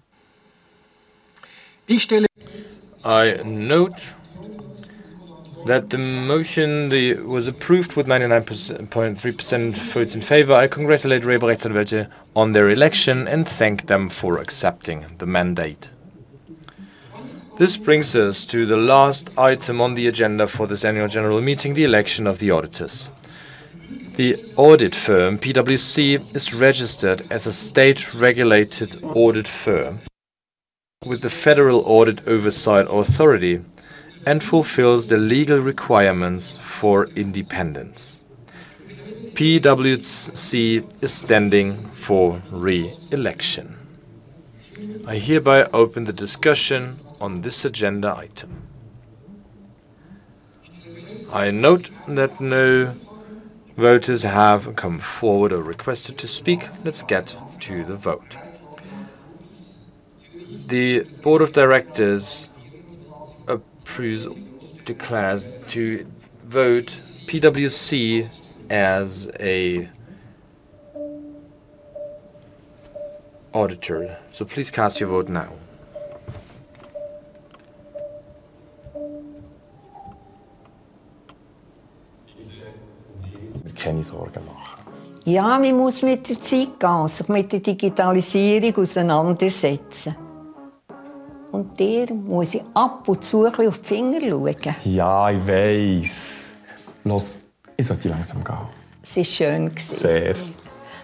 I note that the motion was approved with 99.3% votes in favor. I congratulate Rieber Rechtsanwälte on their election and thank them for accepting the mandate. This brings us to the last item on the agenda for this annual general meeting: the election of the auditors. The audit firm PwC is registered as a state-regulated audit firm with the Federal Audit Oversight Authority and fulfills the legal requirements for independence. PwC is standing for reelection. I hereby open the discussion on this agenda item. I note that no voters have come forward or requested to speak. Let's get to the vote. The Board of Directors declares to vote PwC as an auditor. So please cast your vote now. Ich kann mir keine Sorgen machen. Ja, man muss mit der Zeit gehen, sich mit der Digitalisierung auseinandersetzen. Und dir muss ich ab und zu ein bisschen auf die Finger schauen. Ja, ich weiß. Lass es, ich sollte langsam gehen. Es war schön. Sehr.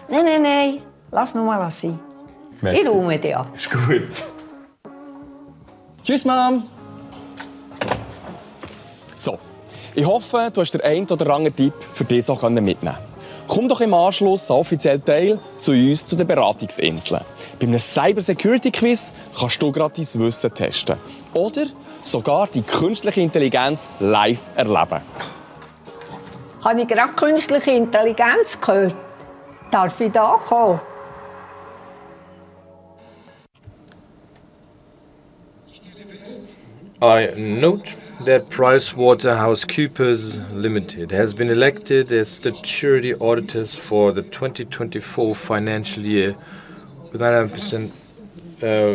Nein, nein, nein. Lass es nochmal sein. Merci. Ich räume dich ab. Ist gut. Tschüss, Mama. So, ich hoffe, du konntest den einen oder anderen Tipp für dich mitnehmen. Komm doch im Anschluss offiziell zu uns zu den Beratungsinseln. Bei einem Cybersecurity-Quiz kannst du gratis Wissen testen oder sogar die künstliche Intelligenz live erleben. Habe ich gerade künstliche Intelligenz gehört? Darf ich hier kommen? Ich stelle fest... I note that PricewaterhouseCoopers AG has been elected as the statutory auditor for the 2024 financial year with 99%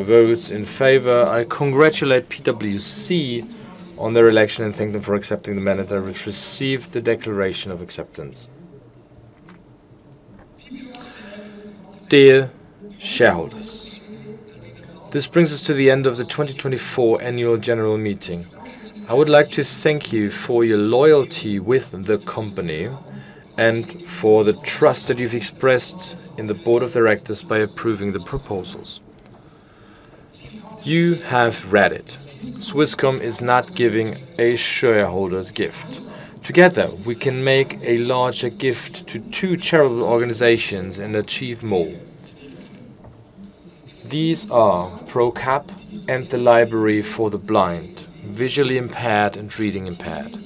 votes in favor. I congratulate PwC on their election and thank them for accepting the mandate, which received the declaration of acceptance. Dear Shareholders. This brings us to the end of the 2024 annual general meeting. I would like to thank you for your loyalty with the company and for the trust that you've expressed in the board of directors by approving the proposals. You have read it. Swisscom is not giving a shareholder's gift. Together, we can make a larger gift to two charitable organizations and achieve more. These are ProCap and the Library for the Blind, Visually Impaired and Reading Impaired,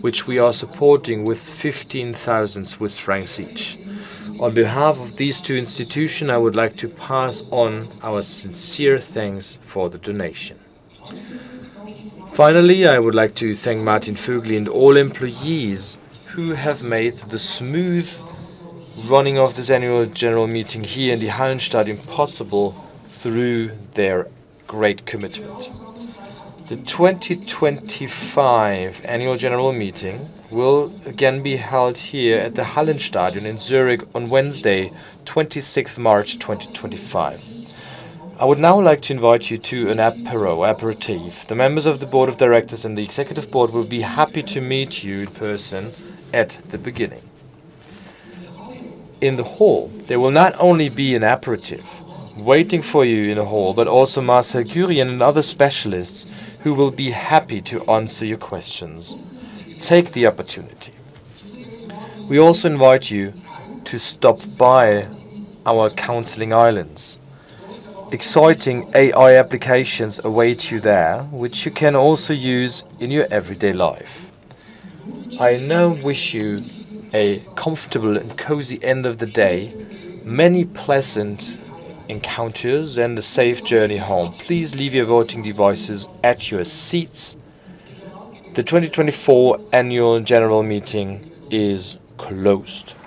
which we are supporting with 15,000 Swiss francs each. On behalf of these two institutions, I would like to pass on our sincere thanks for the donation. Finally, I would like to thank Martin Vögeli and all employees who have made the smooth running of this annual general meeting here in the Hallenstadion possible through their great commitment. The 2025 annual general meeting will again be held here at the Hallenstadion in Zürich on Wednesday, 26 March 2025. I would now like to invite you to an aperitif. The members of the Board of Directors and the Executive Board will be happy to meet you in person at the beginning. In the hall, there will not only be an aperitif waiting for you in the hall, but also Marcel Curien and other specialists who will be happy to answer your questions. Take the opportunity. We also invite you to stop by our counseling islands. Exciting AI applications await you there, which you can also use in your everyday life. I now wish you a comfortable and cozy end of the day, many pleasant encounters, and a safe journey home. Please leave your voting devices at your seats. The 2024 annual general meeting is closed.